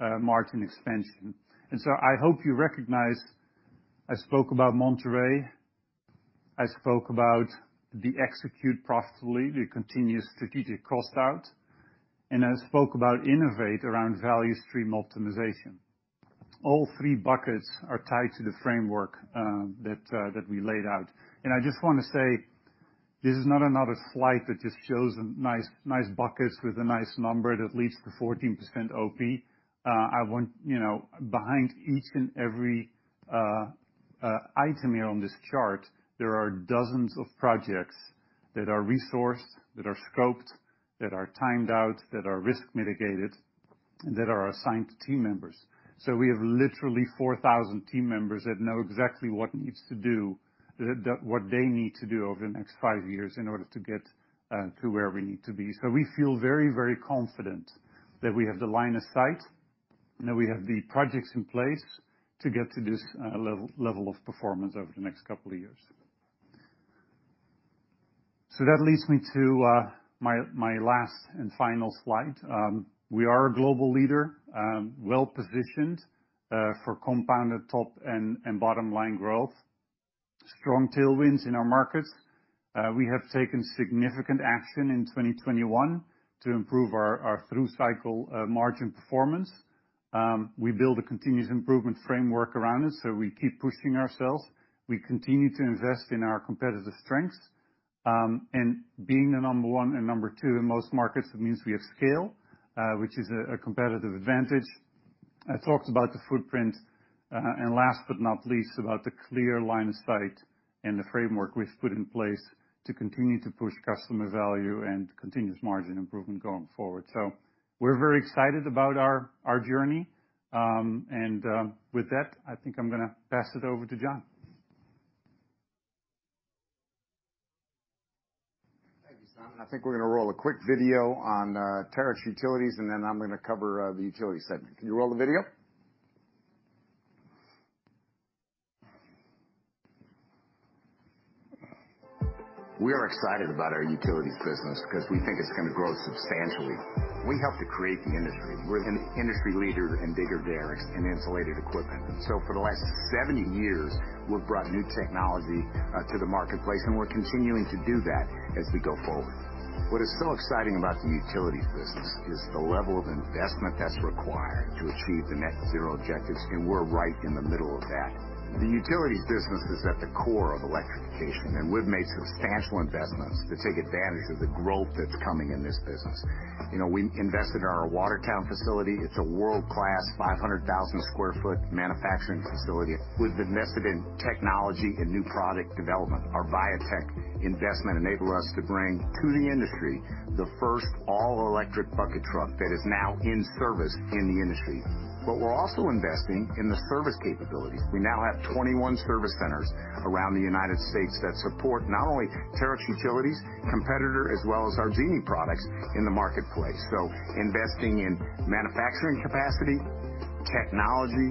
margin expansion. I hope you recognize I spoke about Monterrey, I spoke about the execute profitably, the continuous strategic cost out, and I spoke about innovate around value stream optimization. All three buckets are tied to the framework that we laid out. I just wanna say, this is not another slide that just shows nice buckets with a nice number that leads to 14% OP. I want, you know, behind each and every item here on this chart, there are dozens of projects that are resourced, that are scoped, that are timed out, that are risk mitigated, that are assigned to team members. We have literally 4,000 team members that know exactly what they need to do over the next 5 years in order to get to where we need to be. We feel very confident that we have the line of sight, and that we have the projects in place to get to this level of performance over the next couple of years. That leads me to my last and final slide. We are a global leader, well-positioned for compounded top and bottom line growth. Strong tailwinds in our markets. We have taken significant action in 2021 to improve our through cycle margin performance. We build a continuous improvement framework around us, so we keep pushing ourselves. We continue to invest in our competitive strengths. Being the number one and number two in most markets, it means we have scale, which is a competitive advantage. I talked about the footprint, and last but not least, about the clear line of sight and the framework we've put in place to continue to push customer value and continuous margin improvement going forward. We're very excited about our journey. With that, I think I'm gonna pass it over to John. Thank you, Simon. I think we're gonna roll a quick video on Terex Utilities, and then I'm gonna cover the utility segment. Can you roll the video? We are excited about our utilities business 'cause we think it's gonna grow substantially. We helped to create the industry. We're an industry leader in digger derricks and insulated equipment. So for the last 70 years, we've brought new technology to the marketplace, and we're continuing to do that as we go forward. What is so exciting about the utilities business is the level of investment that's required to achieve the net zero objectives, and we're right in the middle of that. The utilities business is at the core of electrification, and we've made substantial investments to take advantage of the growth that's coming in this business. You know, we invested in our Watertown facility. It's a world-class 500,000 sq ft manufacturing facility. We've invested in technology and new product development. Our Viatec investment enable us to bring to the industry, the first all electric bucket truck that is now in service in the industry. We're also investing in the service capabilities. We now have 21 service centers around the United States that support not only Terex Utilities competitor as well as our Genie products in the marketplace. Investing in manufacturing capacity, technology,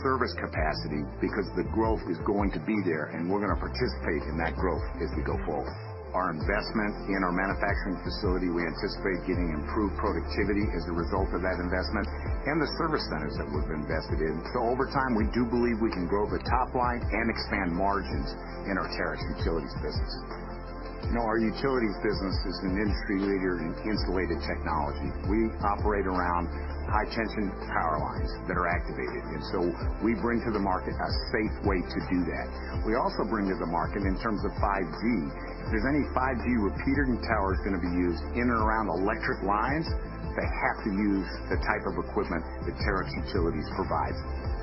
service capacity, because the growth is going to be there, and we're gonna participate in that growth as we go forward. Our investment in our manufacturing facility, we anticipate getting improved productivity as a result of that investment and the service centers that we've invested in. Over time, we do believe we can grow the top line and expand margins in our Terex Utilities business. You know, our utilities business is an industry leader in insulated technology. We operate around high tension power lines that are activated, and so we bring to the market a safe way to do that. We also bring to the market in terms of 5G. If there's any 5G where a repeater tower is gonna be used in and around electric lines, they have to use the type of equipment that Terex Utilities provides.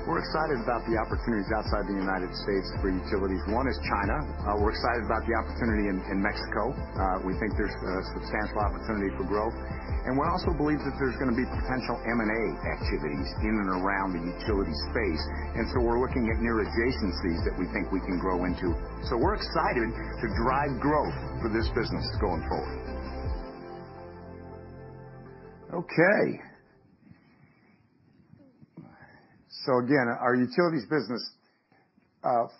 We're excited about the opportunities outside the United States for utilities. 1 is China. We're excited about the opportunity in Mexico. We think there's a substantial opportunity for growth. One also believes that there's gonna be potential M&A activities in and around the utilities space. We're looking at near adjacencies that we think we can grow into. We're excited to drive growth for this business going forward. Okay. Again, our utilities business,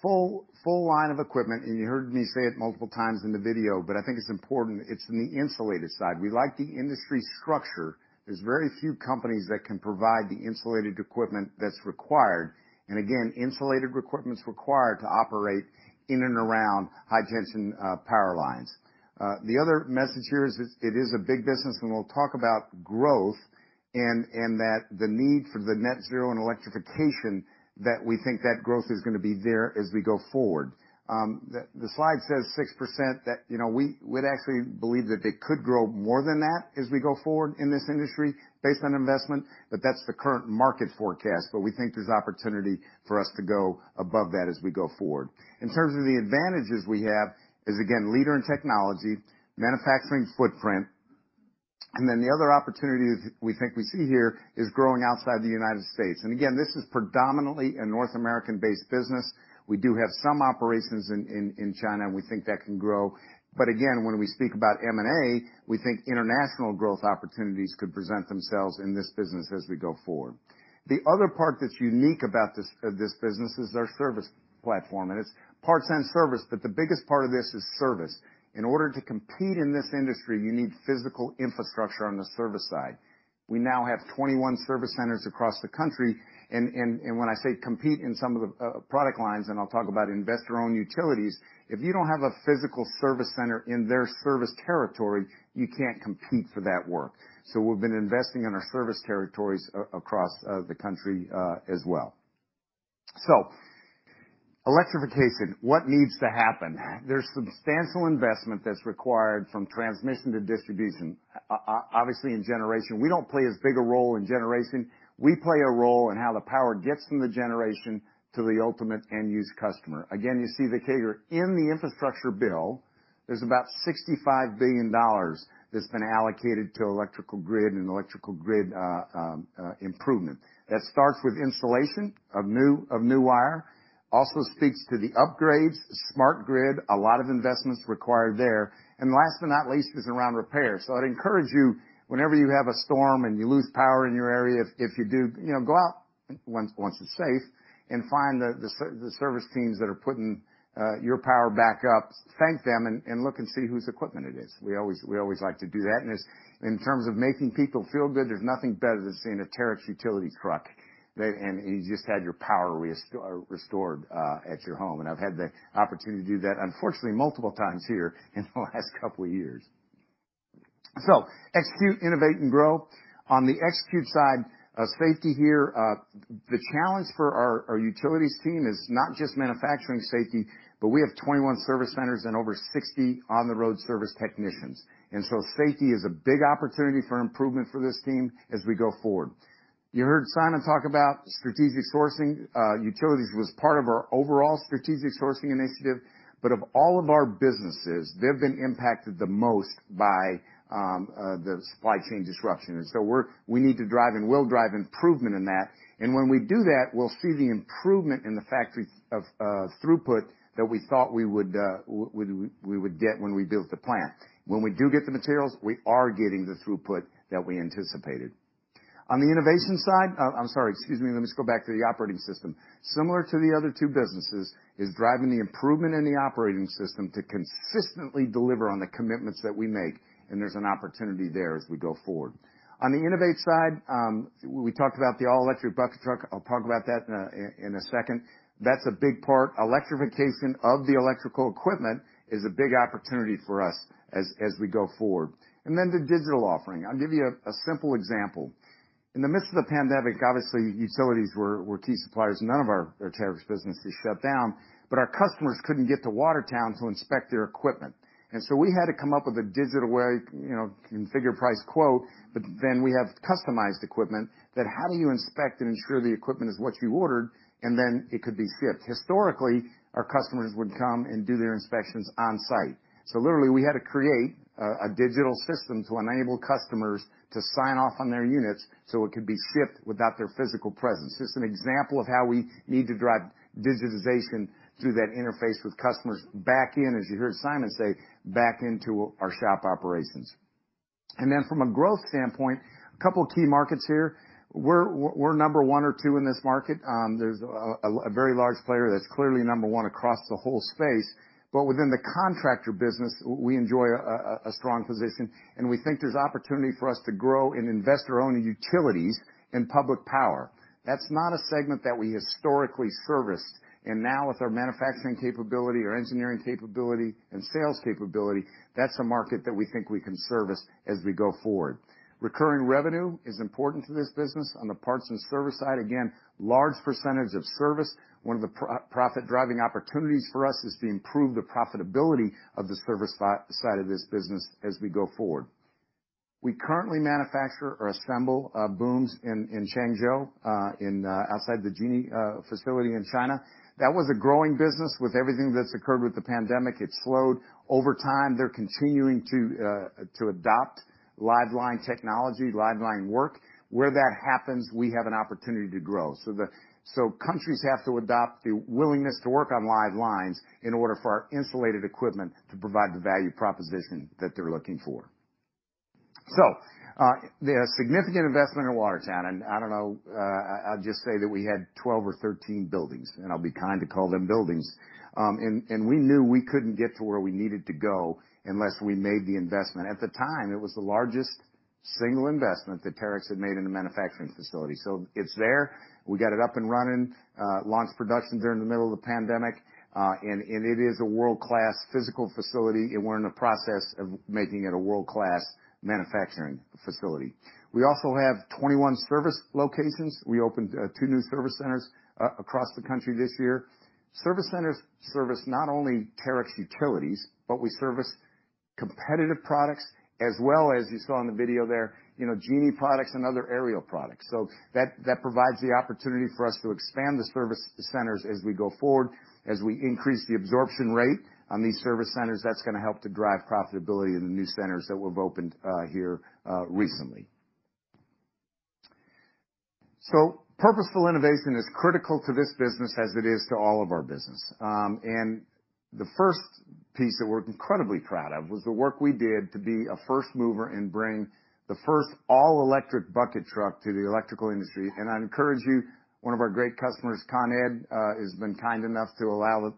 full line of equipment, and you heard me say it multiple times in the video, but I think it's important. It's in the insulated side. We like the industry structure. There's very few companies that can provide the insulated equipment that's required. Again, insulated equipment's required to operate in and around high tension power lines. The other message here is it is a big business, we'll talk about growth and that the need for the net zero and electrification, that we think that growth is gonna be there as we go forward. The slide says 6%. That, you know, we would actually believe that they could grow more than that as we go forward in this industry based on investment, that's the current market forecast. We think there's opportunity for us to go above that as we go forward. In terms of the advantages we have is, again, leader in technology, manufacturing footprint, and then the other opportunities we think we see here is growing outside the United States. Again, this is predominantly a North American-based business. We do have some operations in China. We think that can grow. Again, when we speak about M&A, we think international growth opportunities could present themselves in this business as we go forward. The other part that's unique about this business is our service platform, and it's parts and service, but the biggest part of this is service. In order to compete in this industry, you need physical infrastructure on the service side. We now have 21 service centers across the country, and when I say compete in some of the product lines, and I'll talk about investor-owned utilities, if you don't have a physical service center in their service territory, you can't compete for that work. We've been investing in our service territories across the country as well. Electrification, what needs to happen? There's substantial investment that's required from transmission to distribution. Obviously in generation, we don't play as big a role in generation. We play a role in how the power gets from the generation to the ultimate end customer. Again, you see the CAGR in the Infrastructure Bill, there's about $65 billion that's been allocated to electrical grid and electrical grid improvement. That starts with installation of new wire. Speaks to the upgrades, smart grid, a lot of investments required there. Last but not least is around repairs. I'd encourage you, whenever you have a storm and you lose power in your area, if you do, you know, go out once it's safe and find the service teams that are putting your power back up, thank them and look and see whose equipment it is. We always like to do that. It's, in terms of making people feel good, there's nothing better than seeing a Terex utility truck you just had your power restored at your home. I've had the opportunity to do that, unfortunately, multiple times here in the last couple of years. Execute, innovate, and grow. On the execute side of safety here, the challenge for our Utilities team is not just manufacturing safety, but we have 21 service centers and over 60 on-the-road service technicians. Safety is a big opportunity for improvement for this team as we go forward. You heard Simon talk about strategic sourcing. Utilities was part of our overall strategic sourcing initiative. Of all of our businesses, they've been impacted the most by the supply chain disruption. We need to drive, and we'll drive improvement in that. When we do that, we'll see the improvement in the factory of throughput that we thought we would get when we built the plant. When we do get the materials, we are getting the throughput that we anticipated. On the innovation side. I'm sorry. Excuse me. Let me just go back to the operating system. Similar to the other two businesses is driving the improvement in the operating system to consistently deliver on the commitments that we make, and there's an opportunity there as we go forward. On the innovate side, we talked about the all-electric bucket truck. I'll talk about that in a second. That's a big part. Electrification of the electrical equipment is a big opportunity for us as we go forward. The digital offering. I'll give you a simple example. In the midst of the pandemic, obviously, utilities were key suppliers. None of our Terex businesses shut down, our customers couldn't get to Watertown to inspect their equipment. We had to come up with a digital way, you know, configure, price, quote, but then we have customized equipment that how do you inspect and ensure the equipment is what you ordered, and then it could be shipped. Historically, our customers would come and do their inspections on-site. Literally, we had to create a digital system to enable customers to sign off on their units, so it could be shipped without their physical presence. Just an example of how we need to drive digitization through that interface with customers back in, as you heard Simon say, back into our shop operations. From a growth standpoint, a couple of key markets here. We're number one or two in this market. There's a very large player that's clearly number one across the whole space. Within the contractor business, we enjoy a strong position, and we think there's opportunity for us to grow in investor-owned utilities and public power. That's not a segment that we historically serviced. And now with our manufacturing capability, our engineering capability, and sales capability, that's a market that we think we can service as we go forward. Recurring revenue is important to this business. On the parts and service side, again, large percentage of service. One of the pro-profit driving opportunities for us is to improve the profitability of the service side of this business as we go forward. We currently manufacture or assemble booms in Changzhou, in outside the Genie facility in China. That was a growing business. With everything that's occurred with the pandemic, it slowed. Over time, they're continuing to adopt live line technology, live line work. Where that happens, we have an opportunity to grow. Countries have to adopt the willingness to work on live lines in order for our insulated equipment to provide the value proposition that they're looking for. The significant investment in Watertown, and I don't know, I'll just say that we had 12 or 13 buildings, and I'll be kind to call them buildings. We knew we couldn't get to where we needed to go unless we made the investment. At the time, it was the largest single investment that Terex had made in a manufacturing facility. It's there. We got it up and running, launched production during the middle of the pandemic, and it is a world-class physical facility, and we're in the process of making it a world-class manufacturing facility. We also have 21 service locations. We opened 2 new service centers across the country this year. Service centers service not only Terex Utilities, but we service competitive products as well as you saw in the video there, you know, Genie products and other aerial products. That provides the opportunity for us to expand the service centers as we go forward. As we increase the absorption rate on these service centers, that's gonna help to drive profitability in the new centers that we've opened here recently. Purposeful innovation is critical to this business as it is to all of our business. The first piece that we're incredibly proud of was the work we did to be a first mover and bring the first all-electric bucket truck to the electrical industry. I encourage you, one of our great customers, Con Ed, has been kind enough to allow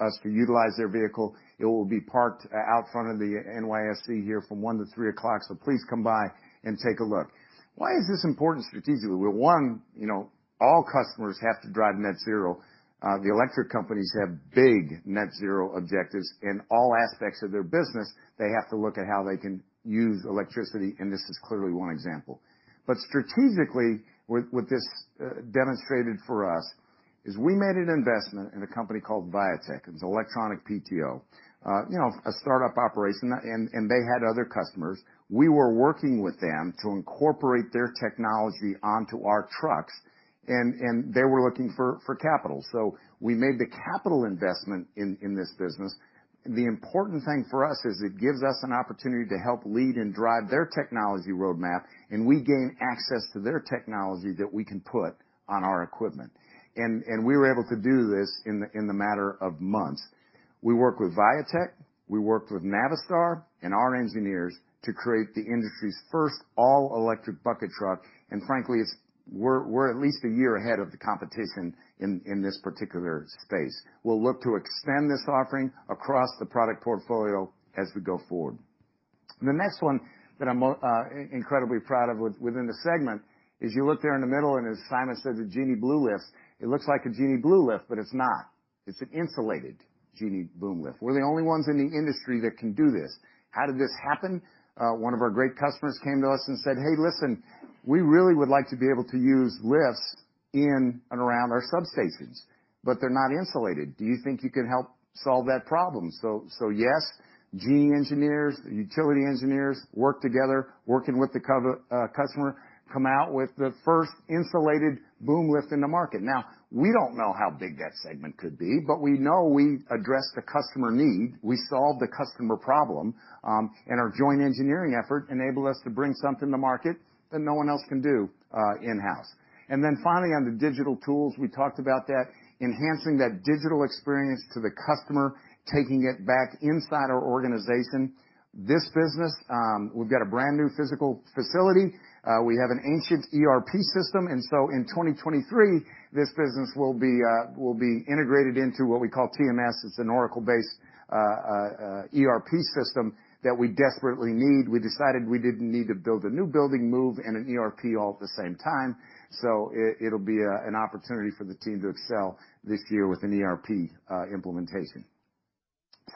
us to utilize their vehicle. It will be parked out front of the NYSE here from 1 to 3 o'clock, please come by and take a look. Why is this important strategically? Well, 1, you know, all customers have to drive net zero. The electric companies have big net zero objectives. In all aspects of their business, they have to look at how they can use electricity, and this is clearly 1 example. Strategically, what this demonstrated for us is we made an investment in a company called Viatec. It's electronic PTO, you know, a startup operation, and they had other customers. We were working with them to incorporate their technology onto our trucks and they were looking for capital. We made the capital investment in this business. The important thing for us is it gives us an opportunity to help lead and drive their technology roadmap, and we gain access to their technology that we can put on our equipment. We were able to do this in the matter of months. We worked with Viatec, we worked with Navistar and our engineers to create the industry's first all-electric bucket truck, and frankly, we're at least 1 year ahead of the competition in this particular space. We'll look to extend this offering across the product portfolio as we go forward. The next one that I'm incredibly proud of within the segment is you look there in the middle, and as Simon said, the Genie boom lift. It looks like a Genie boom lift, but it's not. It's an insulated Genie boom lift. We're the only ones in the industry that can do this. How did this happen? One of our great customers came to us and said, "Hey, listen, we really would like to be able to use lifts in and around our substations, but they're not insulated. Do you think you could help solve that problem?" Yes, Genie engineers, utility engineers worked together, working with the customer, come out with the first insulated boom lift in the market. We don't know how big that segment could be, but we know we addressed the customer need, we solved the customer problem, and our joint engineering effort enabled us to bring something to market that no one else can do in-house. Finally, on the digital tools, we talked about that, enhancing that digital experience to the customer, taking it back inside our organization. This business, we've got a brand new physical facility. We have an ancient ERP system. In 2023, this business will be integrated into what we call TMS. It's an Oracle-based ERP system that we desperately need. We decided we didn't need to build a new building, move, and an ERP all at the same time. So it'll be an opportunity for the team to excel this year with an ERP implementation.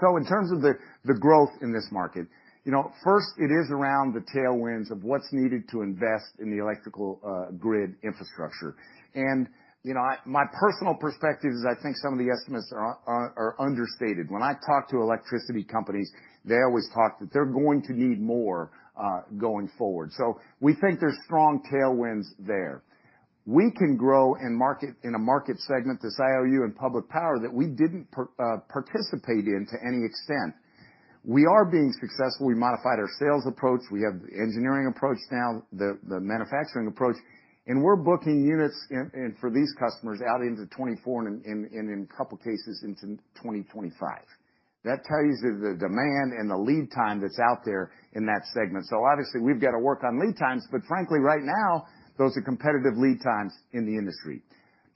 In terms of the growth in this market, you know, first it is around the tailwinds of what's needed to invest in the electrical grid infrastructure. You know, my personal perspective is I think some of the estimates are understated. When I talk to electricity companies, they always talk that they're going to need more going forward. We think there's strong tailwinds there. We can grow in market, in a market segment that's IOU and public power that we didn't participate in to any extent. We are being successful. We modified our sales approach. We have the engineering approach now, the manufacturing approach, and we're booking units and for these customers out into 2024 and in couple cases into 2025. That tells you the demand and the lead time that's out there in that segment. Obviously, we've got to work on lead times, but frankly, right now, those are competitive lead times in the industry.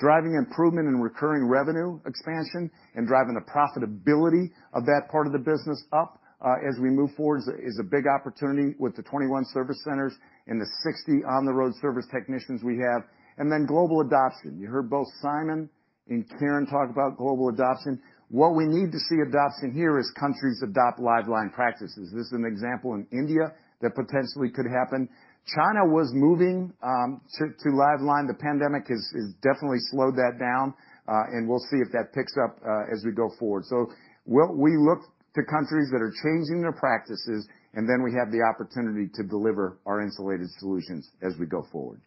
Driving improvement in recurring revenue expansion and driving the profitability of that part of the business up as we move forward is a big opportunity with the 21 service centers and the 60 on-the-road service technicians we have. Global adoption. You heard both Simon and Kieran talk about global adoption. What we need to see adoption here is countries adopt live line practices. This is an example in India that potentially could happen. China was moving to live line. The pandemic has definitely slowed that down, and we'll see if that picks up as we go forward. What we look to countries that are changing their practices, and then we have the opportunity to deliver our insulated solutions as we go forward.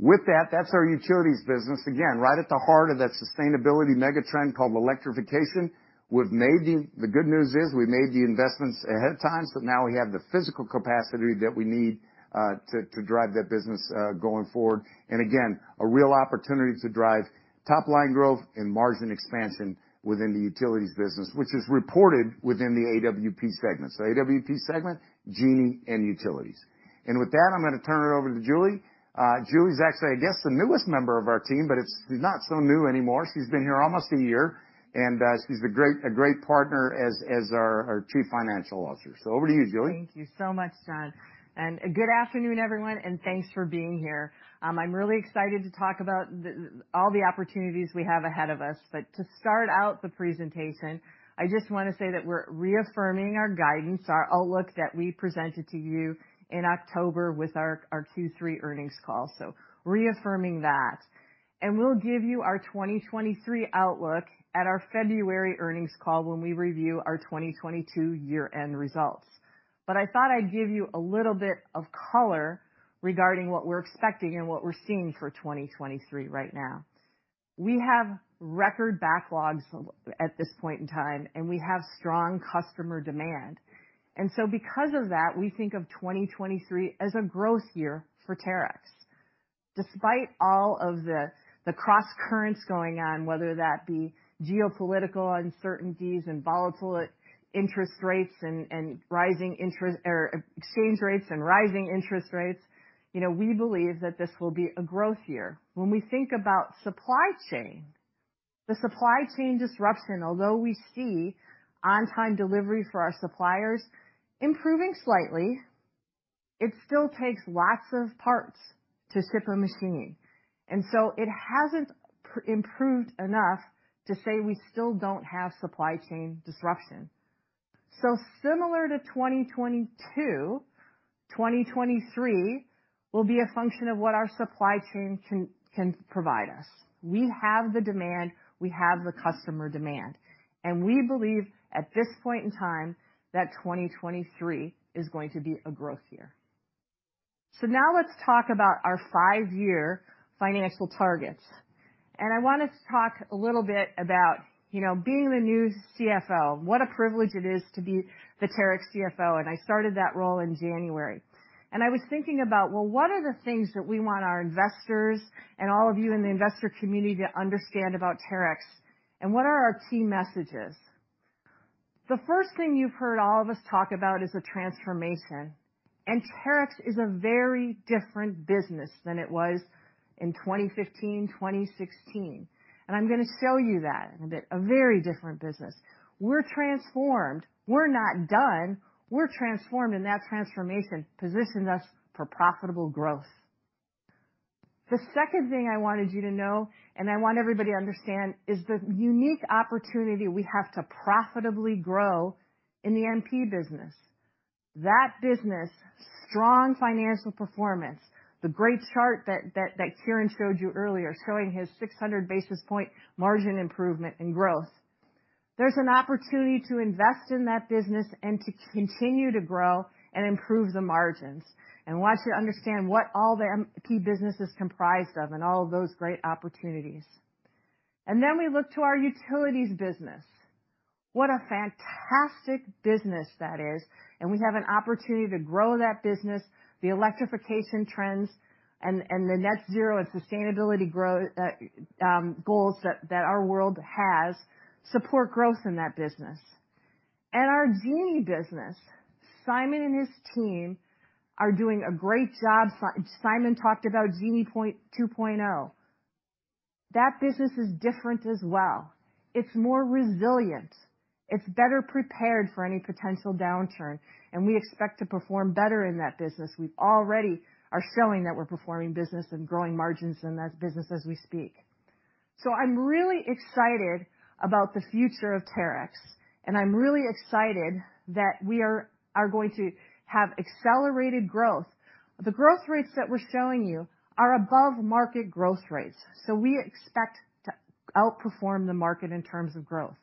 With that's our utilities business. Again, right at the heart of that sustainability mega trend called electrification. The good news is we made the investments ahead of time, so now we have the physical capacity that we need to drive that business going forward. A real opportunity to drive top line growth and margin expansion within the utilities business, which is reported within the AWP segment. AWP segment, Genie and utilities. I'm gonna turn it over to Julie. Julie's actually, I guess, the newest member of our team, but she's not so new anymore. She's been here almost a year, and she's a great partner as our Chief Financial Officer. Over to you, Julie. Thank you so much, John. Good afternoon, everyone, and thanks for being here. I'm really excited to talk about all the opportunities we have ahead of us. To start out the presentation, I just want to say that we're reaffirming our guidance, our outlook that we presented to you in October with our Q3 earnings call. Reaffirming that. We'll give you our 2023 outlook at our February earnings call when we review our 2022 year-end results. I thought I'd give you a little bit of color regarding what we're expecting and what we're seeing for 2023 right now. We have record backlogs at this point in time, and we have strong customer demand. Because of that, we think of 2023 as a growth year for Terex. Despite all of the crosscurrents going on, whether that be geopolitical uncertainties and volatile interest rates and rising exchange rates and rising interest rates, you know, we believe that this will be a growth year. When we think about supply chain, the supply chain disruption, although we see on-time delivery for our suppliers improving slightly, it still takes lots of parts to ship a machine. It hasn't improved enough to say we still don't have supply chain disruption. Similar to 2022, 2023 will be a function of what our supply chain can provide us. We have the demand, we have the customer demand, and we believe at this point in time that 2023 is going to be a growth year. Now let's talk about our five-year financial targets. I want us to talk a little bit about, you know, being the new CFO, what a privilege it is to be the Terex CFO, and I started that role in January. I was thinking about, well, what are the things that we want our investors and all of you in the investor community to understand about Terex, and what are our key messages? The first thing you've heard all of us talk about is the transformation, and Terex is a very different business than it was in 2015, 2016, and I'm gonna show you that in a bit, a very different business. We're transformed. We're not done. We're transformed, and that transformation positions us for profitable growth. The second thing I wanted you to know, and I want everybody to understand, is the unique opportunity we have to profitably grow in the MP business. That business, strong financial performance. The great chart that Kieran showed you earlier showing his 600 basis point margin improvement and growth. There's an opportunity to invest in that business and to continue to grow and improve the margins. I want you to understand what all the MP business is comprised of and all of those great opportunities. We look to our utilities business. What a fantastic business that is. We have an opportunity to grow that business, the electrification trends and the net zero and sustainability goals that our world has support growth in that business. Our Genie business, Simon and his team are doing a great job. Simon talked about Genie 2.0. That business is different as well. It's more resilient. It's better prepared for any potential downturn, and we expect to perform better in that business. We already are showing that we're performing business and growing margins in that business as we speak. I'm really excited about the future of Terex, and I'm really excited that we are going to have accelerated growth. The growth rates that we're showing you are above market growth rates, so we expect to outperform the market in terms of growth.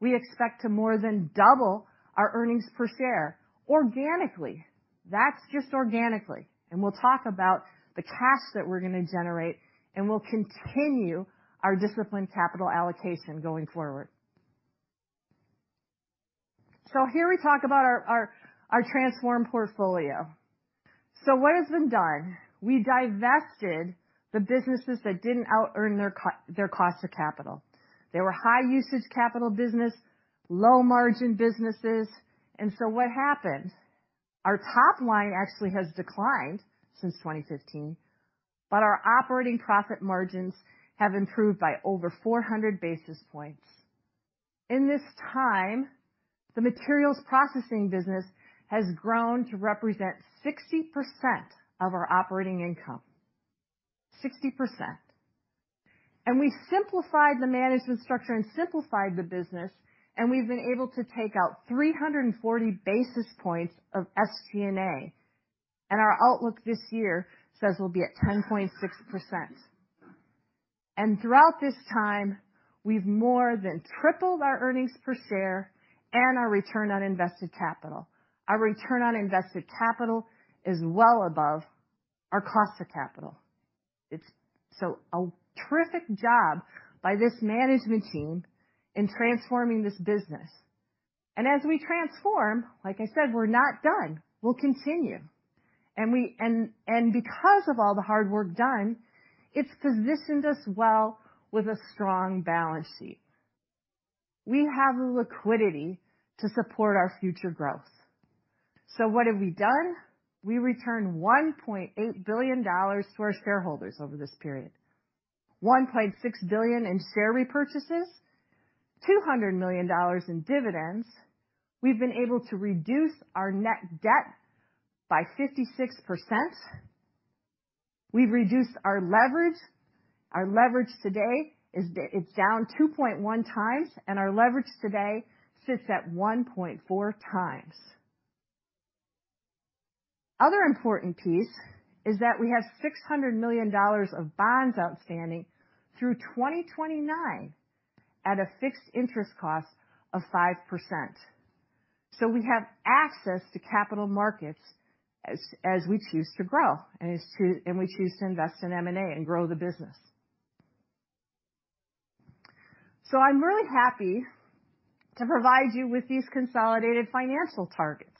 We expect to more than double our earnings per share organically. That's just organically, and we'll talk about the cash that we're gonna generate, and we'll continue our disciplined capital allocation going forward. Here we talk about our transformed portfolio. What has been done? We divested the businesses that didn't outearn their cost of capital. They were high-usage capital business, low-margin businesses. What happened? Our top line actually has declined since 2015, but our operating profit margins have improved by over 400 basis points. In this time, the materials processing business has grown to represent 60% of our operating income. 60%. We simplified the management structure and simplified the business, and we've been able to take out 340 basis points of SG&A. Our outlook this year says we'll be at 10.6%. Throughout this time, we've more than tripled our earnings per share and our return on invested capital. Our return on invested capital is well above our cost of capital. It's so a terrific job by this management team in transforming this business. As we transform, like I said, we're not done. We'll continue. Because of all the hard work done, it's positioned us well with a strong balance sheet. We have the liquidity to support our future growth. What have we done? We returned $1.8 billion to our shareholders over this period. $1.6 billion in share repurchases, $200 million in dividends. We've been able to reduce our net debt by 56%. We've reduced our leverage. Our leverage today is down 2.1 times, and our leverage today sits at 1.4 times. Other important piece is that we have $600 million of bonds outstanding through 2029 at a fixed interest cost of 5%. We have access to capital markets as we choose to grow, as we choose to invest in M&A and grow the business. I'm really happy to provide you with these consolidated financial targets.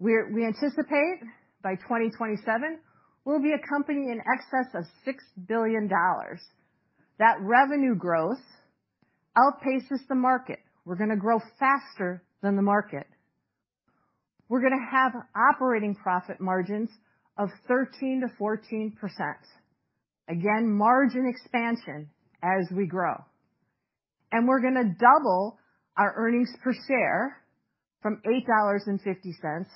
We anticipate by 2027, we'll be a company in excess of $6 billion. That revenue growth outpaces the market. We're gonna grow faster than the market. We're gonna have operating profit margins of 13%-14%. Again, margin expansion as we grow. We're gonna double our earnings per share from $8.50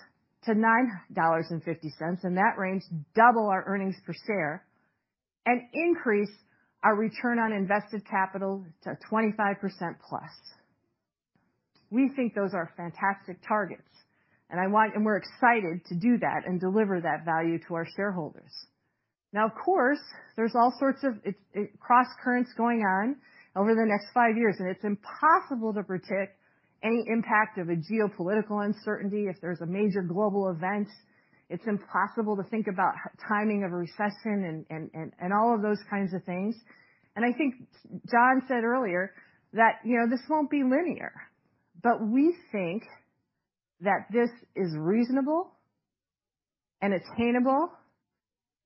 to $9.50, in that range, double our earnings per share and increase our return on invested capital to 25% plus. We think those are fantastic targets, and we're excited to do that and deliver that value to our shareholders. Of course, there's all sorts of, it's crosscurrents going on over the next 5 years, and it's impossible to predict any impact of a geopolitical uncertainty, if there's a major global event. It's impossible to think about timing of a recession and all of those kinds of things. I think John said earlier that, you know, this won't be linear. We think that this is reasonable and attainable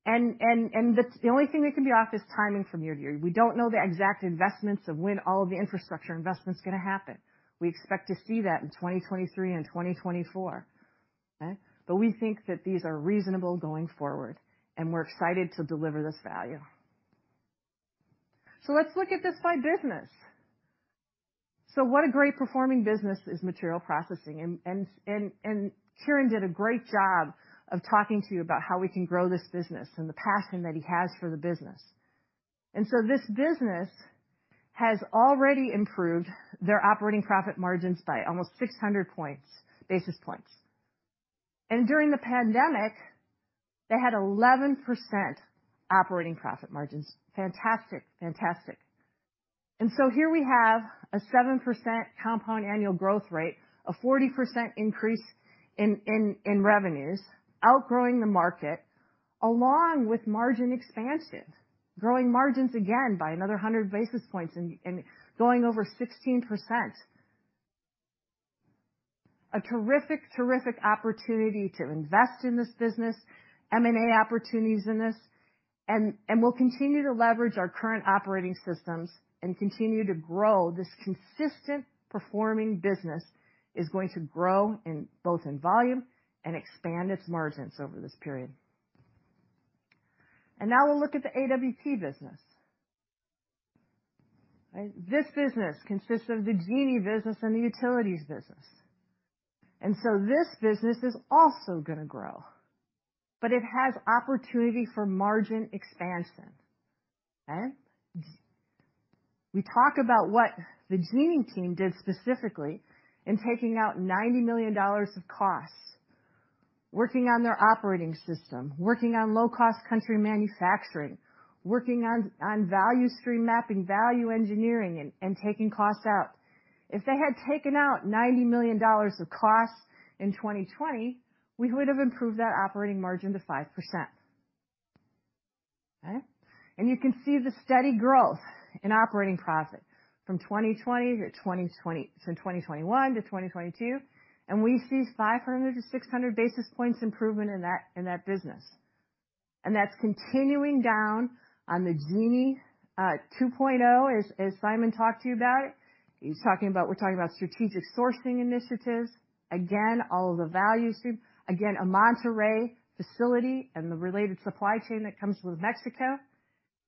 and the only thing that can be off is timing from year to year. We don't know the exact investments of when all of the infrastructure investment's gonna happen. We expect to see that in 2023 and 2024. Okay. We think that these are reasonable going forward, and we're excited to deliver this value. Let's look at this by business. What a great performing business is Materials Processing. Kieran did a great job of talking to you about how we can grow this business and the passion that he has for the business. This business has already improved their operating profit margins by almost 600 basis points. During the pandemic, they had 11% operating profit margins. Fantastic. Fantastic. Here we have a 7% compound annual growth rate, a 40% increase in revenues, outgrowing the market, along with margin expansion, growing margins again by another 100 basis points and going over 16%. A terrific opportunity to invest in this business, M&A opportunities in this, and we'll continue to leverage our current operating systems and continue to grow this consistent performing business is going to grow both in volume and expand its margins over this period. Now we'll look at the AWP business. Right? This business consists of the Genie business and the Utilities business. This business is also gonna grow, but it has opportunity for margin expansion. Okay? We talk about what the Genie team did specifically in taking out $90 million of costs, working on their operating system, working on low-cost country manufacturing, working on value stream mapping, value engineering and taking costs out. If they had taken out $90 million of costs in 2020, we would have improved that operating margin to 5%. Okay? You can see the steady growth in operating profit from 2020 to 2021 to 2022, and we see 500 to 600 basis points improvement in that business. That's continuing down on the Genie 2.0, as Simon talked to you about. We're talking about strategic sourcing initiatives. Again, all of the value stream. Again, a Monterrey facility and the related supply chain that comes with Mexico.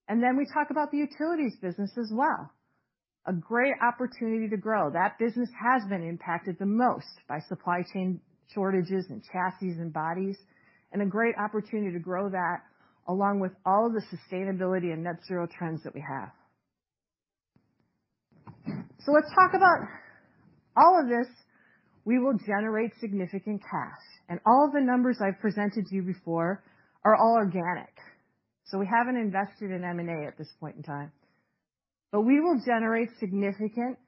We talk about the utilities business as well. A great opportunity to grow. That business has been impacted the most by supply chain shortages and chassis and bodies, and a great opportunity to grow that along with all of the sustainability and net zero trends that we have. Let's talk about all of this. We will generate significant cash, and all of the numbers I've presented to you before are all organic. We haven't invested in M&A at this point in time. We will generate significant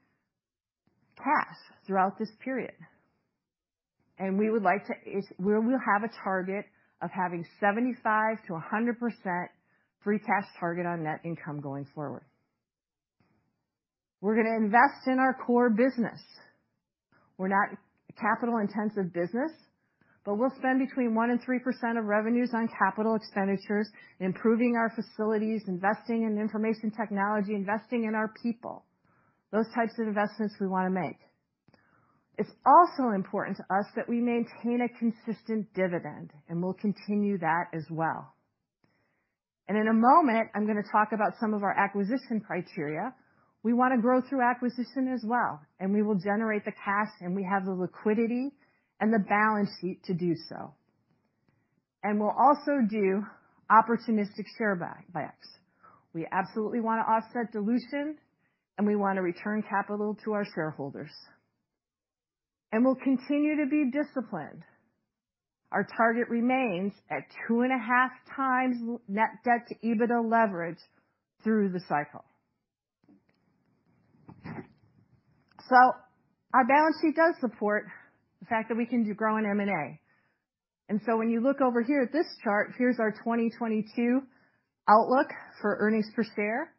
cash throughout this period. We will have a target of having 75%-100% free cash target on net income going forward. We're gonna invest in our core business. We're not a capital-intensive business, but we'll spend between 1% and 3% of revenues on capital expenditures, improving our facilities, investing in information technology, investing in our people. Those types of investments we wanna make. It's also important to us that we maintain a consistent dividend, and we'll continue that as well. In a moment, I'm gonna talk about some of our acquisition criteria. We wanna grow through acquisition as well. We will generate the cash, and we have the liquidity and the balance sheet to do so. We'll also do opportunistic share buybacks. We absolutely wanna offset dilution, and we wanna return capital to our shareholders. We'll continue to be disciplined. Our target remains at 2.5x net debt to EBITDA leverage through the cycle. Our balance sheet does support the fact that we can do grow in M&A. When you look over here at this chart, here's our 2022 outlook for earnings per share,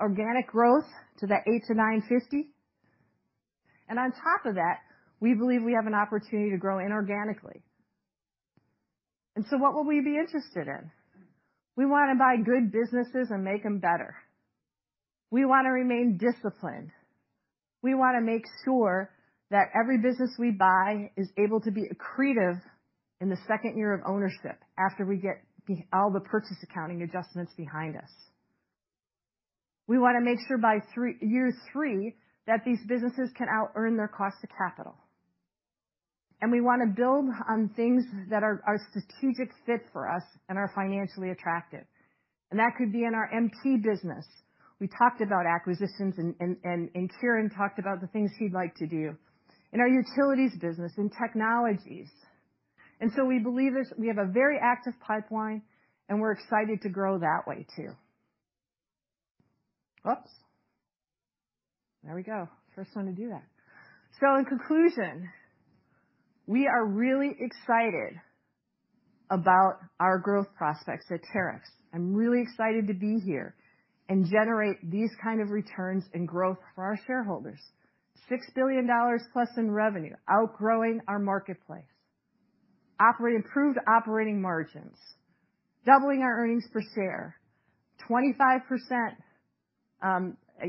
organic growth to that $8.00-$9.50. On top of that, we believe we have an opportunity to grow inorganically. What will we be interested in? We wanna buy good businesses and make them better. We wanna remain disciplined. We want to make sure that every business we buy is able to be accretive in the second year of ownership after we get all the purchase accounting adjustments behind us. We want to make sure by year three that these businesses can outearn their cost to capital. We want to build on things that are a strategic fit for us and are financially attractive. That could be in our MP business. We talked about acquisitions, and Kieran talked about the things he'd like to do. In our utilities business, in technologies. We believe this. We have a very active pipeline, and we're excited to grow that way too. Oops. There we go. First one to do that. In conclusion, we are really excited about our growth prospects at Terex. I'm really excited to be here and generate these kind of returns and growth for our shareholders. $6 billion plus in revenue, outgrowing our marketplace. improved operating margins, doubling our earnings per share, 25%,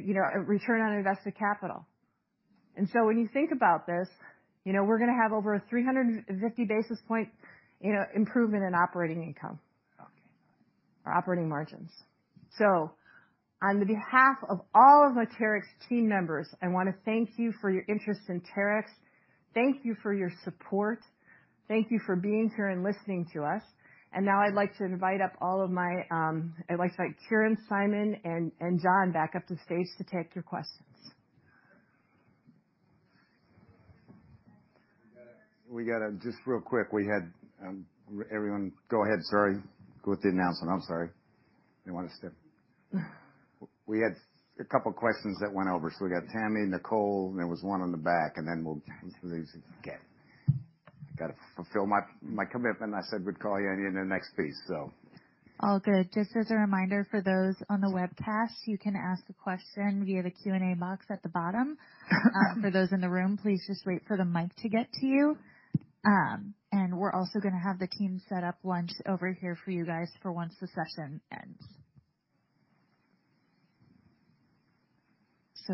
you know, return on invested capital. When you think about this, you know, we're gonna have over a 350 basis point, you know, improvement in operating income. Okay. Or operating margins. On the behalf of all of the Terex team members, I wanna thank you for your interest in Terex. Thank you for your support. Thank you for being here and listening to us. Now I'd like to invite Kieran, Simon, and John back up to the stage to take your questions. We gotta. Just real quick, we had everyone go ahead. Sorry. Go with the announcement. I'm sorry. We had a couple questions that went over. We got Tami, Nicole, and there was one on the back, and then we'll do these again. Gotta fulfill my commitment. I said we'd call you in the next piece. All good. Just as a reminder for those on the webcast, you can ask a question via the Q&A box at the bottom. For those in the room, please just wait for the mic to get to you. We're also gonna have the team set up lunch over here for you guys for once the session ends.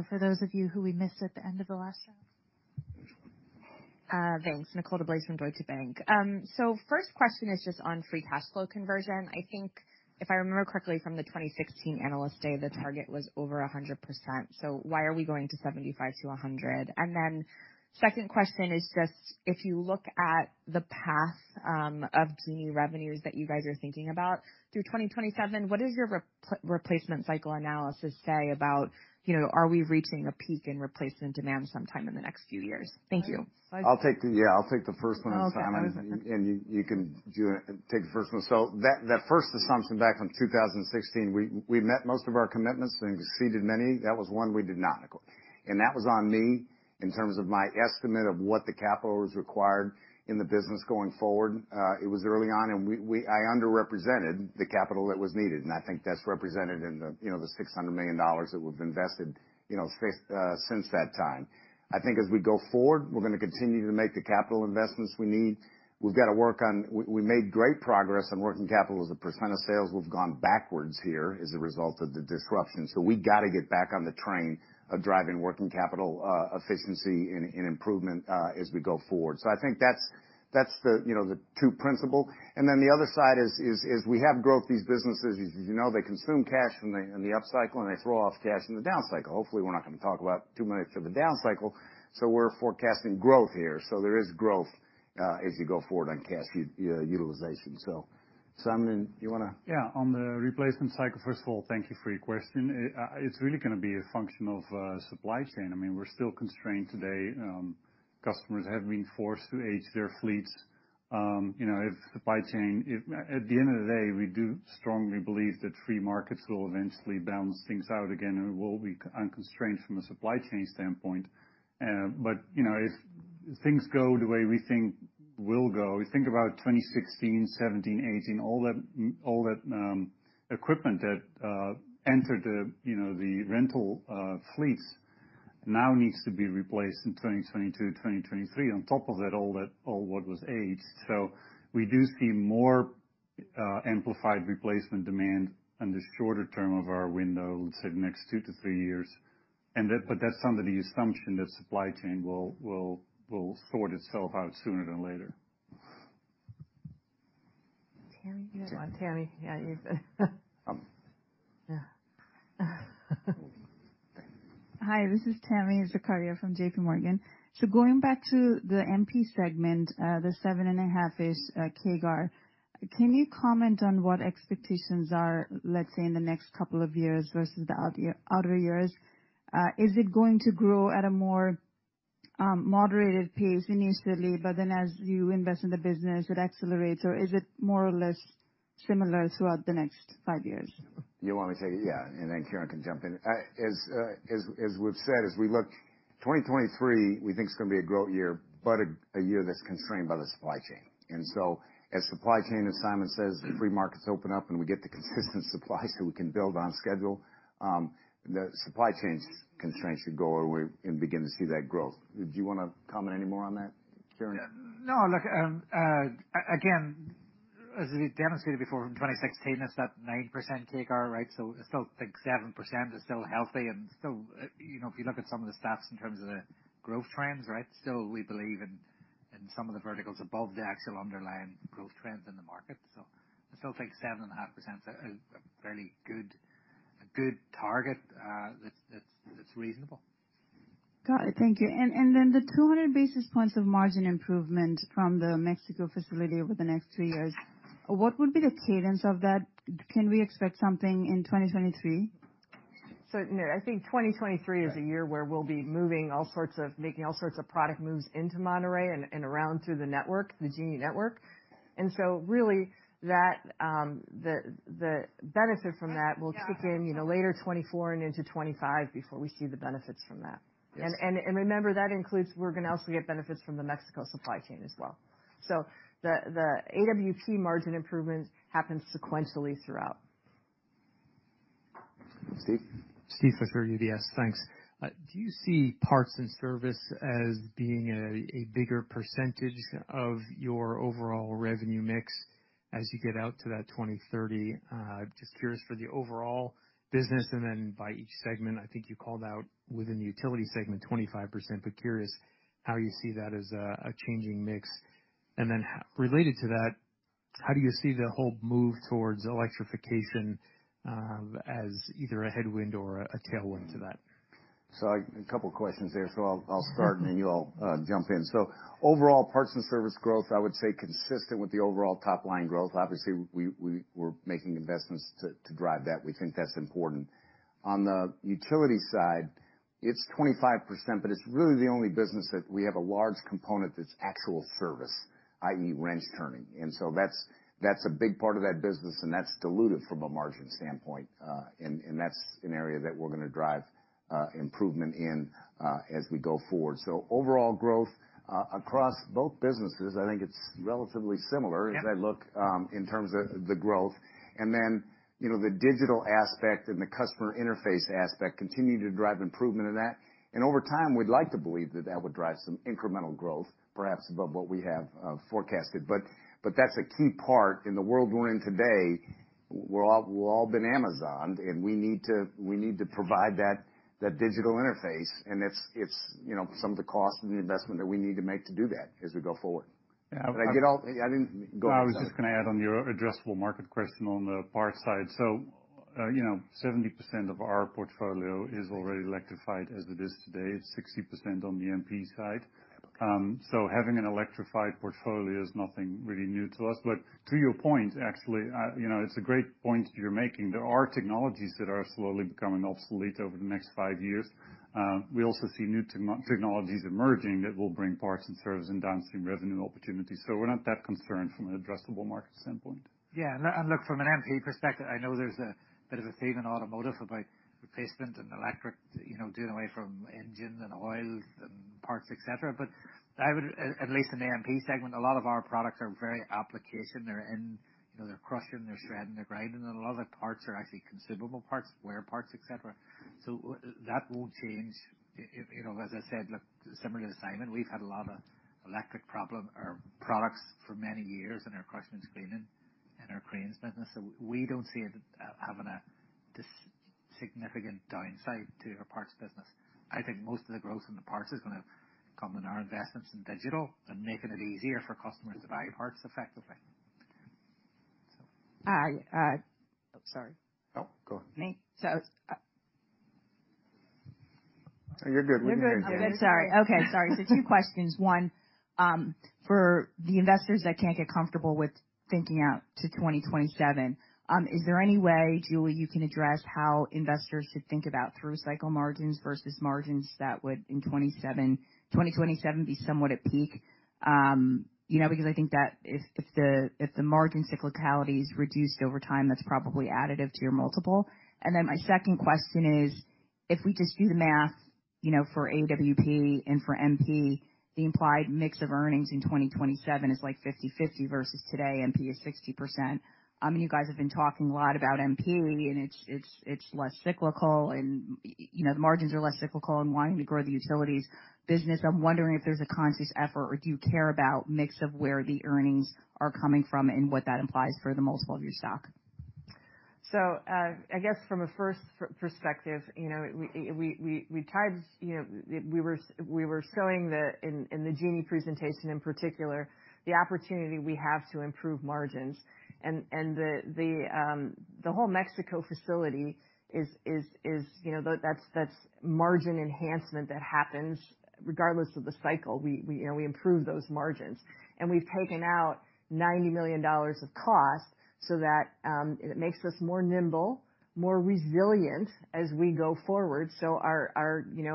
For those of you who we missed at the end of the last round. Thanks. Nicole DeBlase from Deutsche Bank. First question is just on free cash flow conversion. I think if I remember correctly from the 2016 Analyst Day, the target was over 100%. Why are we going to 75%-100%? Second question is just, if you look at the path of the new revenues that you guys are thinking about through 2027, what does your replacement cycle analysis say about, you know, are we reaching a peak in replacement demand sometime in the next few years? Thank you. So I think- Yeah, I'll take the first one, Simon. Okay. You, you can do it. Take the first one. That, that first assumption back from 2016, we met most of our commitments and exceeded many. That was one we did not. That was on me in terms of my estimate of what the capital was required in the business going forward. It was early on, and I underrepresented the capital that was needed, and I think that's represented in the, you know, the $600 million that we've invested, you know, since that time. I think as we go forward, we're gonna continue to make the capital investments we need. We've got to work on... We made great progress on working capital. As a % of sales, we've gone backwards here as a result of the disruption. We gotta get back on the train of driving working capital efficiency and improvement as we go forward. I think that's the, you know, the two principle. Then the other side is we have growth. These businesses, as you know, they consume cash in the up cycle, and they throw off cash in the down cycle. Hopefully, we're not gonna talk about too much of a down cycle. We're forecasting growth here. There is growth as we go forward on cash utilization. Simon, you wanna- Yeah. On the replacement cycle, first of all, thank you for your question. It's really gonna be a function of supply chain. I mean, we're still constrained today. Customers have been forced to age their fleets. You know, if at the end of the day, we do strongly believe that free markets will eventually balance things out again and we'll be unconstrained from a supply chain standpoint. You know, if things go the way we think will go, we think about 2016, 2017, 2018, all that, all that equipment that entered the, you know, the rental fleets now needs to be replaced in 2022, 2023 on top of that all that, all what was aged. We do see more amplified replacement demand in the shorter term of our window, let's say the next 2 to 3 years. That's under the assumption that supply chain will sort itself out sooner than later. Tami. You have one. Tami, yeah, you're good. Yeah. Hi, this is Tami Zakaria from JPMorgan. Going back to the MP segment, the 7.5-ish CAGR, can you comment on what expectations are, let's say, in the next couple of years versus the outer years? Is it going to grow at a more moderated pace initially, but then as you invest in the business, it accelerates? Is it more or less similar throughout the next 5 years? You want me take it? Yeah, then Kieran can jump in. As we've said, as we look, 2023, we think it's gonna be a growth year, but a year that's constrained by the supply chain. As supply chain, as Simon says, the free markets open up and we get the consistent supplies that we can build on schedule, the supply chains constraints should go away and begin to see that growth. Did you wanna comment any more on that, Kieran? Look, again, as we demonstrated before from 2016, it's that 9% CAGR, right? I still think 7% is still healthy and still, you know, if you look at some of the stats in terms of the growth trends, right? Still, we believe in some of the verticals above the actual underlying growth trends in the market. I still think 7.5% is a very good, a good target that's reasonable. Got it. Thank you. The 200 basis points of margin improvement from the Mexico facility over the next three years, what would be the cadence of that? Can we expect something in 2023? No, I think 2023 is the year where we'll be making all sorts of product moves into Monterrey and around through the network, the Genie network. Really that, the benefit from that will kick in, you know, later 2024 and into 2025 before we see the benefits from that. Remember, that includes we're gonna also get benefits from the Mexico supply chain as well. The AWP margin improvements happen sequentially throughout. Steve? Steve from UBS. Thanks. Do you see parts and service as being a bigger percentage of your overall revenue mix as you get out to that 2030? Just curious for the overall business and then by each segment. I think you called out within the utility segment 25%, but curious how you see that as a changing mix. Related to that, how do you see the whole move towards electrification as either a headwind or a tailwind to that? A couple questions there. I'll start, and then you all jump in. Overall parts and service growth, I would say consistent with the overall top line growth. Obviously, we're making investments to drive that. We think that's important. On the utility side, it's 25%, but it's really the only business that we have a large component that's actual service, i.e., wrench-turning. That's a big part of that business, and that's dilutive from a margin standpoint. And that's an area that we're gonna drive improvement in as we go forward. Overall growth across both businesses, I think it's relatively similar. Yeah. As I look, in terms of the growth. Then, you know, the digital aspect and the customer interface aspect continue to drive improvement in that. Over time, we'd like to believe that that would drive some incremental growth, perhaps above what we have, forecasted. That's a key part. In the world we're in today, we've all been Amazoned, and we need to provide that digital interface. It's, you know, some of the cost and the investment that we need to make to do that as we go forward. Yeah. Did I get all? I didn't. Go ahead, Simon. I was just gonna add on your addressable market question on the parts side. You know, 70% of our portfolio is already electrified as it is today. It's 60% on the MP side. Having an electrified portfolio is nothing really new to us. To your point, actually, you know, it's a great point you're making. There are technologies that are slowly becoming obsolete over the next 5 years. We also see new technologies emerging that will bring parts and service and downstream revenue opportunities. We're not that concerned from an addressable market standpoint. Yeah. Look, from an MP perspective, I know there's a bit of a theme in automotive about replacement and electric, you know, doing away from engines and oils and parts, et cetera. I would, at least in the MP segment, a lot of our products are very application. You know, they're crushing, they're shredding, they're grinding. A lot of the parts are actually consumable parts, wear parts, et cetera. That won't change. You know, as I said, look, similar to Simon, we've had a lot of electric products for many years in our crushing and screening and our cranes business. We don't see it having a significant downside to our parts business. I think most of the growth in the parts is gonna come in our investments in digital and making it easier for customers to buy parts effectively. So. Oh, sorry. Oh, go ahead. Me? You're good. You can continue. You're good. Sorry. 2 questions. One, for the investors that can't get comfortable with thinking out to 2027, is there any way, Julie, you can address how investors should think about through cycle margins versus margins that would in 2027 be somewhat at peak? You know, because I think that if the margin cyclicality is reduced over time, that's probably additive to your multiple. My second question is, if we just do the math, you know, for AWP and for MP, the implied mix of earnings in 2027 is like 50/50 versus today, MP is 60%. You guys have been talking a lot about MP, and it's less cyclical and, you know, the margins are less cyclical and wanting to grow the utilities business. I'm wondering if there's a conscious effort or do you care about mix of where the earnings are coming from and what that implies for the multiple of your stock? I guess from a first perspective, you know, we tried, you know, we were showing the in the Genie presentation, in particular, the opportunity we have to improve margins and the the whole Mexico facility is, you know, that's margin enhancement that happens regardless of the cycle. We, you know, we improve those margins. And we've taken out $90 million of cost so that it makes us more nimble, more resilient as we go forward. Our, you know,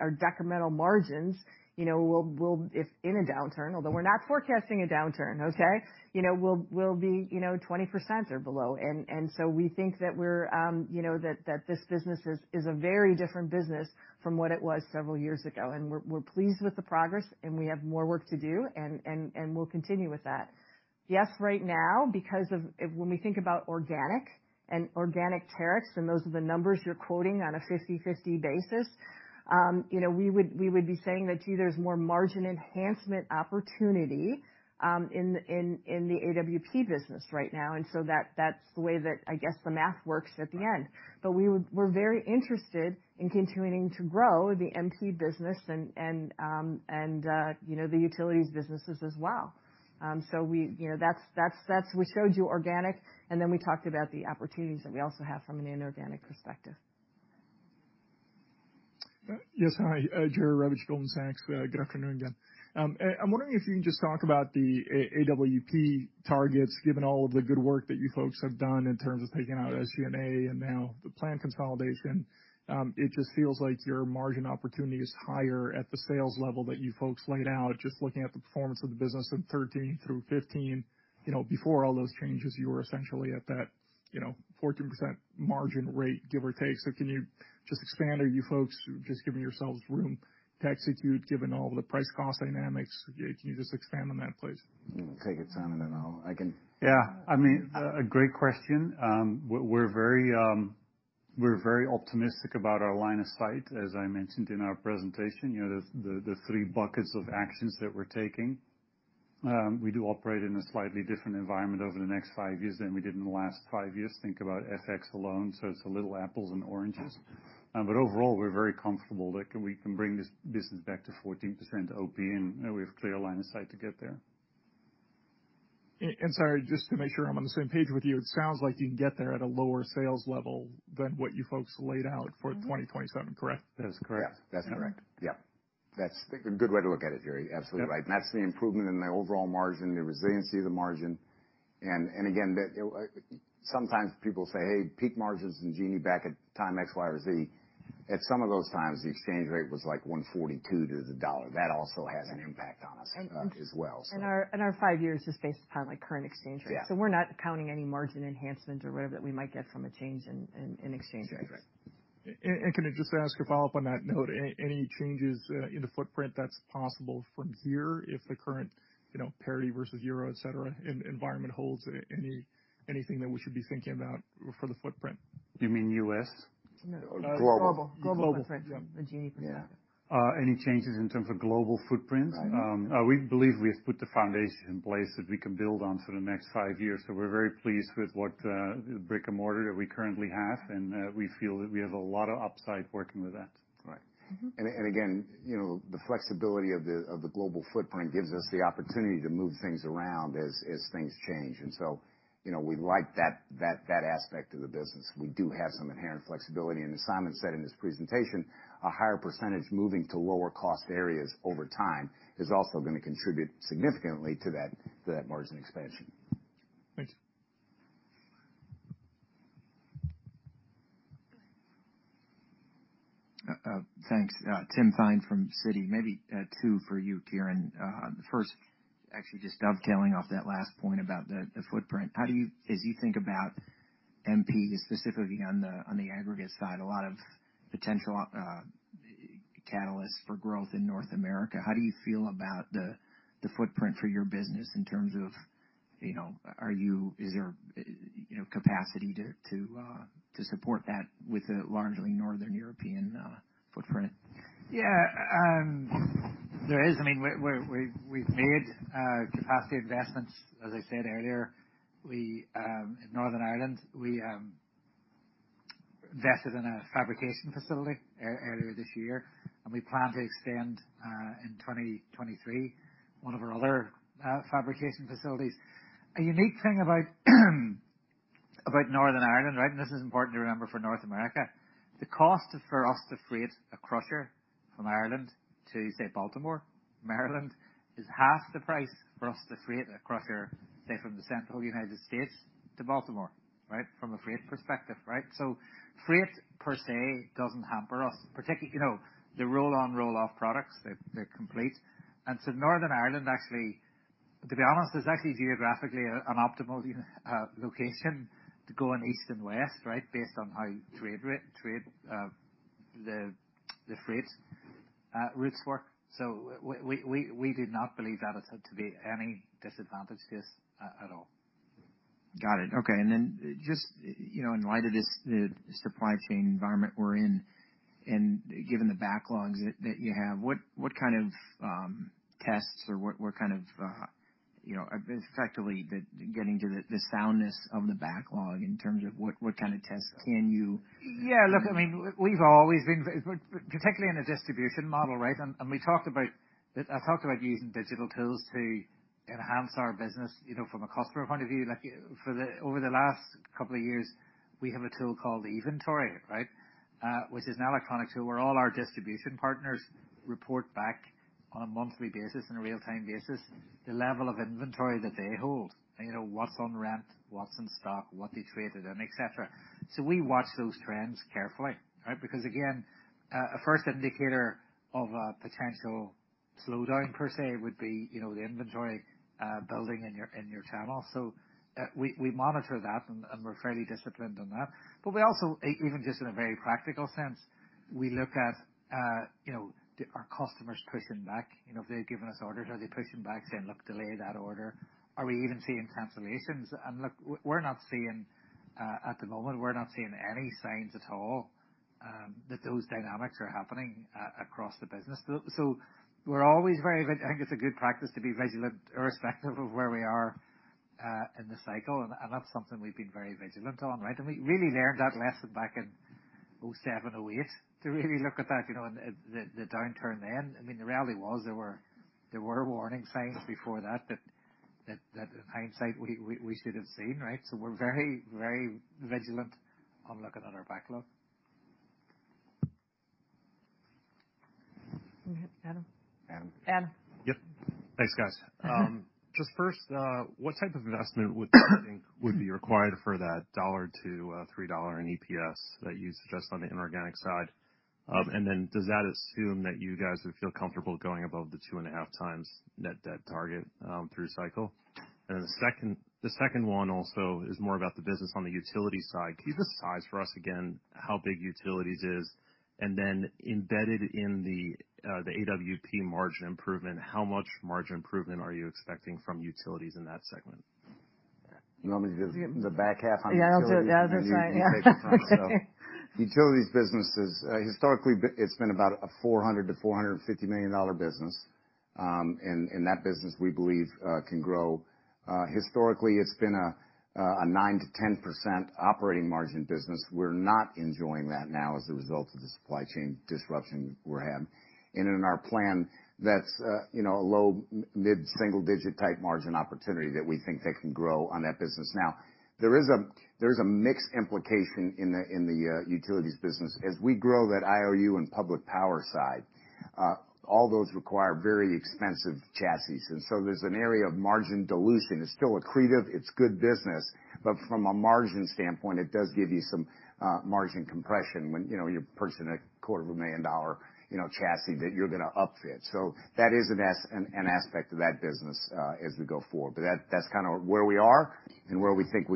our decremental margins, you know, will if in a downturn, although we're not forecasting a downturn, okay? You know, will be, you know, 20% or below. We think that we're, you know, that this business is a very different business from what it was several years ago. We're pleased with the progress, and we have more work to do, and we'll continue with that. Right now, because of when we think about organic and organic tariffs, and those are the numbers you're quoting on a 50/50 basis, you know, we would be saying that, gee, there's more margin enhancement opportunity, in the AWP business right now. That's the way that, I guess, the math works at the end. We're very interested in continuing to grow the MP business and, you know, the utilities businesses as well. We, you know, we showed you organic, and then we talked about the opportunities that we also have from an inorganic perspective. Yes. Hi, Jerry Revich, Goldman Sachs. Good afternoon again. I'm wondering if you can just talk about the AWP targets, given all of the good work that you folks have done in terms of taking out SG&A and now the plan consolidation. It just feels like your margin opportunity is higher at the sales level that you folks laid out. Just looking at the performance of the business in 13 through 15, you know, before all those changes, you were essentially at that, you know, 14% margin rate, give or take. Can you just expand? Are you folks just giving yourselves room to execute, given all the price cost dynamics? Can you just expand on that, please? Take a time and then I can. Yeah. I mean, a great question. We're very optimistic about our line of sight, as I mentioned in our presentation. You know, the 3 buckets of actions that we're taking. We do operate in a slightly different environment over the next 5 years than we did in the last 5 years. Think about FX alone, so it's a little apples and oranges. Overall, we're very comfortable that we can bring this business back to 14% OPI, and we have clear line of sight to get there. Sorry, just to make sure I'm on the same page with you. It sounds like you can get there at a lower sales level than what you folks laid out for 2027, correct? That is correct. Yeah. That's correct. Yeah. That's a good way to look at it, Jerry. Absolutely right. That's the improvement in the overall margin, the resiliency of the margin. Again, that sometimes people say, "Hey, peak margins and Genie back at time X, Y, or Z." At some of those times, the exchange rate was like 1.42 to the dollar. That also has an impact on us as well, so. Our five years is based upon like current exchange rates. Yeah. We're not counting any margin enhancements or whatever that we might get from a change in, in exchange rates. Exactly. And can I just ask a follow-up on that note? Any changes in the footprint that's possible from here if the current, you know, parity versus euro, et cetera, environment holds, anything that we should be thinking about for the footprint? You mean U.S.? No. Global. Global. Global footprint. From a Genie perspective. Yeah. Any changes in terms of global footprint? Right. We believe we have put the foundation in place that we can build on for the next five years. We're very pleased with what, brick and mortar that we currently have, and, we feel that we have a lot of upside working with that. Right, and again, you know, the flexibility of the global footprint gives us the opportunity to move things around as things change. So, you know, we like that aspect of the business. We do have some inherent flexibility. As Simon said in his presentation, a higher percentage moving to lower cost areas over time is also gonna contribute significantly to that margin expansion. Thanks. Thanks. Timothy Thein from Citi. Maybe two for you, Kieran. The first actually just dovetailing off that last point about the footprint. As you think about MP, specifically on the aggregate side, a lot of potential catalysts for growth in North America, how do you feel about the footprint for your business in terms of, you know, is there, you know, capacity to support that with a largely northern European footprint? Yeah. There is. I mean, we've made capacity investments. As I said earlier, we in Northern Ireland, we invested in a fabrication facility earlier this year, and we plan to extend in 2023, one of our other fabrication facilities. A unique thing about Northern Ireland, right? This is important to remember for North America. The cost for us to freight a crusher from Ireland to, say, Baltimore, Maryland, is half the price for us to freight a crusher, say, from the central United States to Baltimore, right? From a freight perspective, right? Freight per se doesn't hamper us. You know, the roll-on/roll-off products, they're complete. Northern Ireland actually-To be honest, it's actually geographically an optimal, you know, location to go on east and west, right? Based on how trade, the freights, routes work. We do not believe that is to be any disadvantage to this at all. Got it. Okay. Then just, you know, in light of this, the supply chain environment we're in and given the backlogs that you have, what kind of tests or what kind of, you know, effectively getting to the soundness of the backlog in terms of what kind of tests can you-? Yeah, look, I mean, we've always been, particularly in a distribution model, right? I talked about using digital tools to enhance our business, you know, from a customer point of view. Over the last couple of years, we have a tool called the Inventory, right? Which is an electronic tool where all our distribution partners report back on a monthly basis, on a real-time basis, the level of inventory that they hold. You know, what's on rent, what's in stock, what they traded in, et cetera. We watch those trends carefully, right? Because, again, a first indicator of a potential slowdown per se would be, you know, the inventory building in your, in your channel. We monitor that and we're fairly disciplined on that. We also, even just in a very practical sense, we look at, you know, are customers pushing back? You know, if they've given us orders, are they pushing back saying, "Look, delay that order." Are we even seeing cancellations? Look, we're not seeing, at the moment, we're not seeing any signs at all, that those dynamics are happening across the business. So we're always I think it's a good practice to be vigilant irrespective of where we are in the cycle, and that's something we've been very vigilant on, right? We really learned that lesson back in 2007, 2008, to really look at that, you know, the downturn then. I mean, the reality was there were warning signs before that in hindsight we should have seen, right? We're very vigilant on looking at our backlog. Go ahead, Adam. Adam. Adam. Yep. Thanks, guys. Just first, what type of investment would you think would be required for that $1 to $3 in EPS that you suggest on the inorganic side? Does that assume that you guys would feel comfortable going above the 2.5 times net debt target through cycle? The second one also is more about the business on the utility side. Can you give the size for us again, how big utilities is? Then embedded in the AWP margin improvement, how much margin improvement are you expecting from utilities in that segment? You want me to give the back half on utilities? Yeah, I'll do it. That's right. Yeah. Utilities businesses, historically it's been about a $400 million-$450 million business. That business we believe can grow. Historically, it's been a 9%-10% operating margin business. We're not enjoying that now as a result of the supply chain disruption we're having. In our plan, that's, you know, a low-mid single-digit type margin opportunity that we think they can grow on that business. There is a mixed implication in the utilities business. As we grow that IOU and public power side, all those require very expensive chassis. There's an area of margin dilution. It's still accretive, it's good business. From a margin standpoint, it does give you some margin compression when, you know, you're purchasing a quarter of a million dollar, you know, chassis that you're gonna upfit. That is an aspect of that business as we go forward. That, that's kinda where we are and where we think.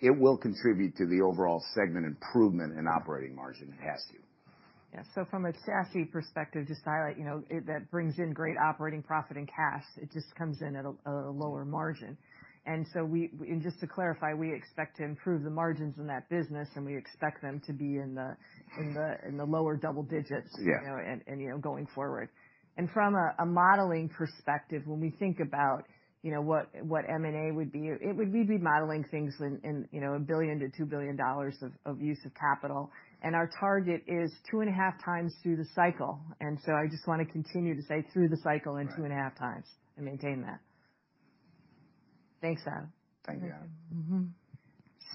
It will contribute to the overall segment improvement in operating margin. It has to. From a SG&A perspective, just to highlight, you know, that brings in great operating profit and cash. It just comes in at a lower margin. Just to clarify, we expect to improve the margins in that business, and we expect them to be in the lower double digits. Yeah. you know, and, you know, going forward. From a modeling perspective, when we think about, you know, what M&A would be, it would be modeling things in, you know, $1 billion-$2 billion of use of capital. Our target is 2.5 times through the cycle. I just wanna continue to say through the cycle and 2.5 times and maintain that. Thanks, Adam. Thank you.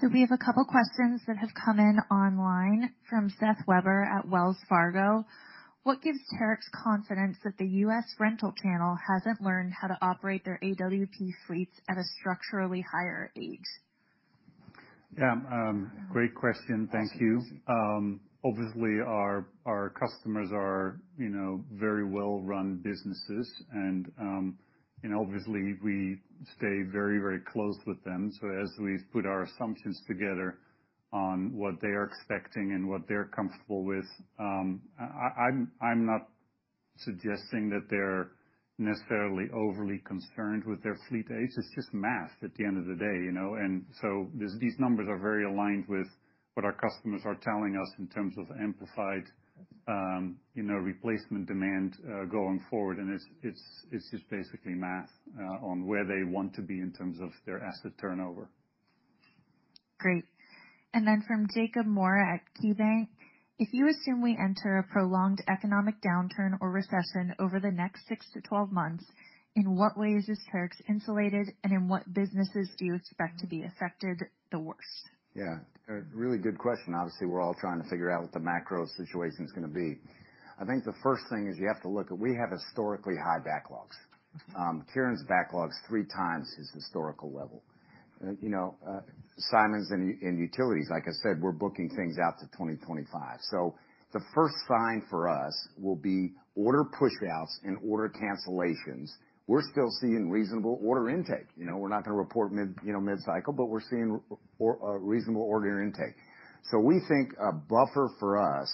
So we have a couple questions that have come in online from Seth Weber at Wells Fargo. What gives Terex confidence that the U.S. rental channel hasn't learned how to operate their AWP fleets at a structurally higher age? Yeah, great question. Thank you. Obviously, our customers are, you know, very well-run businesses, and, you know, obviously, we stay very, very close with them. As we put our assumptions together on what they are expecting and what they're comfortable with, I'm not suggesting that they're necessarily overly concerned with their fleet age. It's just math at the end of the day, you know? These numbers are very aligned with what our customers are telling us in terms of amplified, you know, replacement demand going forward. It's just basically math on where they want to be in terms of their asset turnover. Great. From Jacob Moore at KeyBank. If you assume we enter a prolonged economic downturn or recession over the next six to 12 months, in what way is this Terex insulated, and in what businesses do you expect to be affected the worst? A really good question. Obviously, we're all trying to figure out what the macro situation is gonna be. I think the first thing is you have to look at we have historically high backlogs. Kieran's backlog is 3 times his historical level. Simon's in utilities. Like I said, we're booking things out to 2025. The first sign for us will be order pushouts and order cancellations. We're still seeing reasonable order intake. We're not gonna report mid-cycle, we're seeing reasonable order intake. We think a buffer for us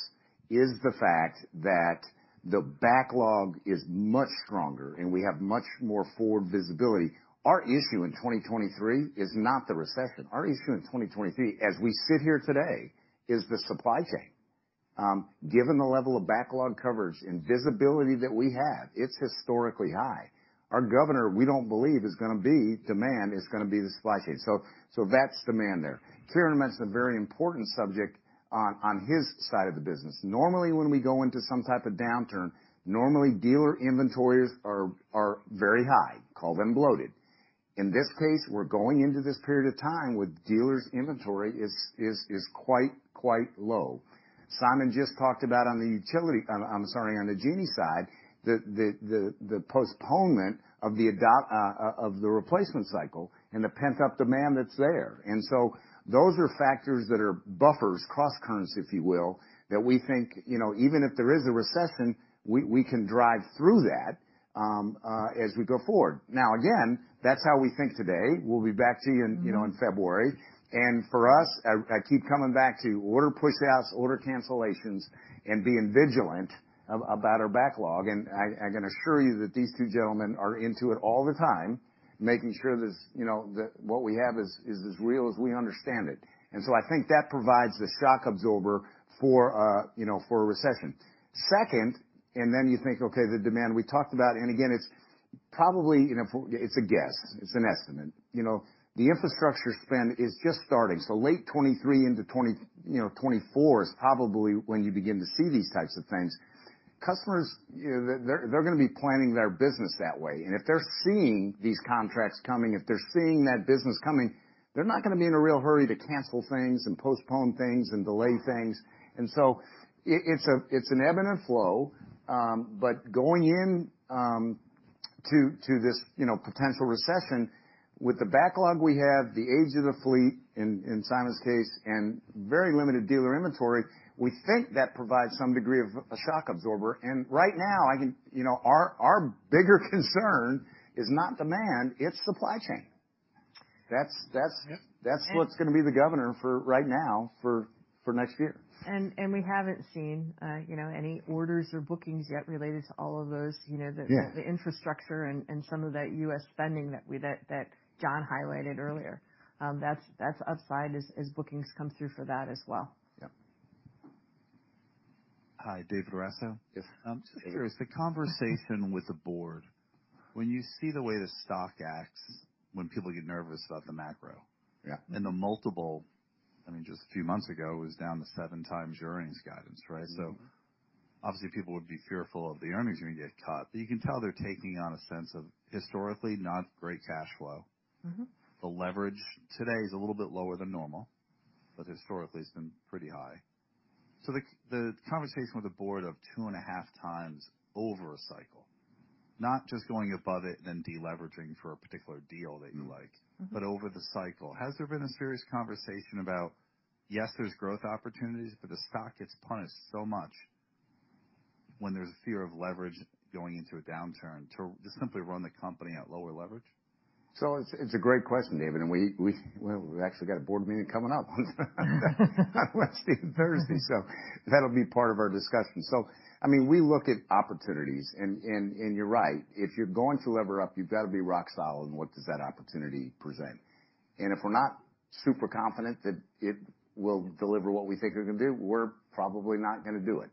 is the fact that the backlog is much stronger, and we have much more forward visibility. Our issue in 2023 is not the recession. Our issue in 2023, as we sit here today, is the supply chain. Given the level of backlog coverage and visibility that we have, it's historically high. Our governor, we don't believe is gonna be demand, it's gonna be the supply chain. That's demand there. Kieran mentioned a very important subject on his side of the business. Normally, when we go into some type of downturn, normally dealer inventories are very high. Call them bloated. In this case, we're going into this period of time where dealers' inventory is quite low. Simon just talked about on the utility. I'm sorry, on the Genie side, the postponement of the replacement cycle and the pent-up demand that's there. Those are factors that are buffers, cross currents, if you will, that we think, you know, even if there is a recession, we can drive through that, as we go forward. Now, again, that's how we think today. We'll be back to you in, you know, in February. For us, I keep coming back to order pushouts, order cancellations, and being vigilant about our backlog. I can assure you that these two gentlemen are into it all the time, making sure that, you know, that what we have is as real as we understand it. I think that provides the shock absorber for, you know, for a recession. Second, you think, okay, the demand we talked about, and again, it's probably, you know. It's a guess, it's an estimate. You know, the infrastructure spend is just starting. Late 2023 into 2024 is probably when you begin to see these types of things. Customers, you know, they're gonna be planning their business that way. If they're seeing these contracts coming, if they're seeing that business coming, they're not gonna be in a real hurry to cancel things and postpone things and delay things. It's a, it's an ebb and flow, but going in to this, you know, potential recession with the backlog we have, the age of the fleet, in Simon's case, and very limited dealer inventory, we think that provides some degree of a shock absorber. Right now, you know, our bigger concern is not demand, it's supply chain. That's what's gonna be the governor for right now, for next year. And we haven't seen, you know, any orders or bookings yet related to all of those, you know. Yeah. The infrastructure and some of that U.S. spending that John highlighted earlier. That's upside as bookings come through for that as well. Yep. Hi, David Raso. Yes. Here is the conversation with the board. When you see the way the stock acts, when people get nervous about the macro- Yeah. The multiple, I mean, just a few months ago, it was down to 7 times earnings guidance, right? Obviously people would be fearful of the earnings are gonna get cut. You can tell they're taking on a sense of historically not great cash flow. The leverage today is a little bit lower than normal, but historically it's been pretty high. The conversation with the board of 2.5x over a cycle, not just going above it, then deleveraging for a particular deal that you like over the cycle, has there been a serious conversation about, yes, there's growth opportunities, but the stock gets punished so much when there's a fear of leverage going into a downturn to just simply run the company at lower leverage? It's a great question, David, and we've actually got a board meeting coming up on Wednesday and Thursday, so that will be part of our discussion. I mean, we look at opportunities, and you're right. If you're going to lever up, you've got to be rock solid on what does that opportunity present. If we're not super confident that it will deliver what we think we're gonna do, we're probably not gonna do it.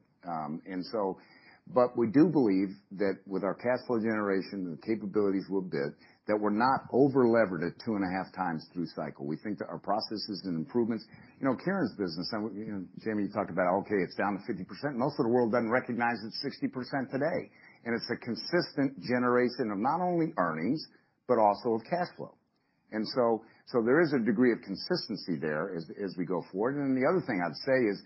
We do believe that with our cash flow generation, the capabilities we'll build, that we're not overlevered at 2.5 times through cycle. We think that our processes and improvements. You know, Kieran's business, and, you know, Jamie, you talked about, okay, it's down to 50%. Most of the world doesn't recognize it's 60% today. It's a consistent generation of not only earnings, but also of cash flow. There is a degree of consistency there as we go forward. The other thing I'd say is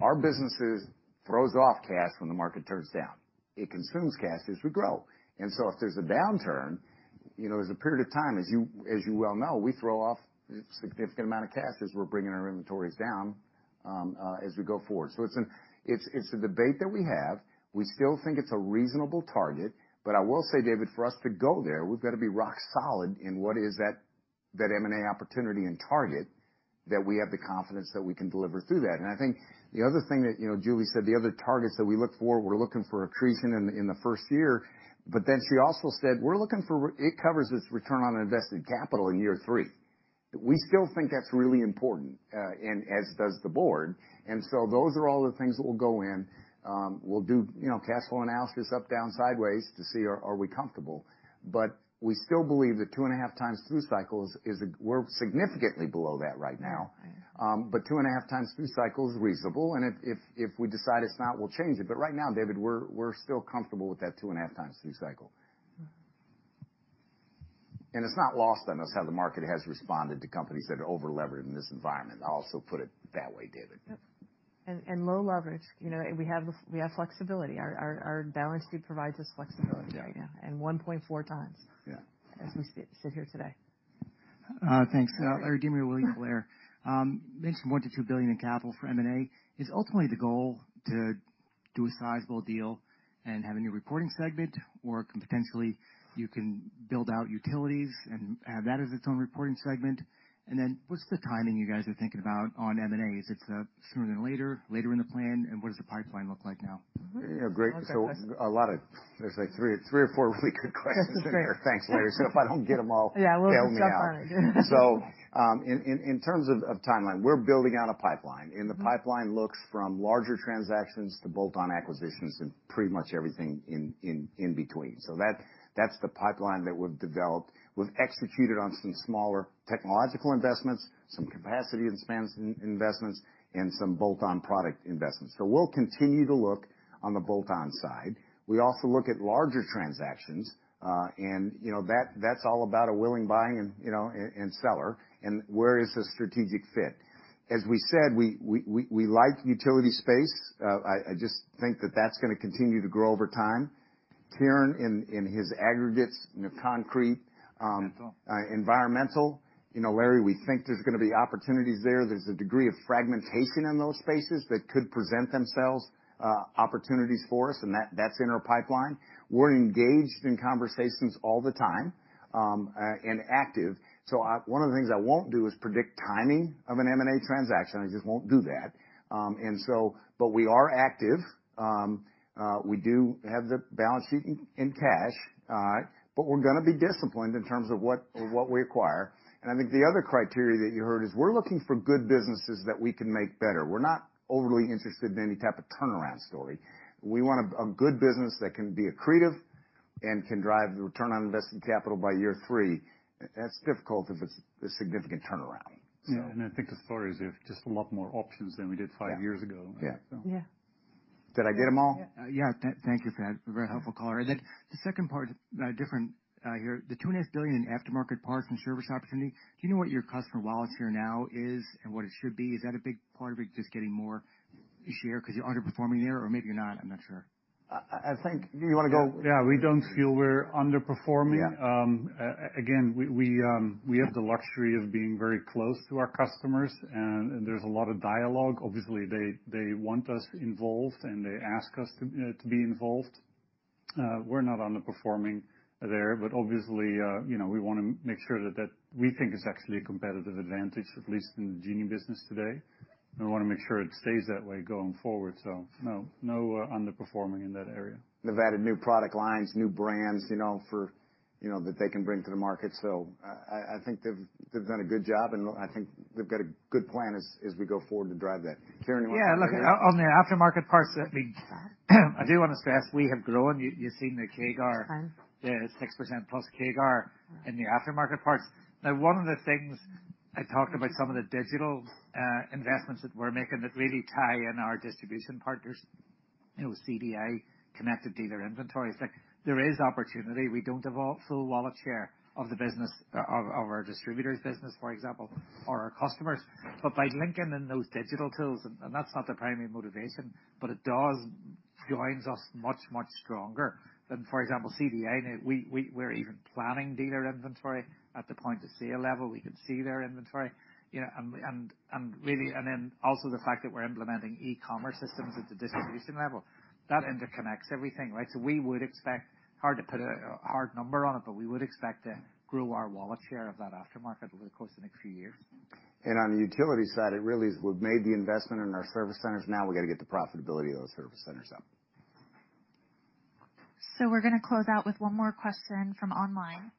our businesses throws off cash when the market turns down. It consumes cash as we grow. If there's a downturn, you know, there's a period of time, as you, as you well know, we throw off a significant amount of cash as we're bringing our inventories down as we go forward. It's a debate that we have. We still think it's a reasonable target. I will say, David, for us to go there, we've got to be rock solid in what is that M&A opportunity and target that we have the confidence that we can deliver through that. I think the other thing that, you know, Julie said the other targets that we look for, we're looking for accretion in the first year. She also said, we're looking for it covers its return on invested capital in year 3. We still think that's really important, and as does the board. Those are all the things that will go in. We'll do, you know, cash flow analysis up, down, sideways to see are we comfortable. We still believe that 2.5 times through cycle is a... We're significantly below that right now. 2.5 times through cycle is reasonable. If we decide it's not, we'll change it. Right now, David, we're still comfortable with that 2.5 times through cycle. It's not lost on us how the market has responded to companies that are overlevered in this environment. I'll also put it that way, David. Low leverage, you know, we have flexibility. Our balance sheet provides us flexibility right now. Yeah. 1.4 times. Yeah. We sit here today. Thanks. Larry De Maria with William Blair. mentioned $1 billion-$2 billion in capital for M&A. Is ultimately the goal to do a sizable deal and have a new reporting segment? Can potentially you can build out utilities and have that as its own reporting segment? What's the timing you guys are thinking about on M&A? Is it sooner than later in the plan, and what does the pipeline look like now? Yeah, great. All good questions. There's like three or four really good questions in there. That's fair. Thanks, Larry. If I don't get them all- Yeah, we'll accept part. ...bail me after. In terms of timeline, we're building out a pipeline. The pipeline looks from larger transactions to bolt-on acquisitions and pretty much everything in between. That's the pipeline that we've developed. We've executed on some smaller technological investments, some capacity expansion investments, and some bolt-on product investments. We'll continue to look on the bolt-on side. We also look at larger transactions, and, you know, that's all about a willing buying and, you know, seller and where is the strategic fit. As we said, we like utility space. I just think that that's gonna continue to grow over time. Kieran in his aggregates, you know, concrete, Environmental environmental. You know, Larry, we think there's gonna be opportunities there. There's a degree of fragmentation in those spaces that could present themselves, opportunities for us, and that's in our pipeline. We're engaged in conversations all the time, and active. One of the things I won't do is predict timing of an M&A transaction. I just won't do that. But we are active. We do have the balance sheet in cash. But we're gonna be disciplined in terms of what we acquire. I think the other criteria that you heard is we're looking for good businesses that we can make better. We're not overly interested in any type of turnaround story. We want a good business that can be accretive and can drive the return on invested capital by year three. That's difficult if it's a significant turnaround. Yeah, I think the story is we have just a lot more options than we did five years ago. Yeah. Yeah. Did I get them all? Yeah. Thank you for that. A very helpful color. The second part, different here. The two and a half billion dollars in aftermarket parts and service opportunity, do you know what your customer wallet share now is and what it should be? Is that a big part of it just getting more each year because you're underperforming the year or maybe you're not? I'm not sure. I think. You wanna go? Yeah. We don't feel we're underperforming. Yeah. Again, we have the luxury of being very close to our customers and there's a lot of dialogue. Obviously, they want us involved, and they ask us to be involved. We're not underperforming there, but obviously, you know, we wanna make sure that we think it's actually a competitive advantage, at least in the Genie business today. We wanna make sure it stays that way going forward. No, no, underperforming in that area. They've added new product lines, new brands, you know, for, you know, that they can bring to the market. I think they've done a good job, and I think they've got a good plan as we go forward to drive that. Kieran, you want. Yeah, look, on the aftermarket parts, I mean, I do wanna stress we have grown. You've seen the CAGR. The 6% plus CAGR in the aftermarket parts. One of the things I talked about some of the digital investments that we're making that really tie in our distribution partners, you know, CDI, Connected Dealer Inventory. It's like there is opportunity. We don't have a full wallet share of the business, of our distributor's business, for example, or our customers. By linking in those digital tools, and that's not the primary motivation, but it does joins us much stronger than, for example, CDI. We're even planning dealer inventory at the point of sale level. We can see their inventory, you know, and really also the fact that we're implementing e-commerce systems at the distribution level. That interconnects everything, right? We would expect, hard to put a hard number on it, but we would expect to grow our wallet share of that aftermarket over the course of the next few years. On the utility side, it really is we've made the investment in our service centers. Now we got to get the profitability of those service centers up. We're gonna close out with 1 more question from online.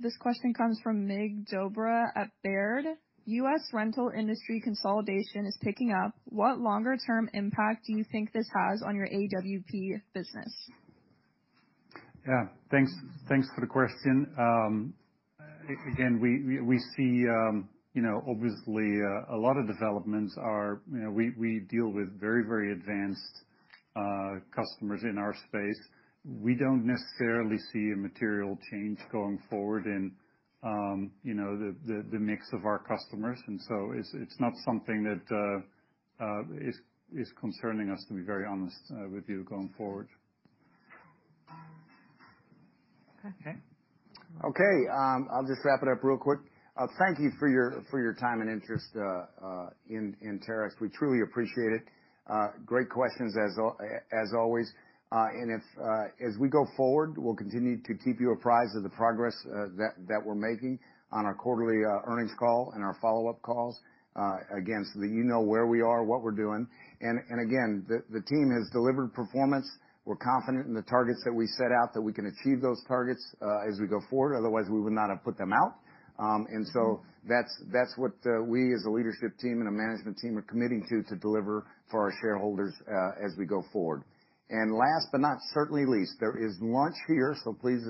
This question comes from Mircea Dobre at Baird. U.S. rental industry consolidation is picking up. What longer term impact do you think this has on your AWP business? Thanks, thanks for the question. Again, we see, you know, obviously, a lot of developments are, you know, we deal with very advanced customers in our space. We don't necessarily see a material change going forward in, you know, the mix of our customers. It's not something that is concerning us, to be very honest with you going forward. Okay. I'll just wrap it up real quick. Thank you for your time and interest in Terex. We truly appreciate it. Great questions as always. If as we go forward, we'll continue to keep you apprised of the progress that we're making on our quarterly earnings call and our follow-up calls, again, so that you know where we are, what we're doing. Again, the team has delivered performance. We're confident in the targets that we set out, that we can achieve those targets as we go forward. Otherwise, we would not have put them out. That's what we as a leadership team and a management team are committing to deliver for our shareholders as we go forward. Last but not certainly least, there is lunch here, so please,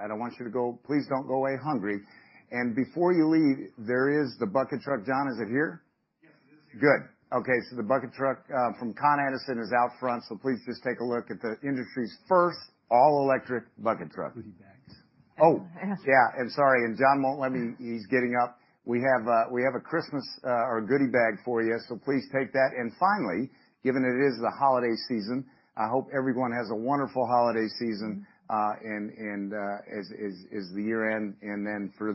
I don't want you to go. Please don't go away hungry. Before you leave, there is the bucket truck. John, is it here? Good. Okay. The bucket truck from Con Edison is out front. Please just take a look at the industry's first all-electric bucket truck. Goodie bags. Oh, yeah. Sorry, Jon won't let me. He's getting up. We have a Christmas or a goodie bag for you, so please take that. Finally, given that it is the holiday season, I hope everyone has a wonderful holiday season and as the year-end. For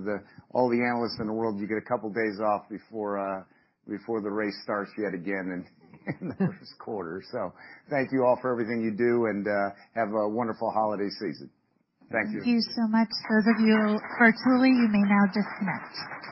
all the analysts in the world, you get a couple days off before the race starts yet again in the first quarter. Thank you all for everything you do, and have a wonderful holiday season. Thank you. Thank you so much. For those of you virtually, you may now disconnect.